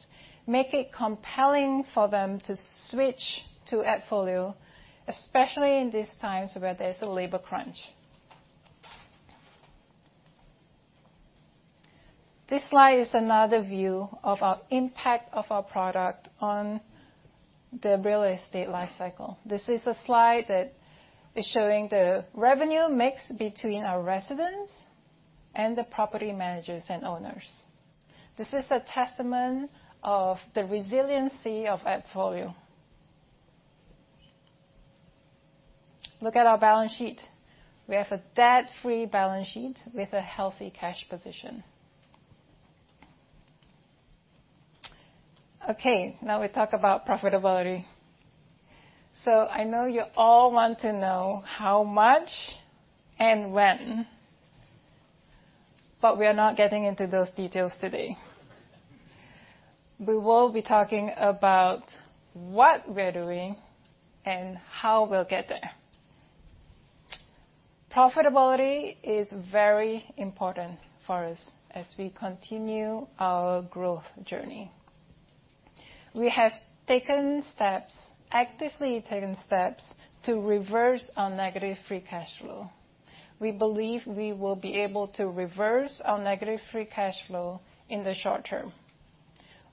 S14: make it compelling for them to switch to AppFolio, especially in these times where there's a labor crunch. This slide is another view of our impact of our product on the real estate life cycle. This is a slide that is showing the revenue mix between our residents and the property managers and owners. This is a testament of the resiliency of AppFolio. Look at our balance sheet. We have a debt-free balance sheet with a healthy cash position. Okay, now we talk about profitability. I know you all want to know how much and when, but we are not getting into those details today. We will be talking about what we're doing and how we'll get there. Profitability is very important for us as we continue our growth journey. We have taken steps, actively taken steps, to reverse our negative free cash flow. We believe we will be able to reverse our negative free cash flow in the short term.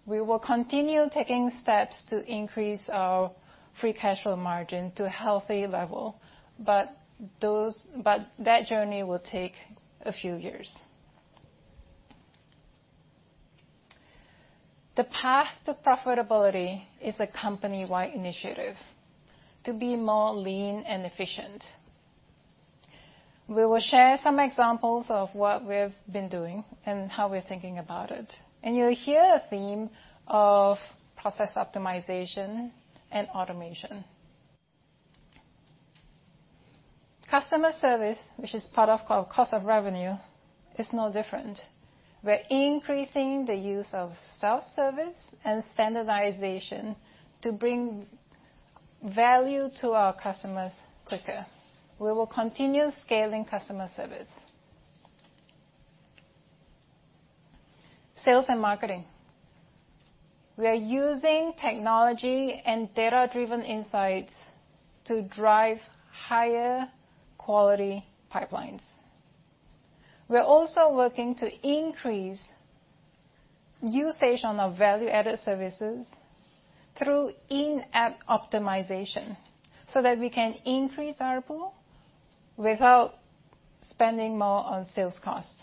S14: We will continue taking steps to increase our free cash flow margin to a healthy level, but that journey will take a few years. The path to profitability is a company-wide initiative to be more lean and efficient. We will share some examples of what we've been doing and how we're thinking about it. You'll hear a theme of process optimization and automation. Customer service, which is part of our cost of revenue, is no different. We're increasing the use of self-service and standardization to bring value to our customers quicker. We will continue scaling customer service. Sales and marketing. We are using technology and data-driven insights to drive higher quality pipelines. We're also working to increase usage on our value-added services through in-app optimization so that we can increase our pool without spending more on sales costs.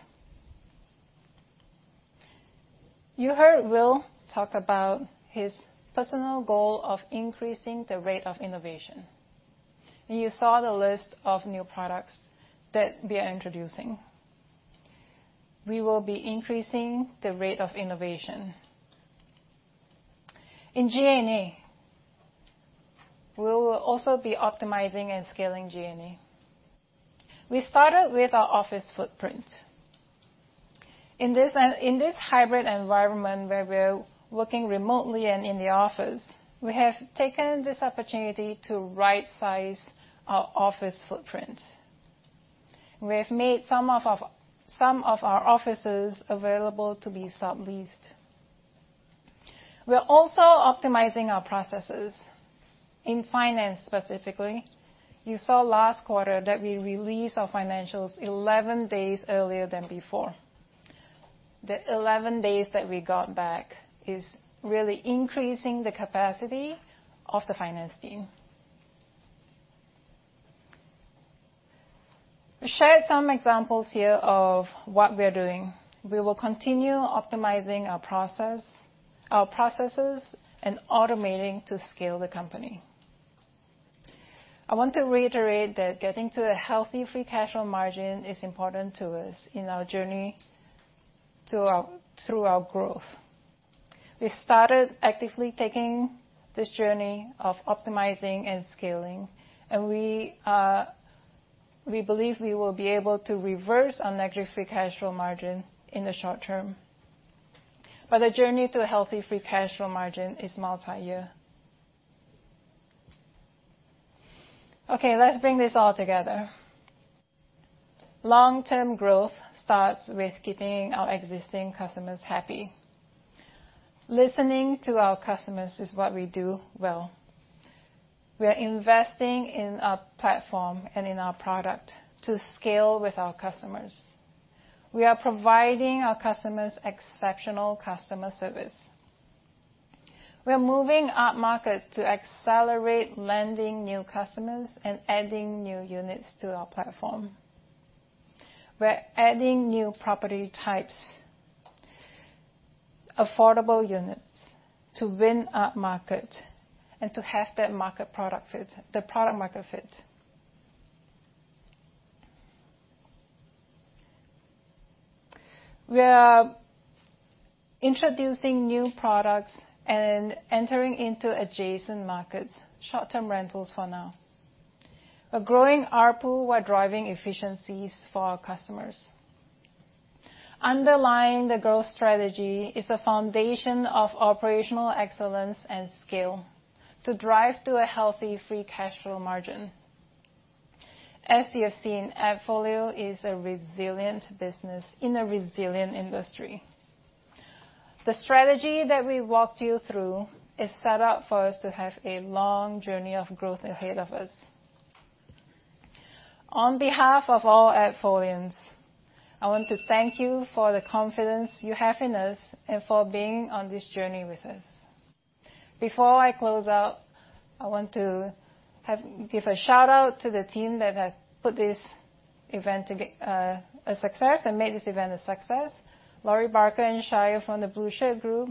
S14: You heard Will talk about his personal goal of increasing the rate of innovation, and you saw the list of new products that we are introducing. We will be increasing the rate of innovation. In G&A, we will also be optimizing and scaling G&A. We started with our office footprint. In this hybrid environment where we're working remotely and in the office, we have taken this opportunity to rightsize our office footprint. We have made some of our offices available to be subleased. We're also optimizing our processes in finance specifically. You saw last quarter that we released our financials 11 days earlier than before. The 11 days that we got back is really increasing the capacity of the finance team. We shared some examples here of what we're doing. We will continue optimizing our processes and automating to scale the company. I want to reiterate that getting to a healthy free cash flow margin is important to us in our journey through our growth. We started actively taking this journey of optimizing and scaling, and we believe we will be able to reverse our negative free cash flow margin in the short term. The journey to a healthy free cash flow margin is multiyear. Okay, let's bring this all together. Long-term growth starts with keeping our existing customers happy. Listening to our customers is what we do well. We are investing in our platform and in our product to scale with our customers. We are providing our customers exceptional customer service. We are moving upmarket to accelerate landing new customers and adding new units to our platform. We're adding new property types, affordable units to win upmarket and to have that market product fit, the product market fit. We are introducing new products and entering into adjacent markets, short-term rentals for now. We're growing ARPU while driving efficiencies for our customers. Underlying the growth strategy is a foundation of operational excellence and scale to drive to a healthy free cash flow margin. As you have seen, AppFolio is a resilient business in a resilient industry. The strategy that we walked you through is set up for us to have a long journey of growth ahead of us. On behalf of all AppFolians, I want to thank you for the confidence you have in us and for being on this journey with us. Before I close out, I want to give a shout-out to the team that have put this event together and made this event a success. Lori Barker and Shayo from The Blueshirt Group,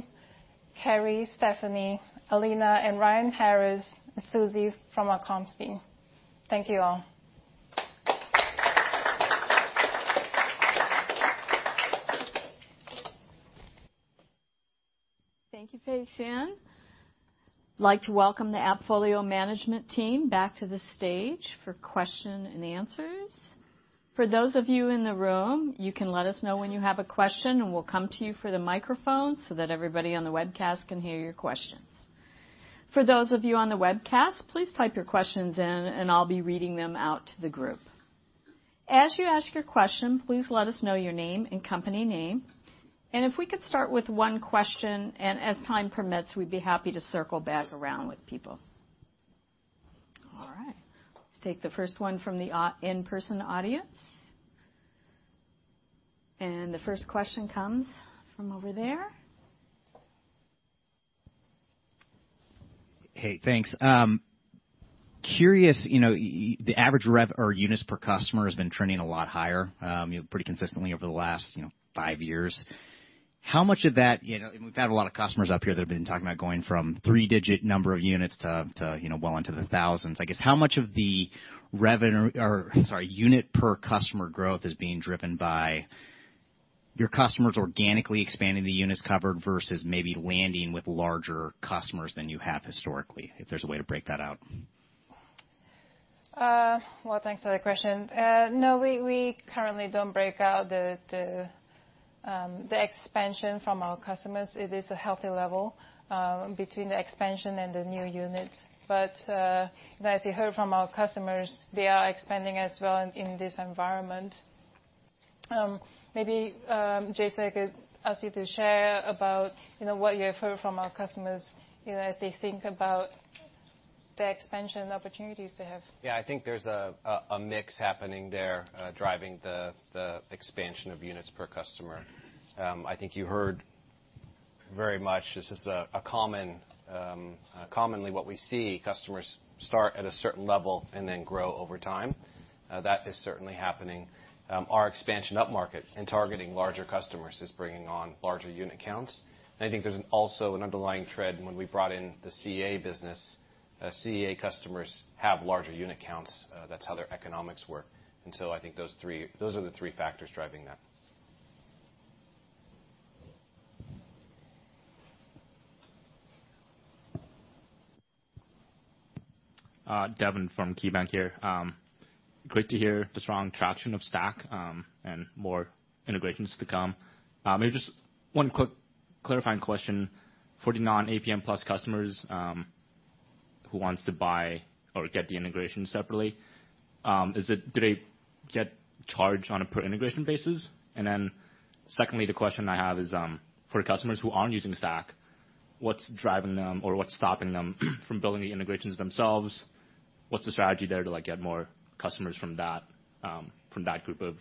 S14: Carrie, Stephanie, Alina and Ryan Harris, and Susie from our comms team. Thank you all.
S2: Thank you, Fay Sien Goon. I'd like to welcome the AppFolio management team back to the stage for question and answers. For those of you in the room, you can let us know when you have a question, and we'll come to you for the microphone so that everybody on the webcast can hear your questions. For those of you on the webcast, please type your questions in, and I'll be reading them out to the group. As you ask your question, please let us know your name and company name. If we could start with one question and as time permits, we'd be happy to circle back around with people. All right. Let's take the first one from the our in-person audience. The first question comes from over there.
S13: Hey, thanks. curious the average revenue or units per customer has been trending a lot higher pretty consistently over the last 5 years. How much of that we've had a lot of customers up here that have been talking about going from three-digit number of units to you know, well into the thousands. I guess how much of the unit per customer growth is being driven by your customers organically expanding the units covered versus maybe landing with larger customers than you have historically? If there's a way to break that out.
S14: Well, thanks for that question. No, we currently don't break out the expansion from our customers. It is a healthy level between the expansion and the new units. As you heard from our customers, they are expanding as well in this environment. Maybe Jason, I could ask you to share about what you have heard from our customers as they think about the expansion opportunities they have.
S3: Yeah. I think there's a mix happening there, driving the expansion of units per customer. I think you heard very much this is commonly what we see customers start at a certain level and then grow over time. That is certainly happening. Our expansion upmarket and targeting larger customers is bringing on larger unit counts. I think there's also an underlying trend when we brought in the CA business. CA customers have larger unit counts, that's how their economics work. I think those are the three factors driving that.
S12: Devin Au from KeyBank here. Great to hear the strong traction of Stack and more integrations to come. Maybe just one quick clarifying question. For the non-APM Plus customers who wants to buy or get the integration separately, do they get charged on a per integration basis? Secondly, the question I have is, for customers who aren't using Stack, what's driving them or what's stopping them from building the integrations themselves? What's the strategy there to, like, get more customers from that group of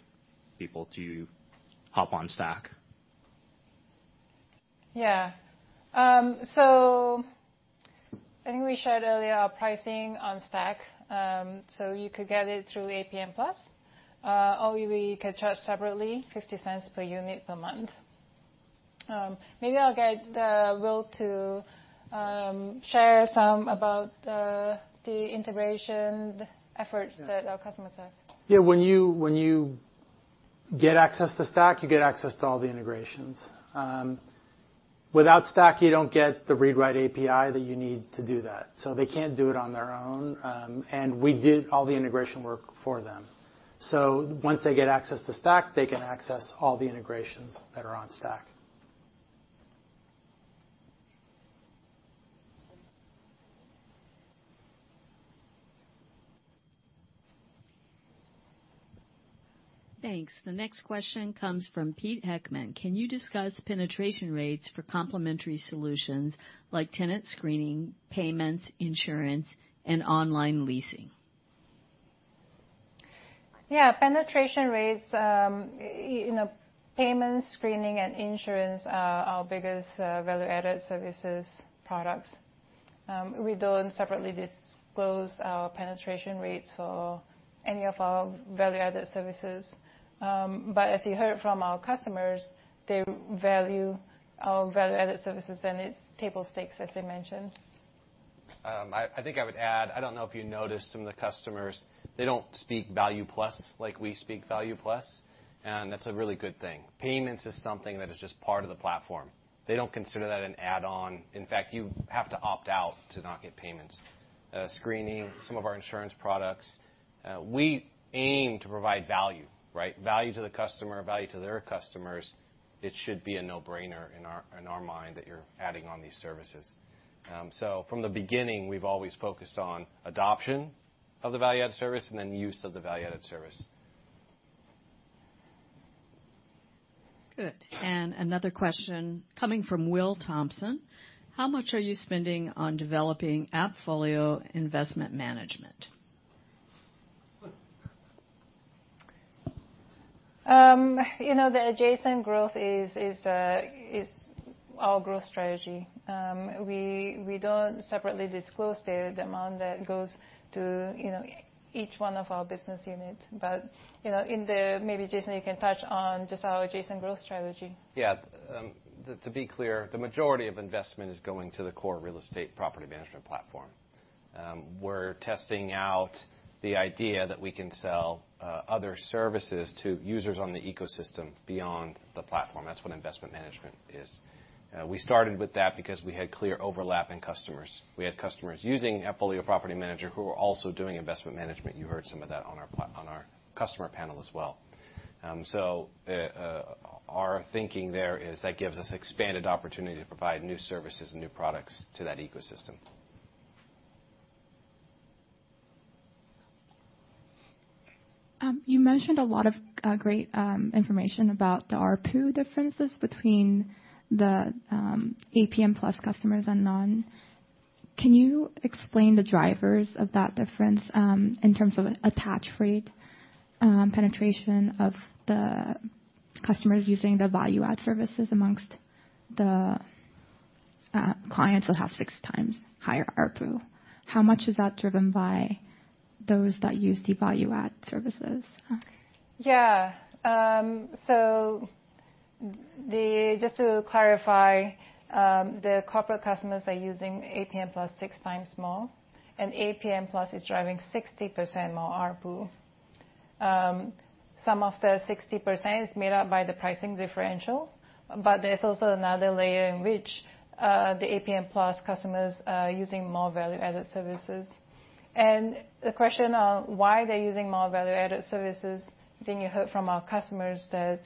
S12: people to hop on Stack?
S14: I think we shared earlier our pricing on Stack. You could get it through APM Plus. Or we could charge separately $0.50 per unit per month. Maybe I'll get Will to share some about the integration efforts that our customers have.
S5: Yeah. When you get access to Stack, you get access to all the integrations. Without Stack, you don't get the read-write API that you need to do that, so they can't do it on their own. We did all the integration work for them. Once they get access to Stack, they can access all the integrations that are on Stack.
S2: Thanks. The next question comes from Peter Heckmann. Can you discuss penetration rates for complementary solutions like tenant screening, payments, insurance, and online leasing?
S14: Yeah. Penetration rates payments, screening, and insurance are our biggest value-added services products. We don't separately disclose our penetration rates for any of our value-added services. As you heard from our customers, they value our value-added services, and it's table stakes, as I mentioned.
S3: I think I would add. I don't know if you noticed some of the customers. They don't speak V Plus like we speak V Plus, and that's a really good thing. Payments is something that is just part of the platform. They don't consider that an add-on. In fact, you have to opt out to not get payments. Screening some of our insurance products, we aim to provide value, right? Value to the customer, value to their customers. It should be a no-brainer in our mind that you're adding on these services. From the beginning, we've always focused on adoption of the value-added service and then use of the value-added service.
S2: Good. Another question coming from Will Thompson: How much are you spending on developing AppFolio Investment Manager?
S14: You know, the adjacent growth is our growth strategy. We don't separately disclose the amount that goes to each one of our business units. You know, maybe Jason, you can touch on just our adjacent growth strategy.
S3: Yeah. To be clear, the majority of investment is going to the core real estate property management platform. We're testing out the idea that we can sell other services to users on the ecosystem beyond the platform. That's what investment management is. We started with that because we had clear overlap in customers. We had customers using AppFolio Property Manager who were also doing investment management. You heard some of that on our customer panel as well. Our thinking there is that gives us expanded opportunity to provide new services and new products to that ecosystem.
S14: You mentioned a lot of great information about the ARPU differences between the APM Plus customers and non. Can you explain the drivers of that difference in terms of attach rate, penetration of the customers using the value-add services amongst the clients will have six times higher ARPU. How much is that driven by those that use the value-add services? Yeah. So just to clarify, the corporate customers are using APM Plus 6 times more, and APM Plus is driving 60% more ARPU. Some of the 60% is made up by the pricing differential, but there's also another layer in which the APM Plus customers are using more value-added services. The question on why they're using more value-added services, then you heard from our customers that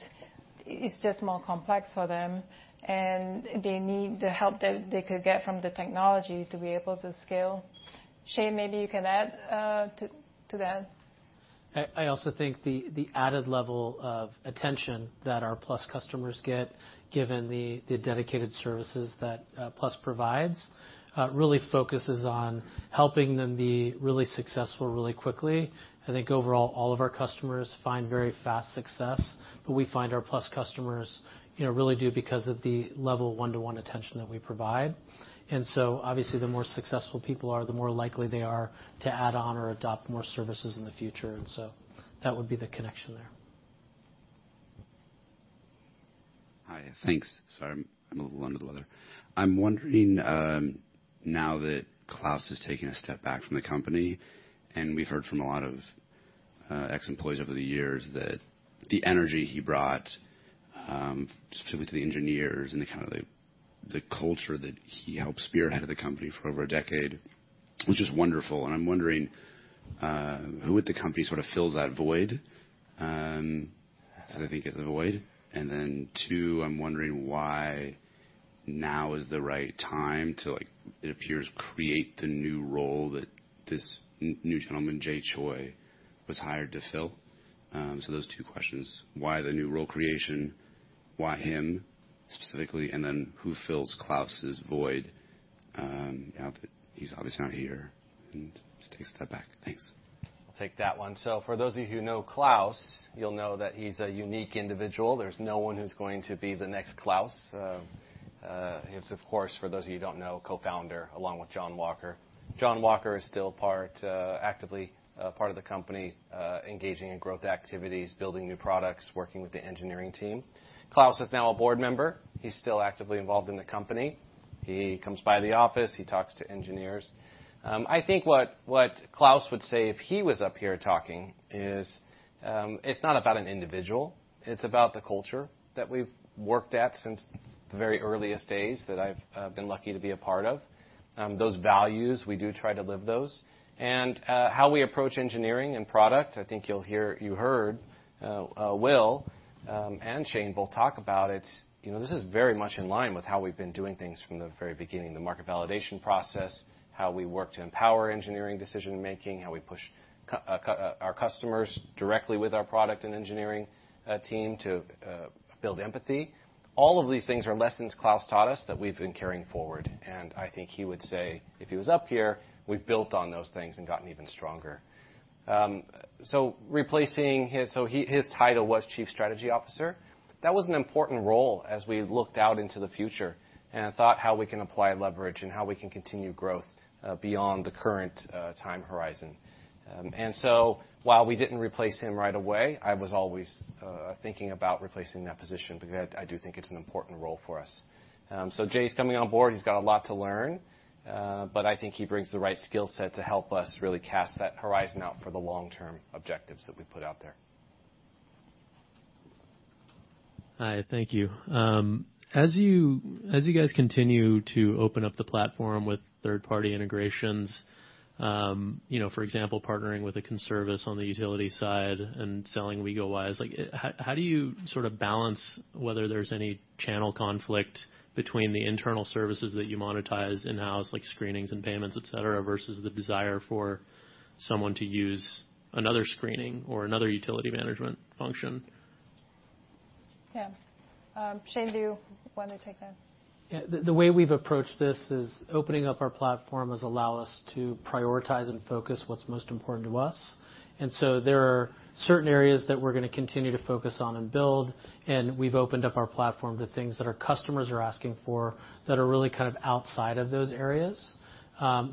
S14: it's just more complex for them, and they need the help that they could get from the technology to be able to scale. Shane, maybe you can add to that.
S4: I also think the added level of attention that our Plus customers get, given the dedicated services that Plus provides, really focuses on helping them be really successful really quickly. I think overall, all of our customers find very fast success, but we find our Plus customers really do because of the level of one-to-one attention that we provide. Obviously the more successful people are, the more likely they are to add on or adopt more services in the future. That would be the connection there.
S11: Hi. Thanks. Sorry, I'm a little under the weather. I'm wondering, now that Klaus is taking a step back from the company, and we've heard from a lot of ex-employees over the years that the energy he brought, specifically to the engineers and the culture that he helped spearhead at the company for over a decade was just wonderful. I'm wondering, who at the company sort of fills that void? 'Cause I think it's a void. Two, I'm wondering why now is the right time to, like, it appears, create the new role that this new gentleman, Jay Choi, was hired to fill. Those two questions. Why the new role creation? Why him specifically? Who fills Klaus' void, now that he's obviously not here and he's taken a step back? Thanks.
S3: I'll take that one. For those of you who know Klaus, you'll know that he's a unique individual. There's no one who's going to be the next Klaus. He was, of course, for those of you who don't know, co-founder, along with Jon Walker. Jon Walker is still part of the company, engaging in growth activities, building new products, working with the engineering team. Klaus is now a board member. He's still actively involved in the company. He comes by the office, he talks to engineers. I think what Klaus would say if he was up here talking is, it's not about an individual, it's about the culture that we've worked at since the very earliest days that I've been lucky to be a part of. Those values, we do try to live those. How we approach engineering and product, I think you heard Will and Shane both talk about it. You know, this is very much in line with how we've been doing things from the very beginning, the market validation process, how we work to empower engineering decision-making, how we push our customers directly with our product and engineering team to build empathy. All of these things are lessons Klaus taught us that we've been carrying forward. I think he would say, if he was up here, we've built on those things and gotten even stronger. Replacing his. So he, his title was Chief Strategy Officer. That was an important role as we looked out into the future and thought how we can apply leverage and how we can continue growth beyond the current time horizon. While we didn't replace him right away, I was always thinking about replacing that position because I do think it's an important role for us. Jay's coming on board. He's got a lot to learn, but I think he brings the right skill set to help us really cast that horizon out for the long-term objectives that we put out there.
S11: Hi, thank you. As you guys continue to open up the platform with third-party integrations for example, partnering with Conservice on the utility side and selling WegoWise, like, how do you sort of balance whether there's any channel conflict between the internal services that you monetize in-house, like screenings and payments, et cetera, versus the desire for someone to use another screening or another utility management function?
S14: Yeah. Shane, do you wanna take that?
S4: Yeah. The way we've approached this is opening up our platform has allowed us to prioritize and focus what's most important to us. There are certain areas that we're gonna continue to focus on and build, and we've opened up our platform to things that our customers are asking for that are really kind of outside of those areas.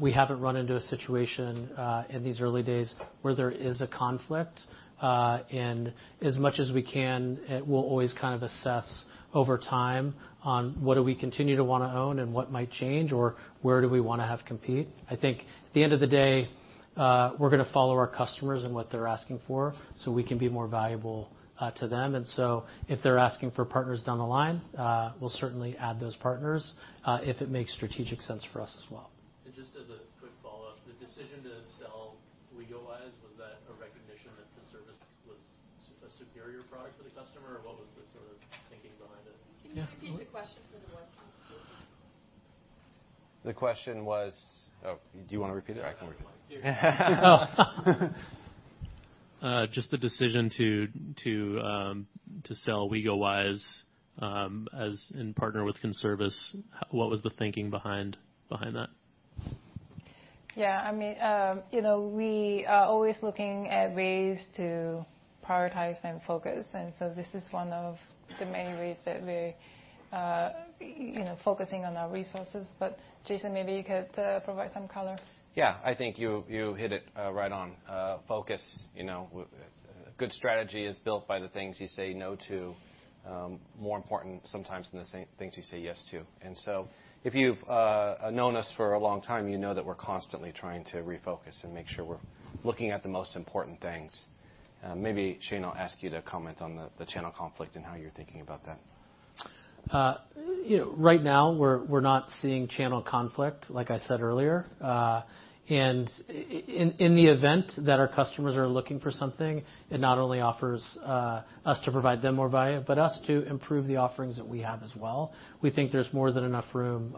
S4: We haven't run into a situation in these early days where there is a conflict. As much as we can, we'll always kind of assess over time on what do we continue to wanna own and what might change, or where we wanna compete. I think at the end of the day, we're gonna follow our customers and what they're asking for so we can be more valuable to them. If they're asking for partners down the line, we'll certainly add those partners, if it makes strategic sense for us as well.
S11: Just as a quick follow-up, the decision to sell WegoWise, was that a recognition that the service was such a superior product for the customer? Or what was the sort of thinking behind it?
S14: Can you repeat the question for the recording?
S3: Oh, do you wanna repeat it? I can repeat it.
S11: Just the decision to sell WegoWise and partner with Conservice, what was the thinking behind that?
S14: Yeah. I mean we are always looking at ways to prioritize and focus, and so this is one of the main ways that we're focusing on our resources. But Jason, maybe you could provide some color.
S3: Yeah. I think you hit it right on. focus a good strategy is built by the things you say no to, more important sometimes than the things you say yes to. If you've known us for a long time, you know that we're constantly trying to refocus and make sure we're looking at the most important things. Maybe Shane, I'll ask you to comment on the channel conflict and how you're thinking about that.
S4: You know, right now we're not seeing channel conflict, like I said earlier. In the event that our customers are looking for something, it not only offers us to provide them more value, but us to improve the offerings that we have as well. We think there's more than enough room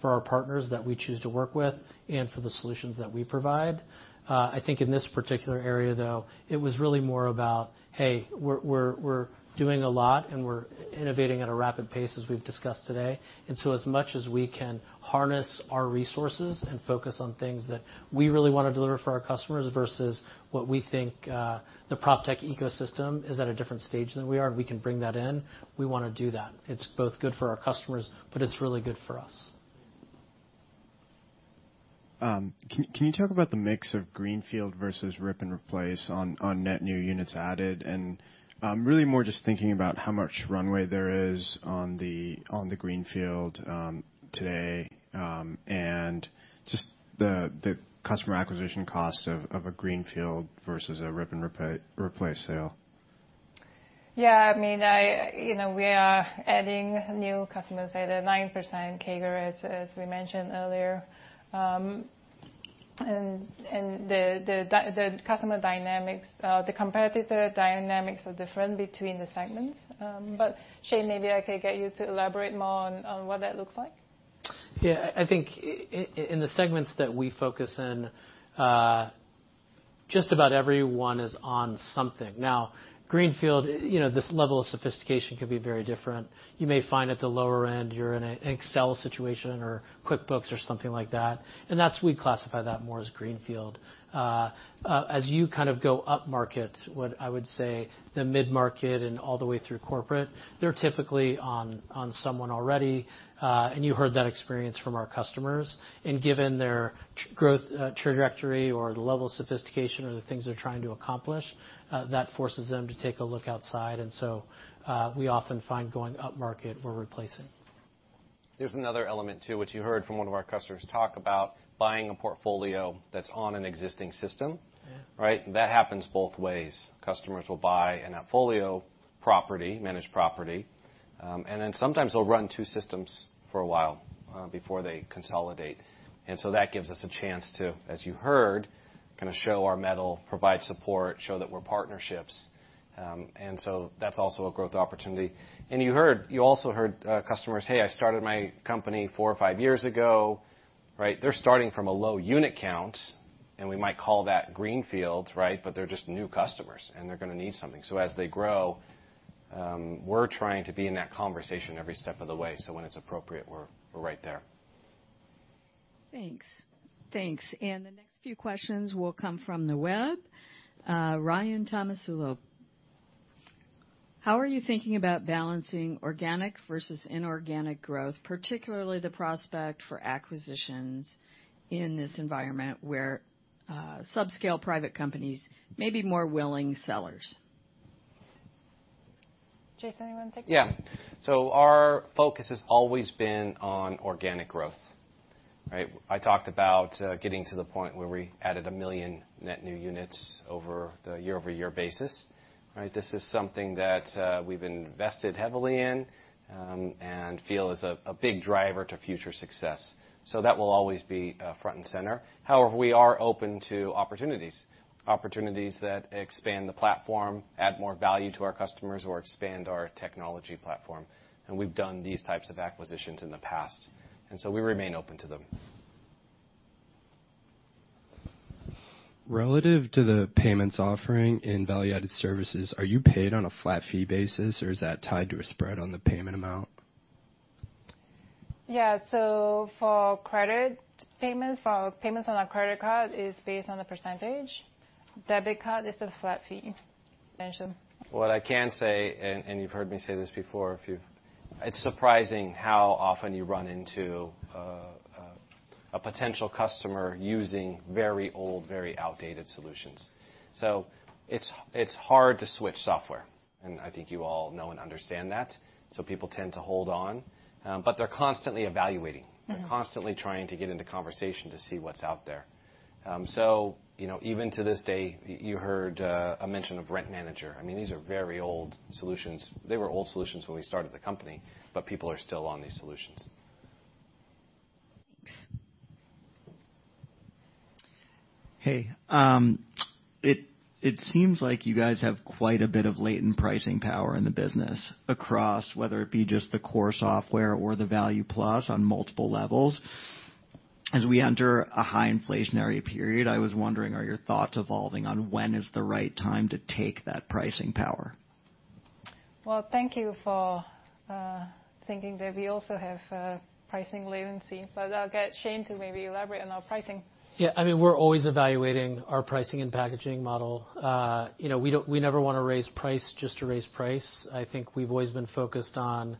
S4: for our partners that we choose to work with and for the solutions that we provide. I think in this particular area, though, it was really more about, hey, we're doing a lot, and we're innovating at a rapid pace, as we've discussed today. As much as we can harness our resources and focus on things that we really wanna deliver for our customers versus what we think, the PropTech ecosystem is at a different stage than we are, and we can bring that in, we wanna do that. It's both good for our customers, but it's really good for us.
S11: Can you talk about the mix of greenfield versus rip and replace on net new units added? Really more just thinking about how much runway there is on the greenfield today, and just the customer acquisition costs of a greenfield versus a rip and replace sale.
S14: Yeah, I mean we are adding new customers at a 9% CAGR, as we mentioned earlier. The customer dynamics, the competitor dynamics are different between the segments. Shane, maybe I could get you to elaborate more on what that looks like.
S4: I think in the segments that we focus in, just about every one is on something. Now, greenfield this level of sophistication can be very different. You may find at the lower end, you're in an Excel situation or QuickBooks or something like that, and that's. We'd classify that more as greenfield. As you kind of go upmarket, what I would say the mid-market and all the way through corporate, they're typically on someone already, and you heard that experience from our customers. Given their growth trajectory or the level of sophistication or the things they're trying to accomplish, that forces them to take a look outside. We often find going upmarket, we're replacing.
S3: There's another element too, which you heard from one of our customers talk about buying a portfolio that's on an existing system.
S4: Yeah.
S3: Right? That happens both ways. Customers will buy an AppFolio property, managed property, and then sometimes they'll run two systems for a while before they consolidate. That gives us a chance to, as you heard, kinda show our mettle, provide support, show that we're partnerships. That's also a growth opportunity. You also heard customers, "Hey, I started my company four or five years ago." Right? They're starting from a low unit count, and we might call that greenfield, right? They're just new customers, and they're gonna need something. As they grow, we're trying to be in that conversation every step of the way, so when it's appropriate, we're right there.
S2: Thanks. The next few questions will come from the web. Ryan Tomasello. How are you thinking about balancing organic versus inorganic growth, particularly the prospect for acquisitions in this environment where subscale private companies may be more willing sellers?
S14: Jason, you wanna take that?
S3: Yeah. Our focus has always been on organic growth, right? I talked about getting to the point where we added 1 million net new units over the year-over-year basis, right? This is something that we've invested heavily in and feel is a big driver to future success. That will always be front and center. However, we are open to opportunities that expand the platform, add more value to our customers, or expand our technology platform, and we've done these types of acquisitions in the past, and we remain open to them.
S11: Relative to the payments offering in value-added services, are you paid on a flat fee basis, or is that tied to a spread on the payment amount?
S14: For credit payments, for payments on a credit card, it's based on a percentage. Debit card, it's a flat fee, as mentioned.
S3: What I can say, you've heard me say this before. It's surprising how often you run into a potential customer using very old, very outdated solutions. It's hard to switch software, and I think you all know and understand that, so people tend to hold on. They're constantly evaluating. Constantly trying to get into conversation to see what's out there. You know, even to this day, you heard a mention of Rent Manager. I mean, these are very old solutions. They were old solutions when we started the company, but people are still on these solutions.
S2: Thanks.
S11: Hey. It seems like you guys have quite a bit of latent pricing power in the business across whether it be just the core software or the V Plus on multiple levels. As we enter a high inflationary period, I was wondering, are your thoughts evolving on when is the right time to take that pricing power?
S14: Well, thank you for thinking that we also have pricing latency. I'll get Shane to maybe elaborate on our pricing.
S4: Yeah. I mean, we're always evaluating our pricing and packaging model. We never wanna raise price just to raise price. I think we've always been focused on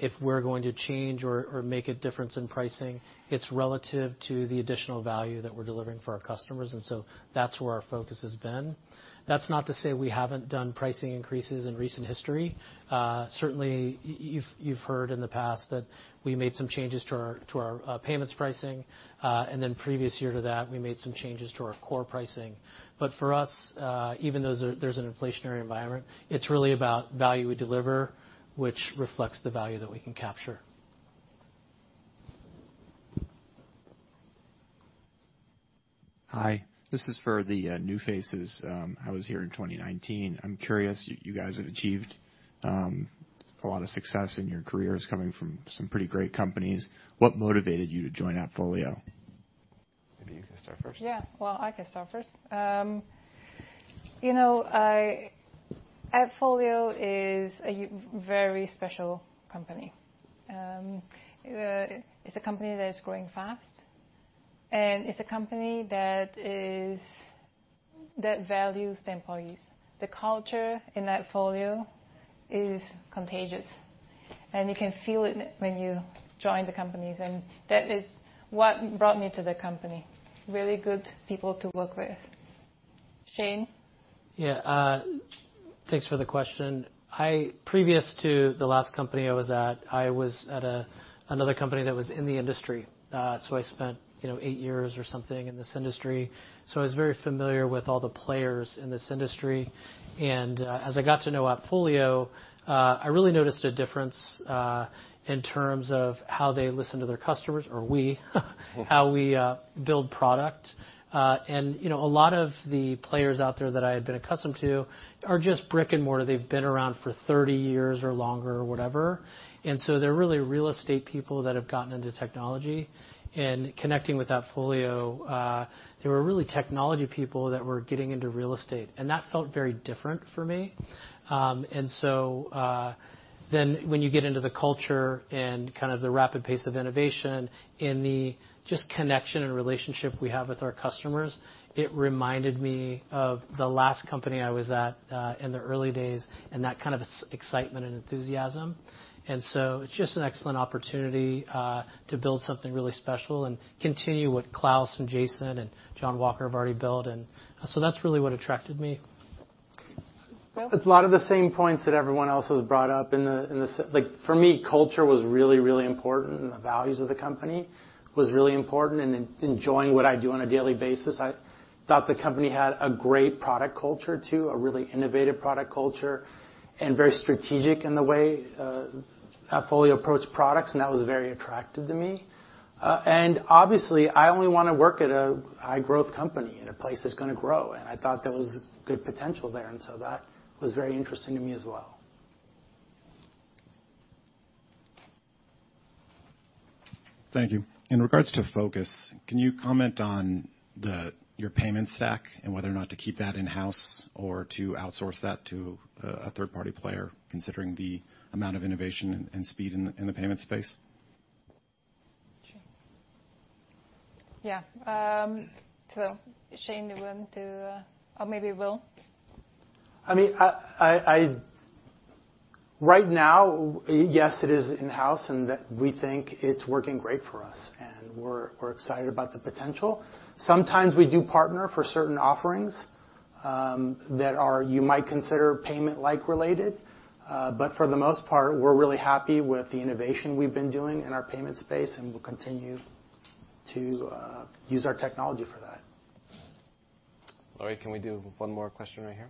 S4: if we're going to change or make a difference in pricing, it's relative to the additional value that we're delivering for our customers. That's where our focus has been. That's not to say we haven't done pricing increases in recent history. Certainly, you've heard in the past that we made some changes to our payments pricing. Previous year to that, we made some changes to our core pricing. For us, there's an inflationary environment. It's really about value we deliver, which reflects the value that we can capture.
S14: Hi. This is for the new faces. I was here in 2019. I'm curious, you guys have achieved a lot of success in your careers coming from some pretty great companies. What motivated you to join AppFolio?
S5: Maybe you can start first.
S14: Yeah. Well, I can start first. You know, AppFolio is a very special company. It's a company that is growing fast, and it's a company that values the employees. The culture in AppFolio is contagious, and you can feel it when you join the company. That is what brought me to the company. Really good people to work with. Shane?
S4: Yeah. Thanks for the question. Previous to the last company I was at, I was at another company that was in the industry. I spent eight years or something in this industry, so I was very familiar with all the players in this industry. As I got to know AppFolio, I really noticed a difference in terms of how they listen to their customers, how we build product. You know, a lot of the players out there that I had been accustomed to are just brick-and-mortar. They've been around for 30 years or longer or whatever. They're really real estate people that have gotten into technology. Connecting with AppFolio, they were really technology people that were getting into real estate, and that felt very different for me. When you get into the culture and kind of the rapid pace of innovation and the just connection and relationship we have with our customers, it reminded me of the last company I was at, in the early days and that kind of excitement and enthusiasm. It's just an excellent opportunity, to build something really special and continue what Klaus and Jason and Jon Walker have already built. That's really what attracted me.
S14: Will?
S5: A lot of the same points that everyone else has brought up. Like, for me, culture was really, really important, and the values of the company was really important, and enjoying what I do on a daily basis. I thought the company had a great product culture, too, a really innovative product culture, and very strategic in the way AppFolio approached products, and that was very attractive to me. Obviously, I only wanna work at a high-growth company in a place that's gonna grow, and I thought there was good potential there, and so that was very interesting to me as well.
S11: Thank you. In regards to focus, can you comment on your payment stack and whether or not to keep that in-house or to outsource that to a third-party player considering the amount of innovation and speed in the payment space?
S14: Sure. Yeah. Shane, do you want to, or maybe Will.
S5: I mean, I right now, yes, it is in-house, we think it's working great for us, and we're excited about the potential. Sometimes we do partner for certain offerings that are you might consider payment-like related. For the most part, we're really happy with the innovation we've been doing in our payment space, and we'll continue to use our technology for that. Lori, can we do one more question right here?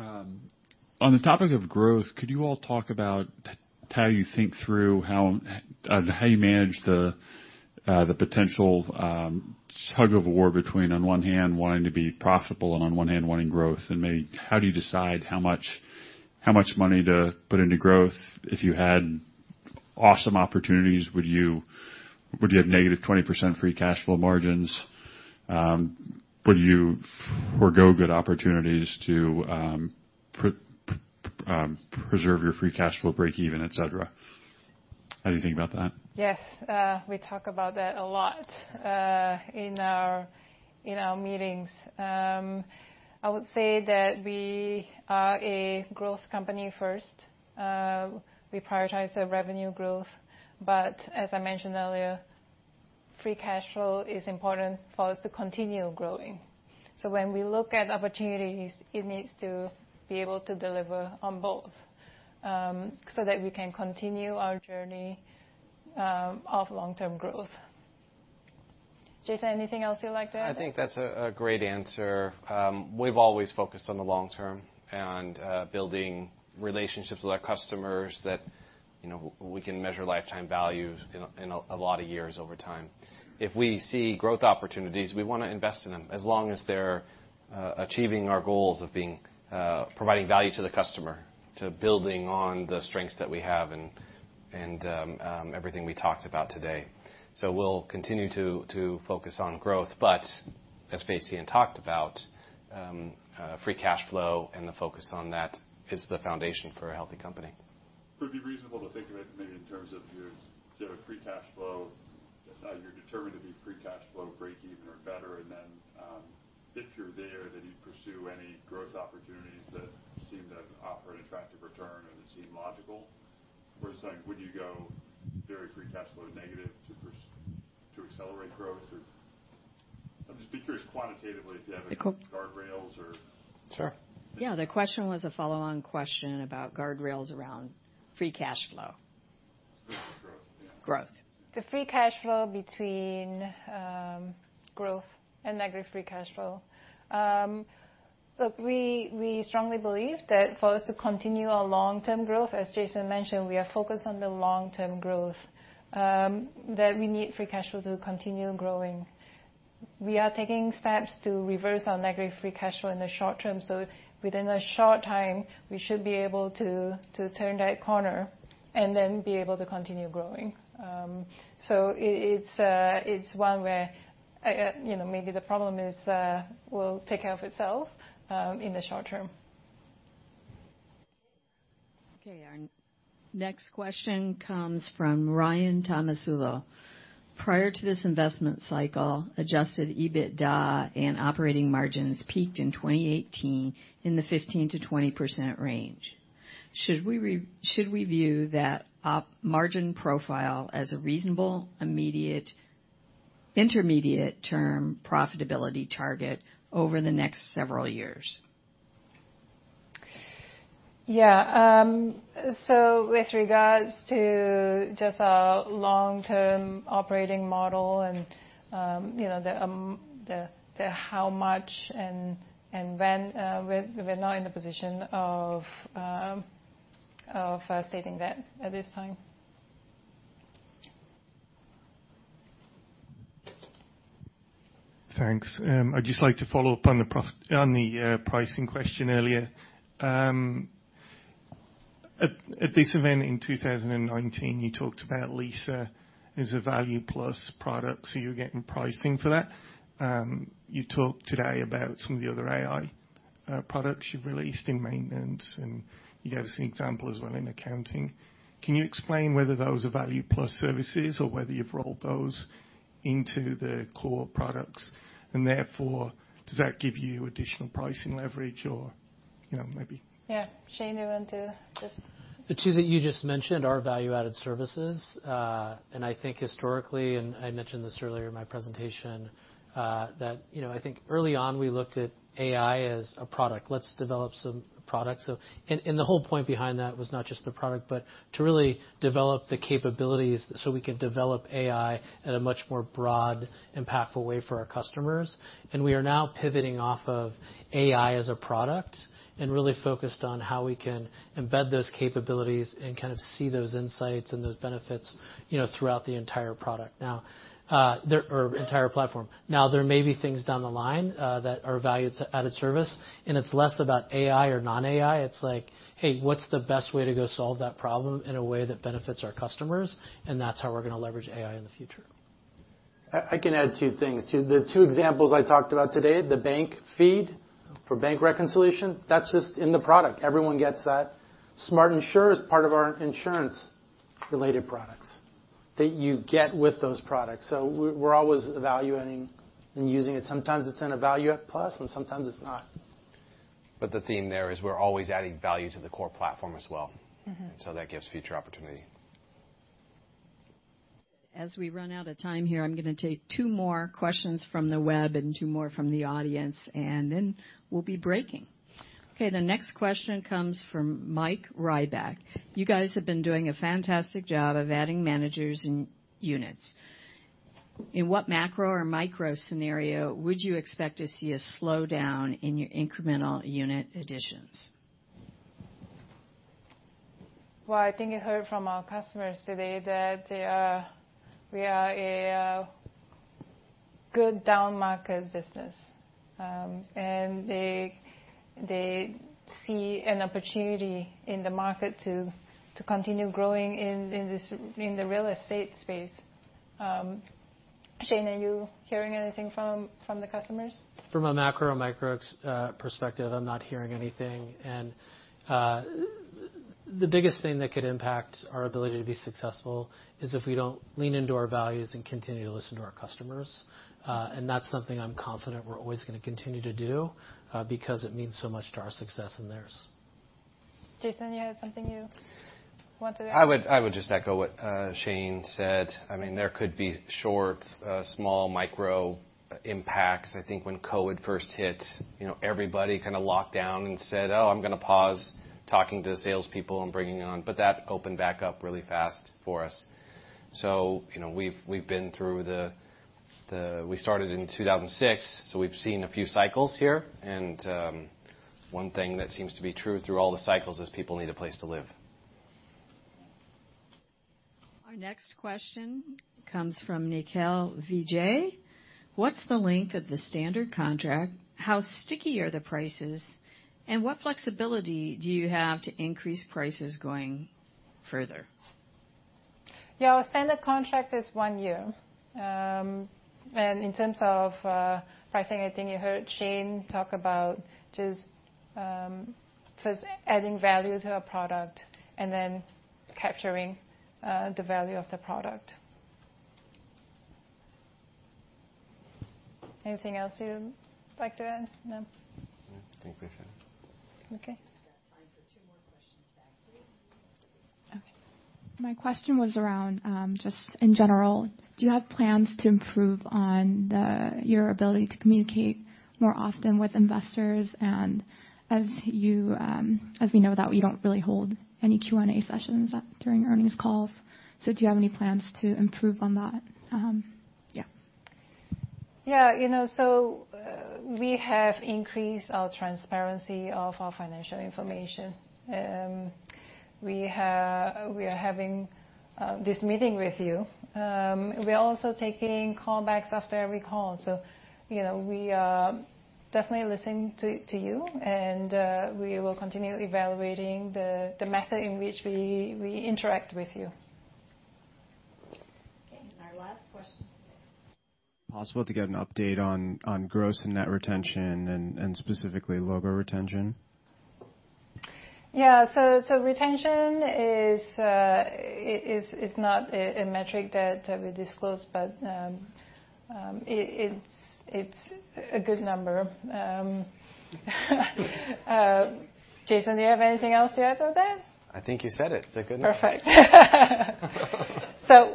S2: Sure. Let's do one more in the front, and then I'll take the rest in the back.
S5: Great.
S11: Thank you. On the topic of growth, could you all talk about how you think through how you manage the potential tug of war between, on one hand, wanting to be profitable and on one hand, wanting growth? How do you decide how much money to put into growth? If you had awesome opportunities, would you have negative 20% free cash flow margins? Would you forgo good opportunities to preserve your free cash flow breakeven, et cetera? How do you think about that?
S14: Yes. We talk about that a lot in our meetings. I would say that we are a growth company first. We prioritize the revenue growth. As I mentioned earlier, free cash flow is important for us to continue growing. When we look at opportunities, it needs to be able to deliver on both, so that we can continue our journey of long-term growth. Jason, anything else you'd like to add?
S3: I think that's a great answer. We've always focused on the long term and building relationships with our customers that we can measure lifetime value in a lot of years over time. If we see growth opportunities, we wanna invest in them as long as they're achieving our goals of being providing value to the customer, to building on the strengths that we have and everything we talked about today. We'll continue to focus on growth. As Fay Sien Goon talked about, free cash flow and the focus on that is the foundation for a healthy company.
S11: Would it be reasonable to think of it maybe in terms of your sort of free cash flow, just how you're determined to be free cash flow breakeven or better, and then, if you're there, then you'd pursue any growth opportunities that seem to offer an attractive return or that seem logical? Versus like, would you go very free cash flow negative to accelerate growth or I'm just curious quantitatively if you have any-
S2: Nicole.
S4: Sure.
S11: Yeah, the question was a follow-on question about guardrails around free cash flow.
S4: Growth, yeah.
S14: Growth. The free cash flow between, growth and negative free cash flow. Look, we strongly believe that for us to continue our long-term growth, as Jason mentioned, we are focused on the long-term growth, that we need free cash flow to continue growing. We are taking steps to reverse our negative free cash flow in the short term. Within a short time, we should be able to turn that corner and then be able to continue growing. It's one where maybe the problem is, will take care of itself, in the short term.
S2: Okay. Our next question comes from Ryan Tomasello. Prior to this investment cycle, adjusted EBITDA and operating margins peaked in 2018 in the 15%-20% range.
S11: Should we view that op margin profile as a reasonable, immediate, intermediate-term profitability target over the next several years?
S14: Yeah. With regards to just our long-term operating model and the how much and when, we're not in a position of stating that at this time.
S11: Thanks. I'd just like to follow up on the pricing question earlier. At this event in 2019, you talked about Lisa as a value plus product, so you're getting pricing for that. You talked today about some of the other AI products you've released in maintenance, and you gave us an example as well in accounting. Can you explain whether those are value plus services or whether you've rolled those into the core products? Therefore, does that give you additional pricing leverage or maybe...
S14: Yeah. Shane, you want to just-
S4: The two that you just mentioned are value-added services. I think historically, and I mentioned this earlier in my presentation, that I think early on, we looked at AI as a product. Let's develop some products. And the whole point behind that was not just the product, but to really develop the capabilities so we can develop AI at a much more broad, impactful way for our customers. We are now pivoting off of AI as a product and really focused on how we can embed those capabilities and kind of see those insights and those benefits throughout the entire platform. Now, there may be things down the line that are value-added service, and it's less about AI or non-AI. It's like, "Hey, what's the best way to go solve that problem in a way that benefits our customers?" That's how we're gonna leverage AI in the future. I can add two things. The two examples I talked about today, the bank feed for bank reconciliation, that's just in the product. Everyone gets that. Smart Ensure is part of our insurance-related products that you get with those products. We're always evaluating and using it. Sometimes it's in a V Plus, and sometimes it's not.
S11: The theme there is we're always adding value to the core platform as well. That gives future opportunity. As we run out of time here, I'm gonna take two more questions from the web and two more from the audience, and then we'll be breaking. Okay, the next question comes from Mike Ryback. You guys have been doing a fantastic job of adding managers and units. In what macro or micro scenario would you expect to see a slowdown in your incremental unit additions?
S4: Well, I think you heard from our customers today that we are a good downmarket business. They see an opportunity in the market to continue growing in this real estate space. Shane, are you hearing anything from the customers? From a macro or micro perspective, I'm not hearing anything. The biggest thing that could impact our ability to be successful is if we don't lean into our values and continue to listen to our customers. That's something I'm confident we're always gonna continue to do, because it means so much to our success and theirs.
S14: Jason, you had something you wanted to add?
S3: I would just echo what Shane said. I mean, there could be short, small micro impacts. I think when COVID first hit everybody kinda locked down and said, "Oh, I'm gonna pause talking to salespeople and bringing on." But that opened back up really fast for us. so we've been through. We started in 2006, so we've seen a few cycles here. One thing that seems to be true through all the cycles is people need a place to live. Our next question comes from Nikhil Vijay. What's the length of the standard contract? How sticky are the prices? And what flexibility do you have to increase prices going further?
S14: Yeah, our standard contract is one year. In terms of pricing, I think you heard Shane talk about just first adding value to our product and then capturing the value of the product. Anything else you'd like to add? No?
S2: No. I think that's it.
S15: Okay.
S2: We've got time for two more questions now.
S11: Okay. My question was around, just in general, do you have plans to improve on your ability to communicate more often with investors and as we know that you don't really hold any Q&A sessions during earnings calls. Do you have any plans to improve on that? Yeah.
S14: Yeah. You know, we have increased our transparency of our financial information. We are having this meeting with you. We're also taking callbacks after every call. You know, we are definitely listening to you, and we will continue evaluating the method in which we interact with you.
S2: Okay. Our last question today.
S11: Possible to get an update on gross and net retention and specifically logo retention?
S15: Retention is not a metric that we disclose, but it's a good number. Jason, do you have anything else to add to that?
S2: I think you said it. It's a good number.
S14: Perfect.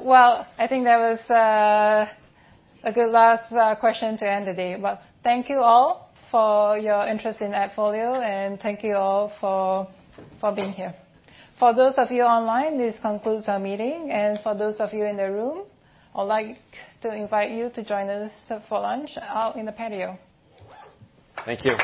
S14: Well, I think that was a good last question to end the day. Well, thank you all for your interest in AppFolio, and thank you all for being here. For those of you online, this concludes our meeting, and for those of you in the room, I'd like to invite you to join us for lunch out in the patio.
S2: Thank you.